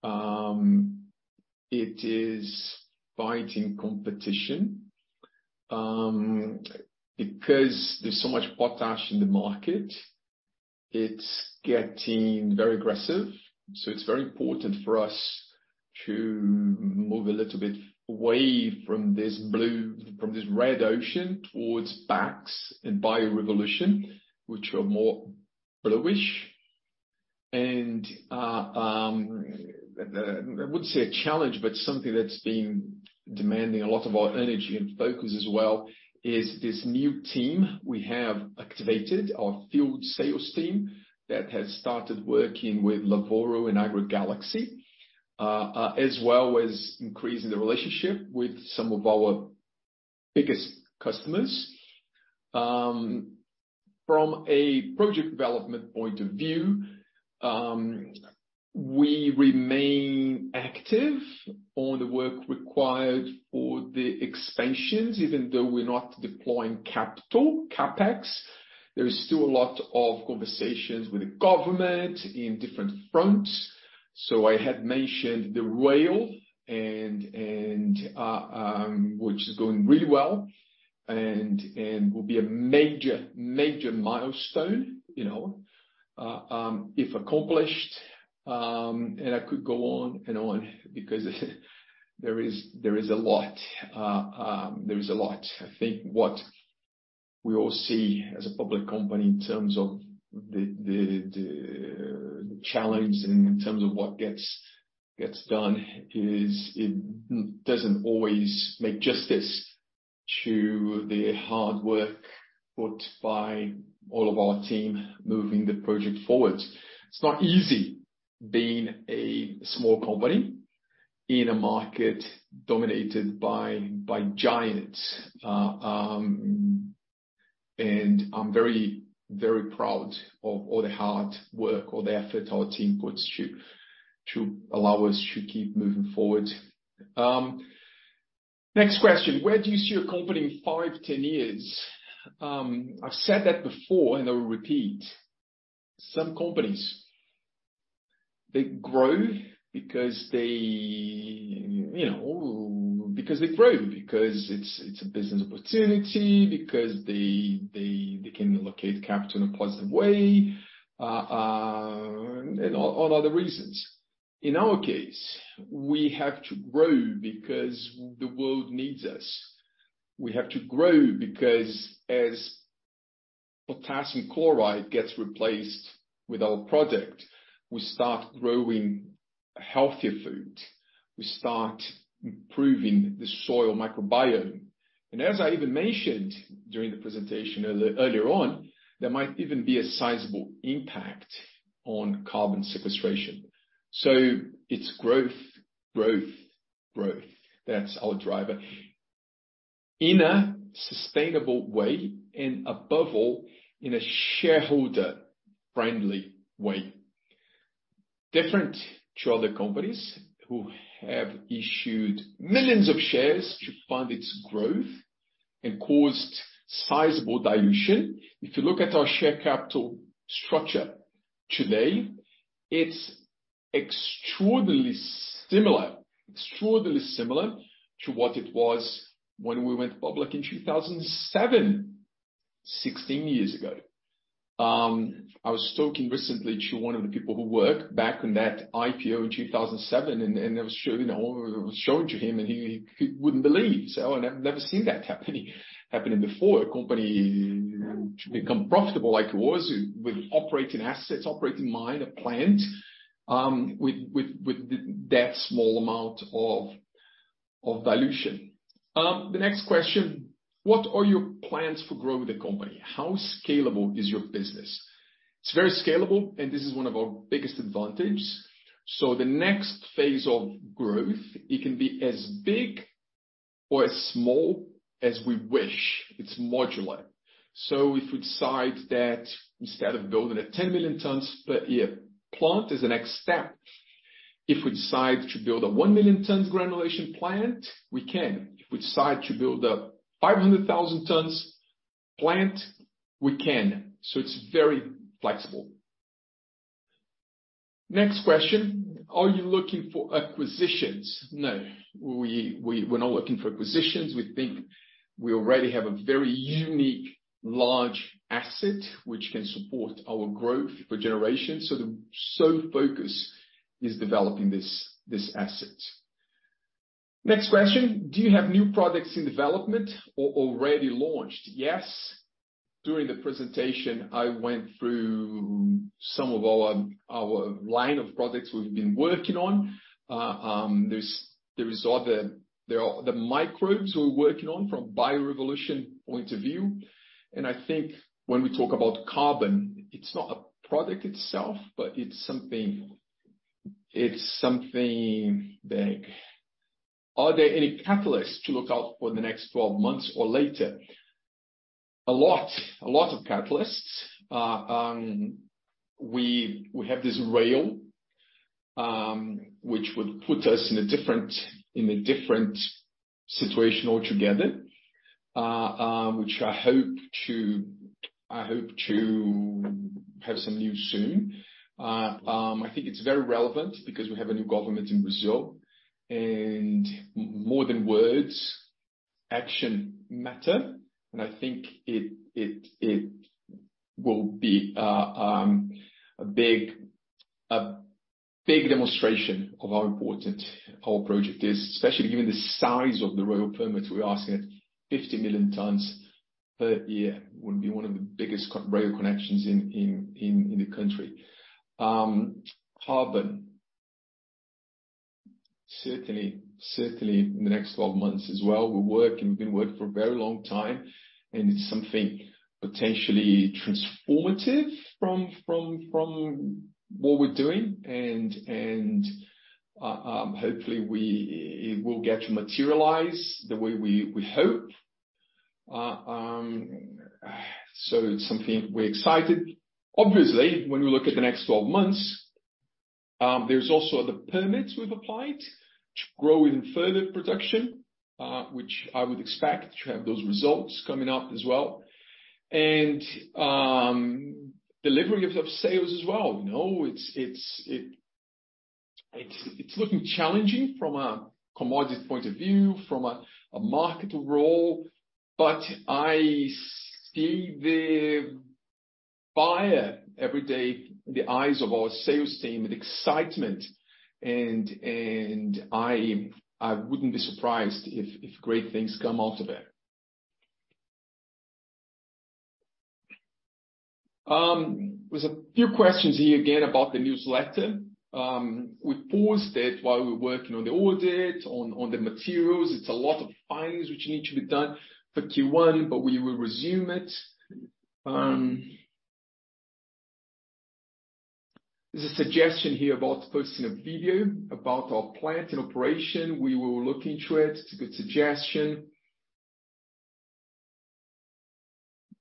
It is fighting competition, because there's so much potash in the market, it's getting very aggressive. It's very important for us to move a little bit away from this from this red ocean towards BAKS and Bio Revolution, which are more bluish. I wouldn't say a challenge, but something that's been demanding a lot of our energy and focus as well is this new team we have activated, our field sales team that has started working with Lavoro and AgroGalaxy, as well as increasing the relationship with some of our biggest customers. From a project development point of view, we remain active on the work required for the expansions, even though we're not deploying capital CapEx. There is still a lot of conversations with the government in different fronts. I had mentioned the rail and, which is going really well and will be a major milestone, you know, if accomplished. I could go on and on because there is a lot. There is a lot. I think what we all see as a public company in terms of the challenge and in terms of what gets done is it doesn't always make justice to the hard work put by all of our team moving the project forward. It's not easy being a small company in a market dominated by giants. I'm very, very proud of all the hard work, all the effort our team puts to allow us to keep moving forward. Next question. Where do you see your company in five, 10 years? I've said that before, and I'll repeat. Some companies, they grow because they, you know, because they grow, because it's a business opportunity, because they can locate capital in a positive way. All other reasons. In our case, we have to grow because the world needs us. We have to grow because as potassium chloride gets replaced with our product, we start growing healthier food, we start improving the soil microbiome. As I even mentioned during the presentation earlier on, there might even be a sizable impact on carbon sequestration. It's growth, growth. That's our driver. In a sustainable way and above all, in a shareholder friendly way. Different to other companies who have issued millions of shares to fund its growth and caused sizable dilution. If you look at our share capital structure today, it's extraordinarily similar to what it was when we went public in 2007, 16 years ago. I was talking recently to one of the people who worked back in that IPO in 2007, and I was showing, you know, showing to him, and he wouldn't believe. He said, "Oh, I've never seen that happening before. A company should become profitable like it was with operating assets, operating mine, a plant, with that small amount of dilution." The next question, what are your plans for growing the company? How scalable is your business? It's very scalable, and this is one of our biggest advantage. The next phase of growth, it can be as big or as small as we wish. It's modular. If we decide that instead of building a 10 million tons per year plant as the next step, if we decide to build a 1 million tons granulation plant, we can. If we decide to build a 500,000 tons plant, we can. It's very flexible. Next question, are you looking for acquisitions? No. We're not looking for acquisitions. We think we already have a very unique large asset which can support our growth for generations. The sole focus is developing this asset. Next question, do you have new products in development or already launched? Yes. During the presentation, I went through some of our line of products we've been working on. The microbes we're working on from Bio Revolution point of view. I think when we talk about carbon, it's not a product itself, but it's something big. Are there any catalysts to look out for in the next 12 months or later? A lot of catalysts. We have this rail, which would put us in a different situation altogether, which I hope to have some news soon. I think it's very relevant because we have a new government in Brazil, and more than words, action matter. I think it will be a big demonstration of how important our project is, especially given the size of the rail permit we're asking at 50 million tons per year, would be one of the biggest rail connections in the country. Carbon. Certainly, certainly in the next 12 months as well. We're working, we've been working for a very long time, and it's something potentially transformative from what we're doing. Hopefully it will get to materialize the way we hope. So it's something we're excited. Obviously, when we look at the next 12 months, there's also other permits we've applied to grow even further production, which I would expect to have those results coming up as well. Delivery of sales as well. You know, it's looking challenging from a commodity point of view, from a market role, but I see the fire every day in the eyes of our sales team and excitement and I wouldn't be surprised if great things come out of it. There's a few questions here again about the newsletter. We paused it while we're working on the audit, on the materials. It's a lot of filings which need to be done for Q1. We will resume it. There's a suggestion here about posting a video about our plant and operation. We will look into it. It's a good suggestion.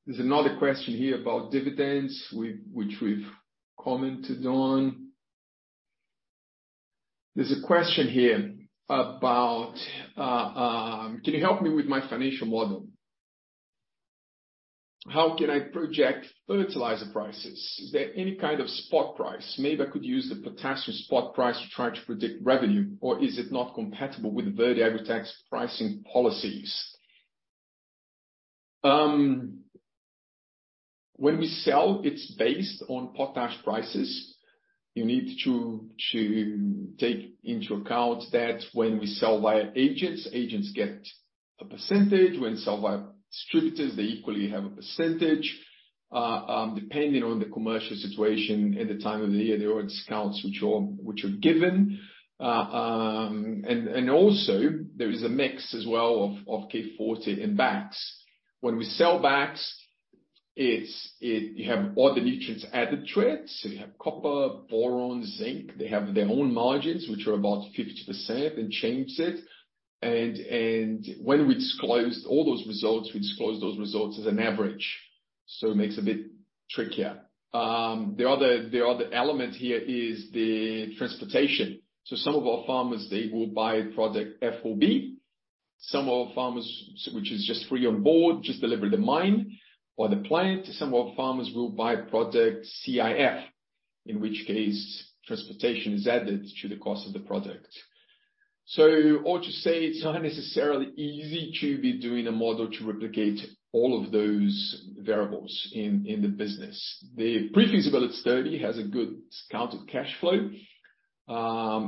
There's another question here about dividends which we've commented on. There's a question here about, can you help me with my financial model? How can I project fertilizer prices? Is there any kind of spot price? Maybe I could use the potassium spot price to try to predict revenue, or is it not compatible with Verde AgriTech's pricing policies? When we sell, it's based on potash prices. You need to take into account that when we sell via agents get a percentage. When sell via distributors, they equally have a percentage. Depending on the commercial situation at the time of the year, there are discounts which are given. Also there is a mix as well of K Forte and BAKS. When we sell BAKS, it's you have all the nutrients added to it. So you have copper, boron, zinc. They have their own margins, which are about 50% and changes it. When we disclose all those results, we disclose those results as an average, so it makes a bit trickier. The other element here is the transportation. Some of our farmers, they will buy product FOB. Some of our farmers, which is just free on board, just deliver the mine or the plant. Some of our farmers will buy product CIF, in which case transportation is added to the cost of the product. All to say it's not necessarily easy to be doing a model to replicate all of those variables in the business. The pre-feasibility study has a good discounted cash flow,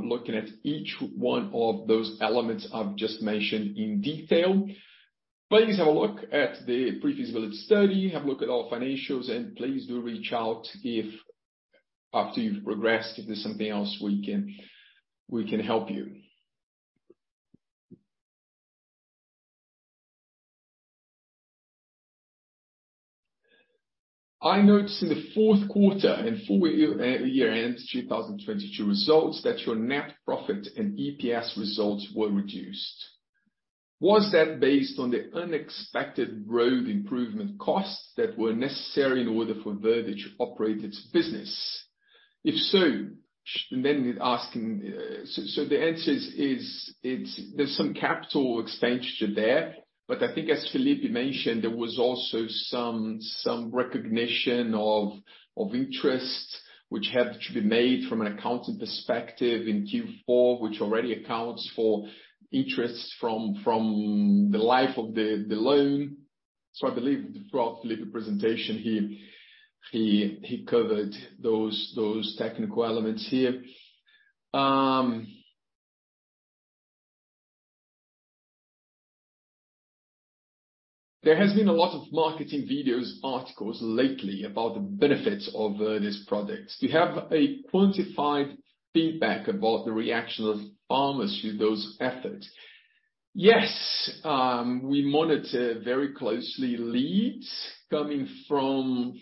looking at each one of those elements I've just mentioned in detail. Please have a look at the pre-feasibility study, have a look at our financials, please do reach out if after you've progressed, if there's something else we can help you. I noticed in the fourth quarter and full year-end 2022 results that your net profit and EPS results were reduced. Was that based on the unexpected road improvement costs that were necessary in order for Verde to operate its business? If so. The answer is there's some capital expenditure there. I think as Felipe mentioned, there was also some recognition of interest which had to be made from an accounting perspective in Q4, which already accounts for interests from the life of the loan. I believe throughout Felipe presentation, he covered those technical elements here. There has been a lot of marketing videos, articles lately about the benefits of this product. Do you have a quantified feedback about the reaction of farmers to those efforts? Yes. We monitor very closely leads coming from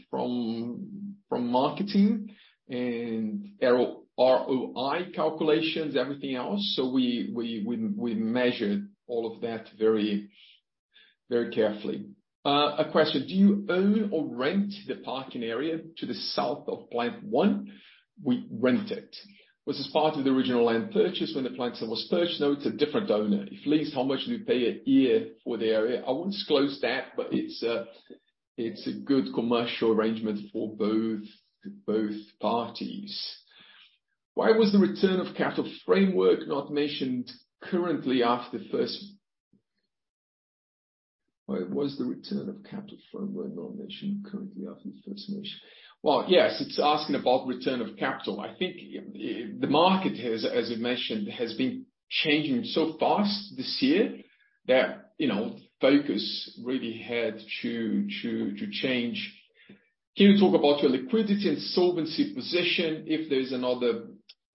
marketing and ROI calculations, everything else. We measure all of that very, very carefully. A question. Do you own or rent the parking area to the south of Plant 1? We rent it. Was this part of the original land purchase when the plant site was purchased? No, it's a different owner. If leased, how much do you pay a year for the area? I won't disclose that, but it's a good commercial arrangement for both parties. Why was the return of capital framework not mentioned currently after the first mention? Well, yes, it's asking about return of capital. I think the market has, as I mentioned, has been changing so fast this year that, you know, focus really had to change. Can you talk about your liquidity and solvency position if there's another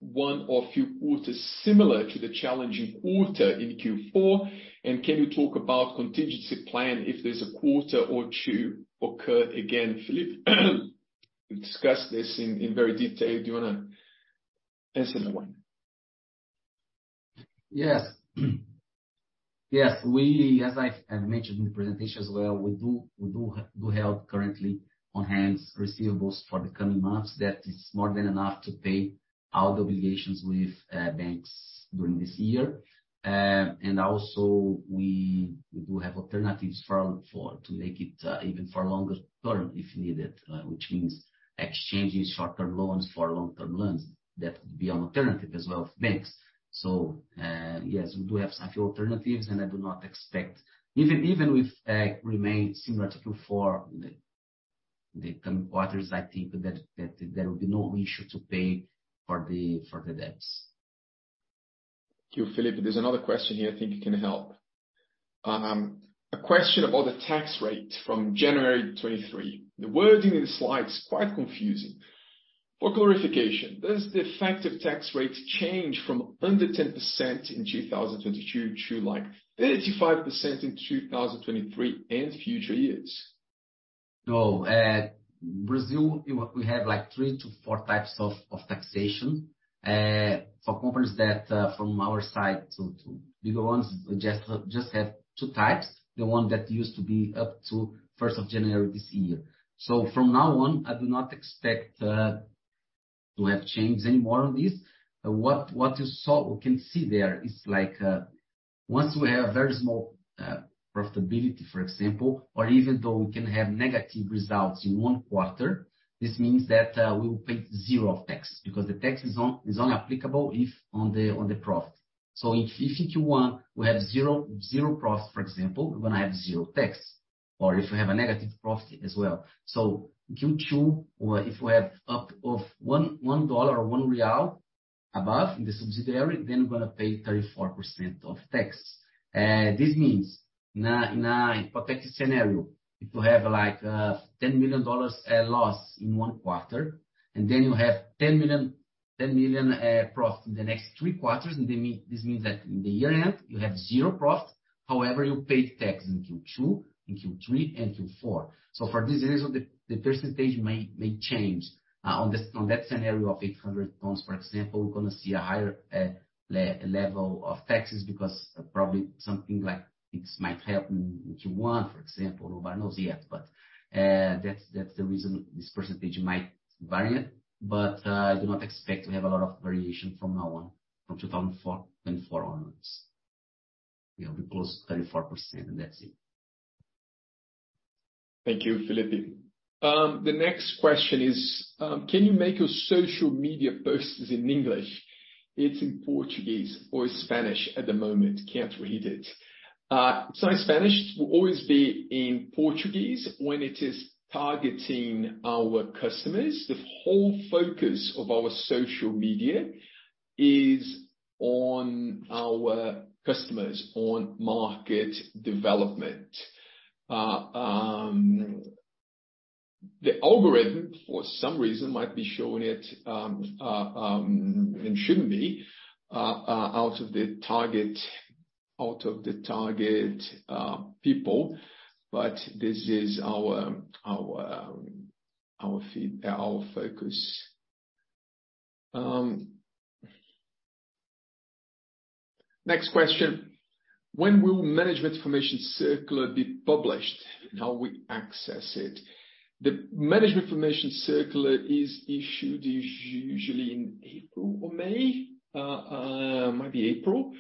one or few quarters similar to the challenging quarter in Q4? Can you talk about contingency plan if there's a quarter or two occur again? Felipe, you discussed this in very detail. Do you wanna answer that one? Yes. Yes, as I have mentioned in the presentation as well, we do have currently on-hand receivables for the coming months that is more than enough to pay all the obligations with banks during this year. And also we do have alternatives to make it even for longer term if needed, which means exchanging short-term loans for long-term loans. That would be an alternative as well for banks. Yes, we do have a few alternatives, and I do not expect... Even with remain similar to Q4, the coming quarters, I think that there will be no issue to pay for the debts. Thank you, Felipe. There's another question here I think you can help. A question about the tax rate from January 2023. The wording in the slide is quite confusing. For clarification, does the effective tax rate change from under 10% in 2022 to like 35% in 2023 and future years? No. Brazil, we have like three-four types of taxation for companies that from our side to bigger ones have two types, the one that used to be up to January 1st this year. From now on, I do not expect to have changed any more on this. What you can see there is like once we have very small profitability, for example, or even though we can have negative results in one quarter, this means that we will pay zero of taxes because the tax is only applicable if on the profit. If Q1 we have zero profit, for example, we're gonna have zero tax. Or if we have a negative profit as well. Q2, if we have up of $1 or 1 real above in the subsidiary, then we're gonna pay 34% of tax. This means in a, in a protected scenario, if you have like, $10 million loss in one quarter, and then you have $10 million profit in the next three quarters, and then this means that in the year end you have zero profit, however, you paid tax in Q2, in Q3, and Q4. For this reason, the percentage may change. On that scenario of 800 tons, for example, we're gonna see a higher level of taxes because probably something like this might happen in Q1, for example. Nobody knows yet, but that's the reason this percentage might vary. I do not expect to have a lot of variation from now on, from 2024 onwards. You know, because 34% and that's it. Thank you, Felipe. The next question is, can you make your social media posts in English? It's in Portuguese or Spanish at the moment. Can't read it. In Spanish will always be in Portuguese when it is targeting our customers. The whole focus of our social media is on our customers, on market development. The algorithm, for some reason, might be showing it and shouldn't be out of the target people, but this is our focus. Next question. When will management information circular be published, and how we access it? The management information circular is issued usually in April or May. Might be April.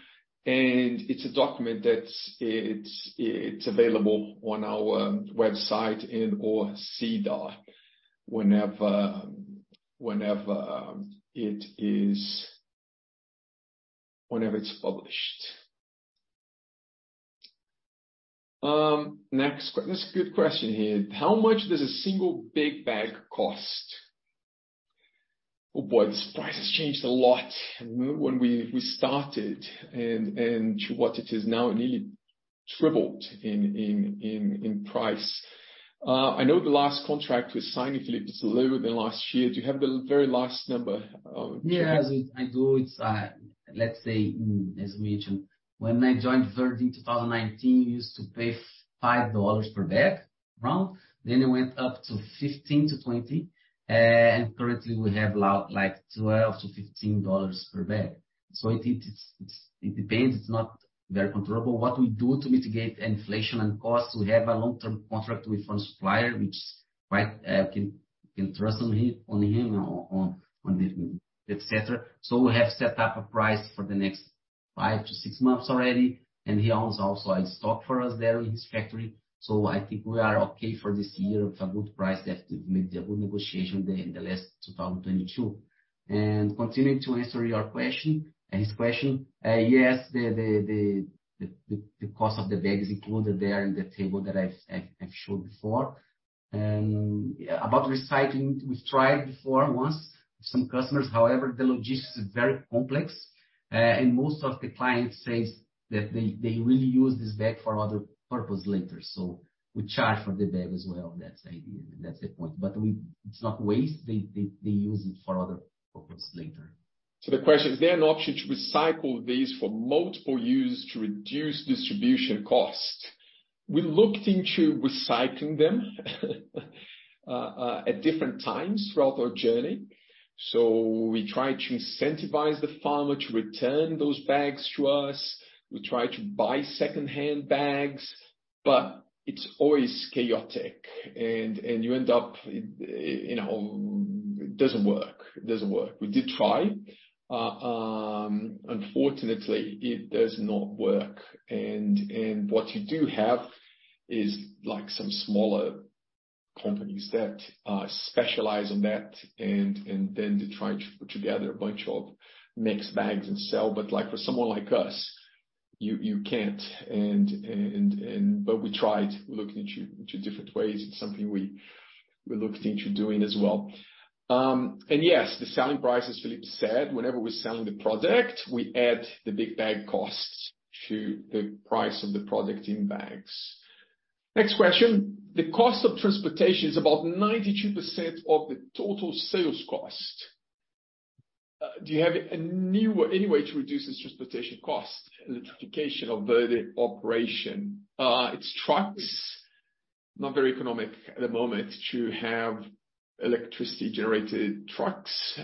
It's a document that's it's available on our website and or SEDAR whenever it is, whenever it's published. This is a good question here. How much does a single big bag cost? Oh, boy, this price has changed a lot. When we started and to what it is now, nearly tripled in price. I know the last contract we signed, Felipe, is lower than last year. Do you have the very last number? Yes, I do. It's, let's say, as we mentioned, when I joined Verde in 2019, we used to pay $5 per bag, around. Then it went up to $15-$20. Currently we have like $12-$15 per bag. It's, it depends. It's not very controllable. What we do to mitigate inflation and costs, we have a long-term contract with one supplier, which quite can trust on him, et cetera. We have set up a price for the next five-six months already, and he owns also a stock for us there in his factory. I think we are okay for this year with a good price that we've made a good negotiation there in the last 2022. Continuing to answer your question, his question, yes, the cost of the bag is included there in the table that I've showed before. About recycling, we've tried before once with some customers. The logistics is very complex, and most of the clients says that they will use this bag for other purpose later. We charge for the bag as well. That's the idea. That's the point. It's not waste. They use it for other purpose later. The question: Is there an option to recycle these for multiple uses to reduce distribution costs? We looked into recycling them at different times throughout our journey. We try to incentivize the farmer to return those bags to us. We try to buy secondhand bags, but it's always chaotic and you end up, you know, it doesn't work. It doesn't work. We did try. Unfortunately, it does not work. What you do have is like some smaller companies that specialize in that, and then they try to put together a bunch of mixed bags and sell. Like for someone like us, you can't. We tried. We looked into different ways. It's something we looked into doing as well. Yes, the selling price, as Felipe said, whenever we're selling the product, we add the big bag cost to the price of the product in bags. Next question. The cost of transportation is about 92% of the total sales cost. Do you have any way to reduce this transportation cost? Electrification of the operation. It's trucks. Not very economic at the moment to have electricity-generated trucks.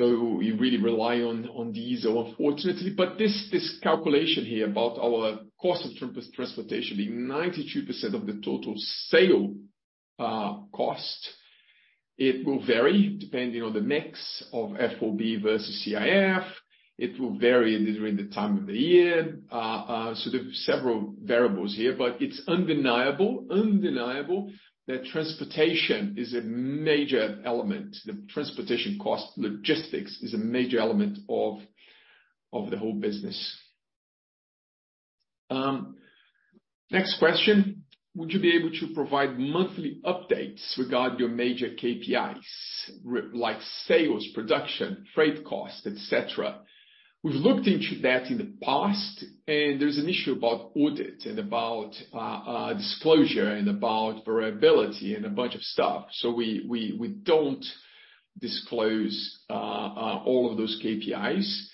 We really rely on diesel, unfortunately. This calculation here about our cost of transportation being 92% of the total sale cost, it will vary depending on the mix of FOB versus CIF. It will vary during the time of the year. There are several variables here, but it's undeniable that transportation is a major element. The transportation cost, logistics is a major element of the whole business. Next question. Would you be able to provide monthly updates regarding your major KPIs like sales, production, freight cost, et cetera? We've looked into that in the past, there's an issue about audit and about disclosure and about variability and a bunch of stuff. We don't disclose all of those KPIs.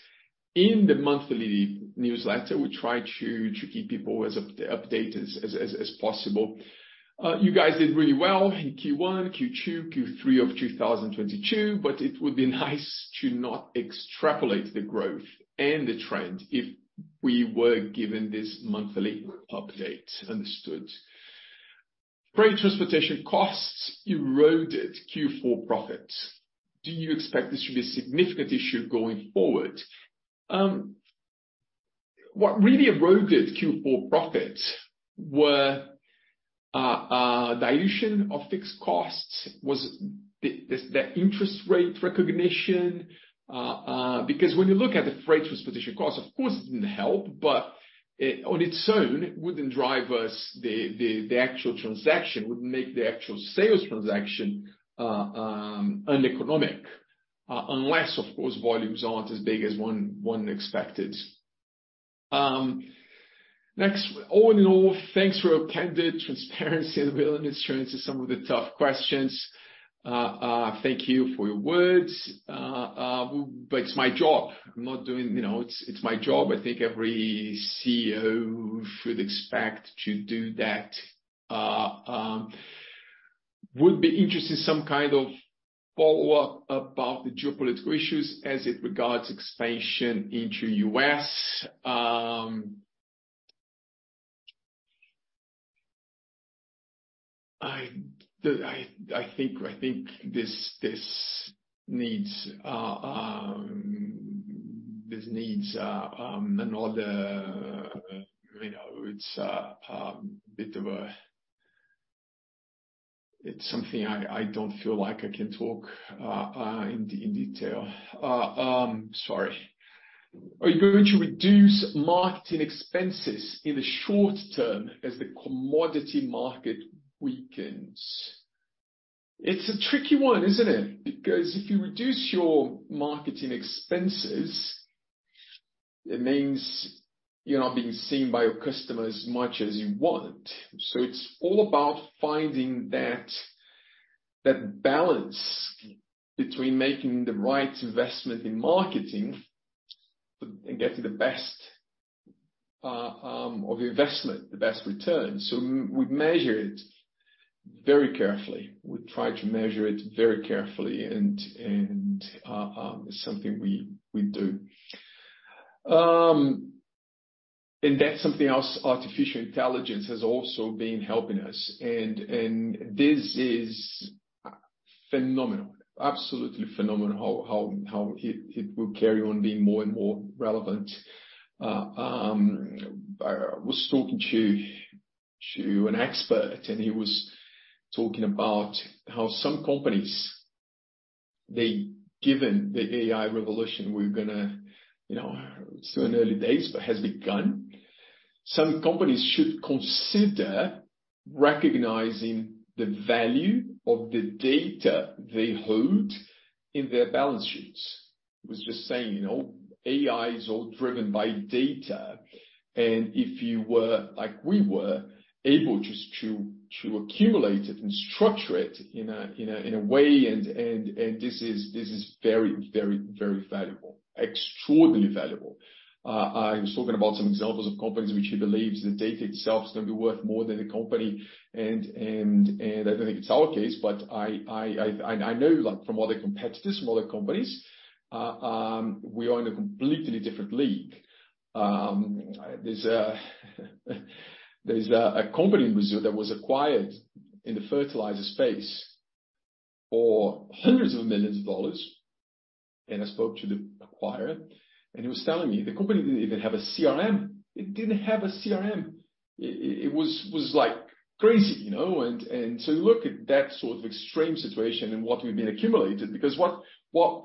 In the monthly newsletter, we try to keep people as updated as possible. You guys did really well in Q1, Q2, Q3 of 2022, it would be nice to not extrapolate the growth and the trend if we were given this monthly update. Understood. Freight transportation costs eroded Q4 profits. Do you expect this to be a significant issue going forward? What really eroded Q4 profits were dilution of fixed costs, was the interest rate recognition, because when you look at the freight transportation cost, of course, it didn't help, but on its own, it wouldn't make the actual sales transaction uneconomic, unless of course, volumes aren't as big as one expected. Next. All in all, thanks for your candid transparency and the willingness to answer some of the tough questions. Thank you for your words. But it's my job. You know, it's my job. I think every CEO should expect to do that. Would be interested in some kind of follow-up about the geopolitical issues as it regards expansion into US. I think this needs another, you know. It's a bit of a. It's something I don't feel like I can talk in detail. Sorry. Are you going to reduce marketing expenses in the short term as the commodity market weakens? It's a tricky one, isn't it? Because if you reduce your marketing expenses, it means you're not being seen by your customer as much as you want. It's all about finding that balance between making the right investment in marketing and getting the best of investment, the best return. We measure it very carefully. We try to measure it very carefully, and it's something we do. And that's something else artificial intelligence has also been helping us. This is phenomenal, absolutely phenomenal how it will carry on being more and more relevant. I was talking to an expert, and he was talking about how some companies, given the AI revolution, we're gonna, you know, still in early days, but has begun. Some companies should consider recognizing the value of the data they hold in their balance sheets. He was just saying, you know, AI is all driven by data, if you were, like we were, able just to accumulate it and structure it in a way, and this is very, very valuable. Extraordinarily valuable. He was talking about some examples of companies which he believes the data itself is gonna be worth more than the company. I don't think it's our case, but I know like from other competitors, from other companies, we are in a completely different league. There's a company in Brazil that was acquired in the fertilizer space for $hundreds of millions, and I spoke to the acquirer, and he was telling me the company didn't even have a CRM. It didn't have a CRM. It was like crazy, you know. You look at that sort of extreme situation and what we've been accumulated because what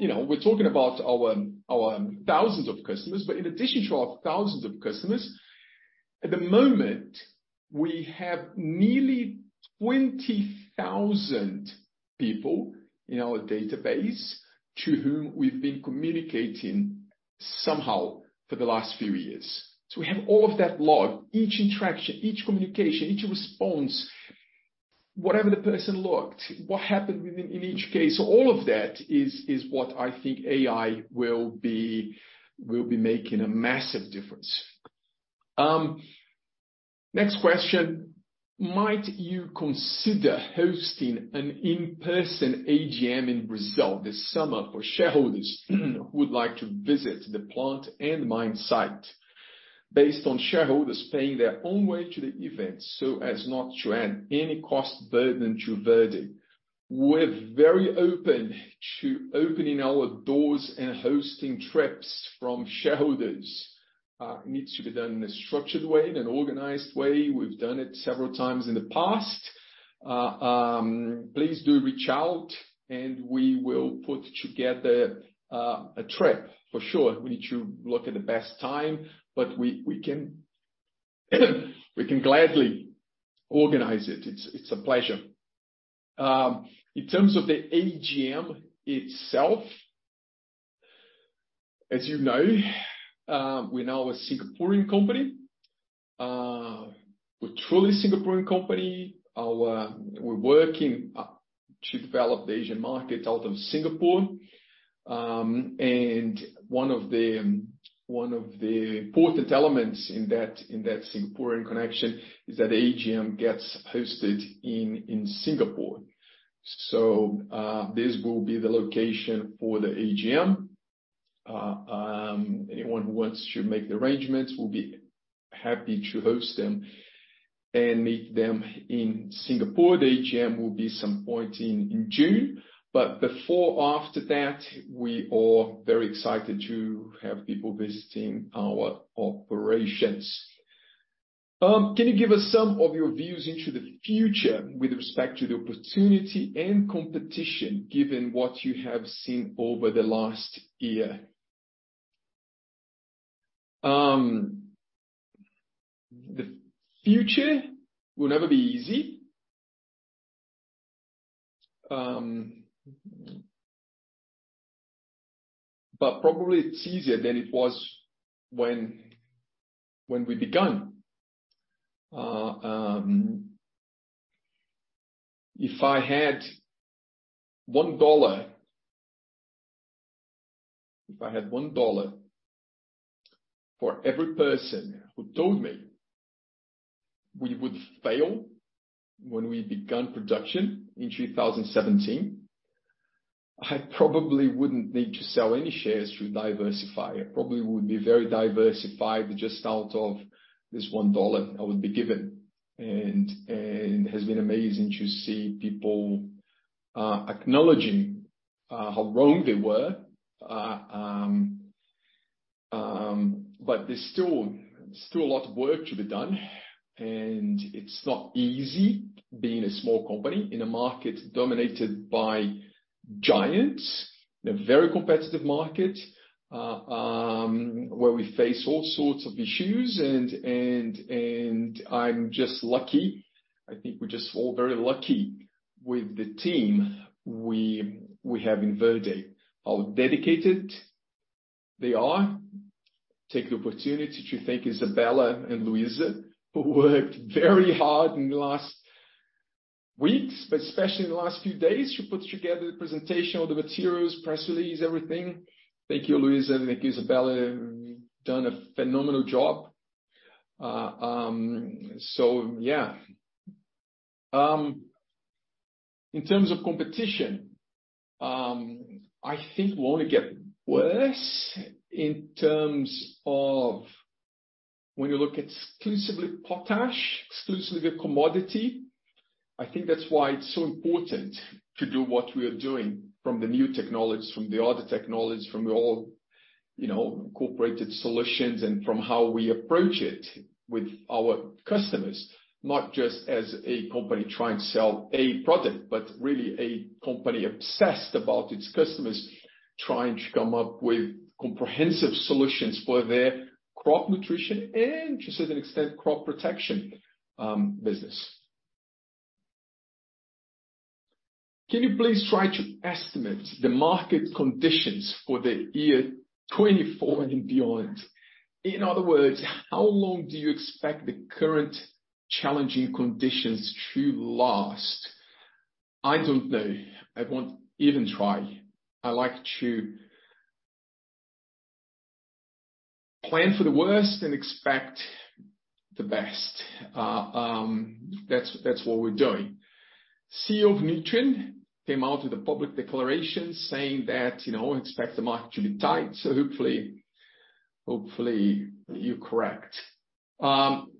You know, we're talking about our thousands of customers, but in addition to our thousands of customers, at the moment, we have nearly 20,000 people in our database to whom we've been communicating somehow for the last few years. We have all of that log, each interaction, each communication, each response, whatever the person looked, what happened in each case. All of that is what I think AI will be making a massive difference. Next question. Might you consider hosting an in-person AGM in Brazil this summer for shareholders who would like to visit the plant and mine site based on shareholders paying their own way to the event so as not to add any cost burden to Verde? We're very open to opening our doors and hosting trips from shareholders. It needs to be done in a structured way, in an organized way. We've done it several times in the past. Please do reach out and we will put together a trip for sure. We need to look at the best time, we can gladly organize it. It's a pleasure. In terms of the AGM itself, as you know, we're now a Singaporean company. We're truly Singaporean company. We're working to develop the Asian markets out of Singapore. One of the important elements in that Singaporean connection is that AGM gets hosted in Singapore. This will be the location for the AGM. Anyone who wants to make the arrangements, we'll be happy to host them and meet them in Singapore. The AGM will be some point in June, before or after that, we are very excited to have people visiting our operations. Can you give us some of your views into the future with respect to the opportunity and competition, given what you have seen over the last year? The future will never be easy. Probably it's easier than it was when we begun. If I had $1 for every person who told me we would fail when we begun production in 2017, I probably wouldn't need to sell any shares to diversify. I probably would be very diversified just out of this $1 I would be given. It has been amazing to see people acknowledging how wrong they were. There's still a lot of work to be done, and it's not easy being a small company in a market dominated by giants. In a very competitive market, where we face all sorts of issues and I'm just lucky. I think we're just all very lucky with the team we have in Verde, how dedicated they are. Take the opportunity to thank Isabella and Luisa, who worked very hard in the last weeks, but especially in the last few days, to put together the presentation, all the materials, press release, everything. Thank you, Luisa and thank Isabella. You've done a phenomenal job. Yeah. In terms of competition, I think we'll only get worse in terms of when you look exclusively potash, exclusively the commodity. I think that's why it's so important to do what we are doing from the new technologies, from the older technologies, from the all, you know, incorporated solutions and from how we approach it with our customers, not just as a company trying to sell a product, but really a company obsessed about its customers trying to come up with comprehensive solutions for their crop nutrition and to a certain extent, crop protection, business. Can you please try to estimate the market conditions for the year 2024 and beyond? In other words, how long do you expect the current challenging conditions to last? I don't know. I won't even try. I like to plan for the worst and expect the best. That's what we're doing. CEO of Nutrien came out with a public declaration saying that, you know, expect the market to be tight, hopefully you're correct.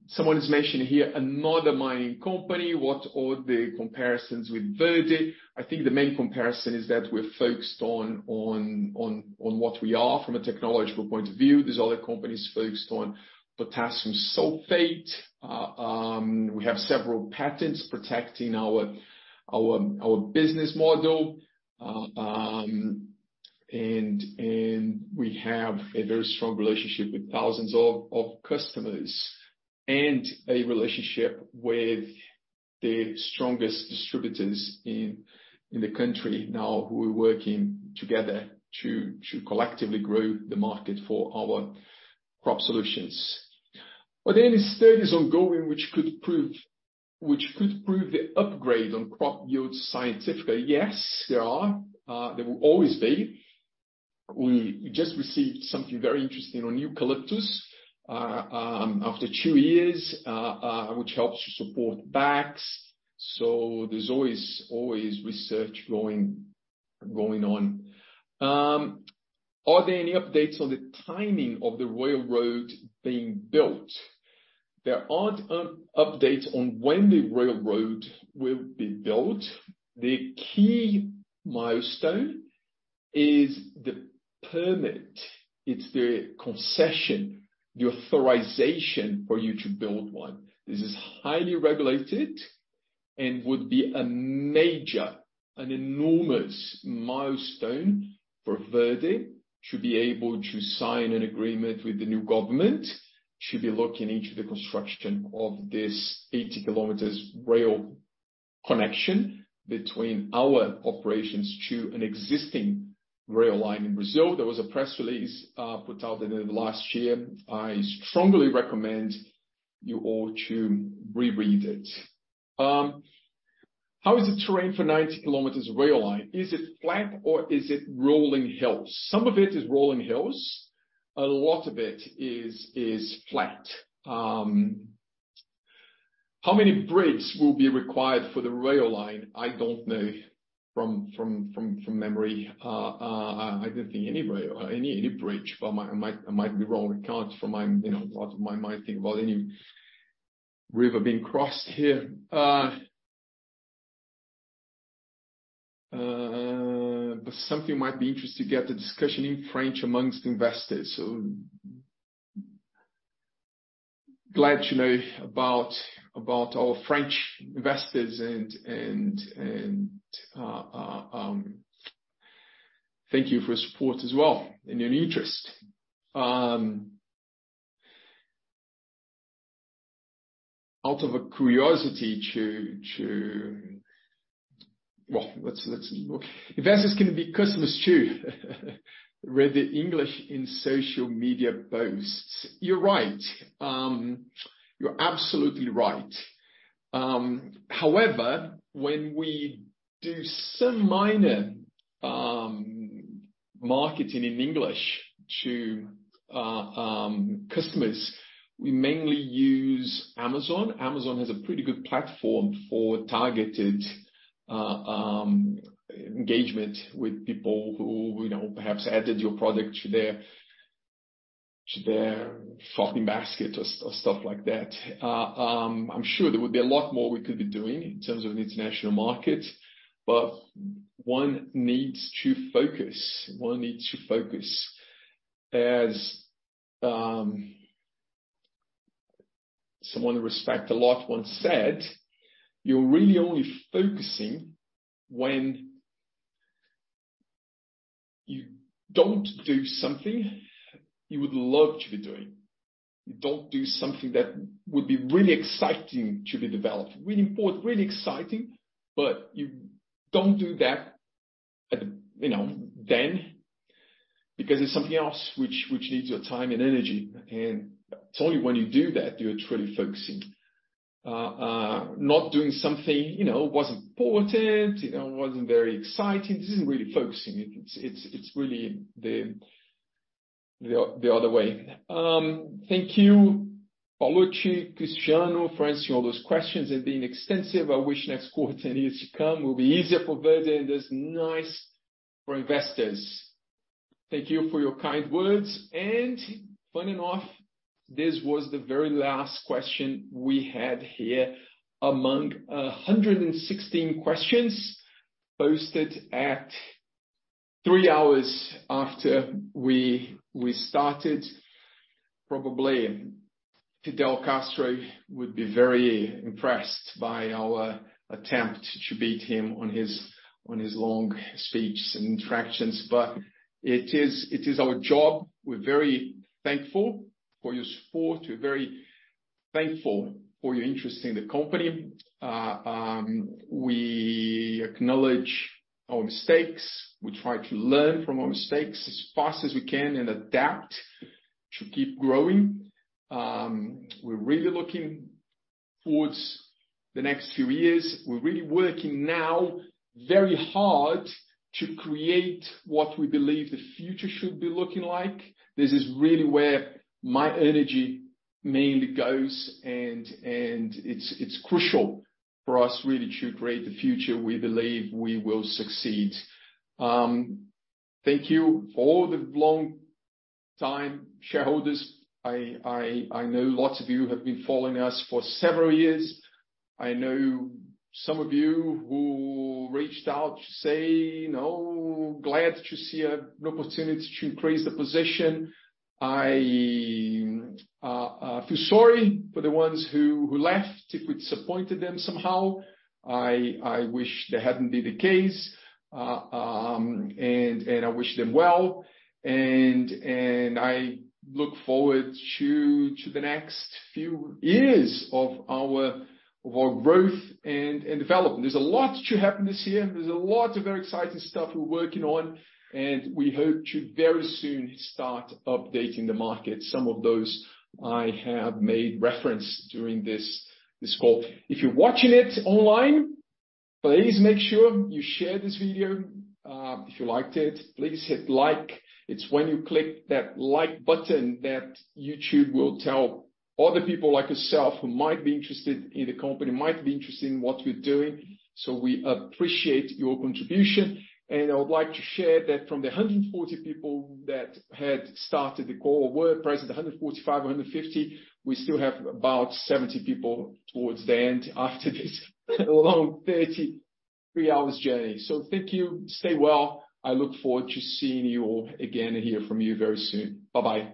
Someone has mentioned here another mining company. What are the comparisons with Verde? I think the main comparison is that we're focused on what we are from a technological point of view. These other companies focused on potassium sulfate. We have several patents protecting our business model. We have a very strong relationship with thousands of customers and a relationship with the strongest distributors in the country now who are working together to collectively grow the market for our crop solutions. Are there any studies ongoing which could prove the upgrade on crop yields scientifically? Yes, there are. There will always be. We just received something very interesting on eucalyptus, after two years, which helps to support BAKS. There's always research going on. Are there any updates on the timing of the railroad being built? There aren't updates on when the railroad will be built. The key milestone is the permit, it's the concession, the authorization for you to build one. This is highly regulated and would be a major, an enormous milestone for Verde to be able to sign an agreement with the new government to be looking into the construction of this 80 km rail connection between our operations to an existing rail line in Brazil. There was a press release put out at the end of last year. I strongly recommend you all to reread it. How is the terrain for 90 km rail line? Is it flat or is it rolling hills? Some of it is rolling hills, a lot of it is flat. How many bridges will be required for the rail line? I don't know from memory. I don't think any bridge. I might be wrong. I can't from my, you know, out of my mind think about any river being crossed here. Something you might be interested to get the discussion in French amongst investors. Glad to know about our French investors and thank you for your support as well and your interest. Out of a curiosity. Well, let's investors can be customers too. Read the English in social media posts. You're right. You're absolutely right. However, when we do some minor marketing in English to customers, we mainly use Amazon. Amazon has a pretty good platform for targeted engagement with people who, you know, perhaps added your product to their shopping basket or stuff like that. I'm sure there would be a lot more we could be doing in terms of international market, but one needs to focus. One needs to focus. As someone I respect a lot once said, you're really only focusing when you don't do something you would love to be doing. You don't do something that would be really exciting to be developed. Really important, really exciting, but you don't do that at the you know then because it's something else which needs your time and energy. It's only when you do that, you're truly focusing. Not doing something, you know, was important, you know, wasn't very exciting, this isn't really focusing. It's really the other way. Thank you, Paolucci, Cristiano, for answering all those questions and being extensive. I wish next quarter and years to come will be easier for Verde and is nice for investors. Thank you for your kind words. Funny enough, this was the very last question we had here among 116 questions posted at three hours after we started. Probably Fidel Castro would be very impressed by our attempt to beat him on his long speeches and interactions. It is our job. We're very thankful for your support. We're very thankful for your interest in the company. We acknowledge our mistakes. We try to learn from our mistakes as fast as we can and adapt to keep growing. We're really looking towards the next few years. We're really working now very hard to create what we believe the future should be looking like. This is really where my energy mainly goes and it's crucial for us really to create the future we believe we will succeed. Thank you for the long time shareholders. I know lots of you have been following us for several years. I know some of you who reached out to say, you know, glad to see an opportunity to increase the position. I feel sorry for the ones who left, if we disappointed them somehow. I wish that hadn't been the case. I wish them well. I look forward to the next few years of our growth and development. There's a lot to happen this year. There's a lot of very exciting stuff we're working on, we hope to very soon start updating the market. Some of those I have made reference during this call. If you're watching it online, please make sure you share this video. If you liked it, please hit like. It's when you click that like button that YouTube will tell other people like yourself who might be interested in the company, might be interested in what we're doing. We appreciate your contribution. I would like to share that from the 140 people that had started the call, were present 145, 150, we still have about 70 people towards the end after this long 33 hours journey. Thank you. Stay well. I look forward to seeing you all again and hear from you very soon. Bye-bye.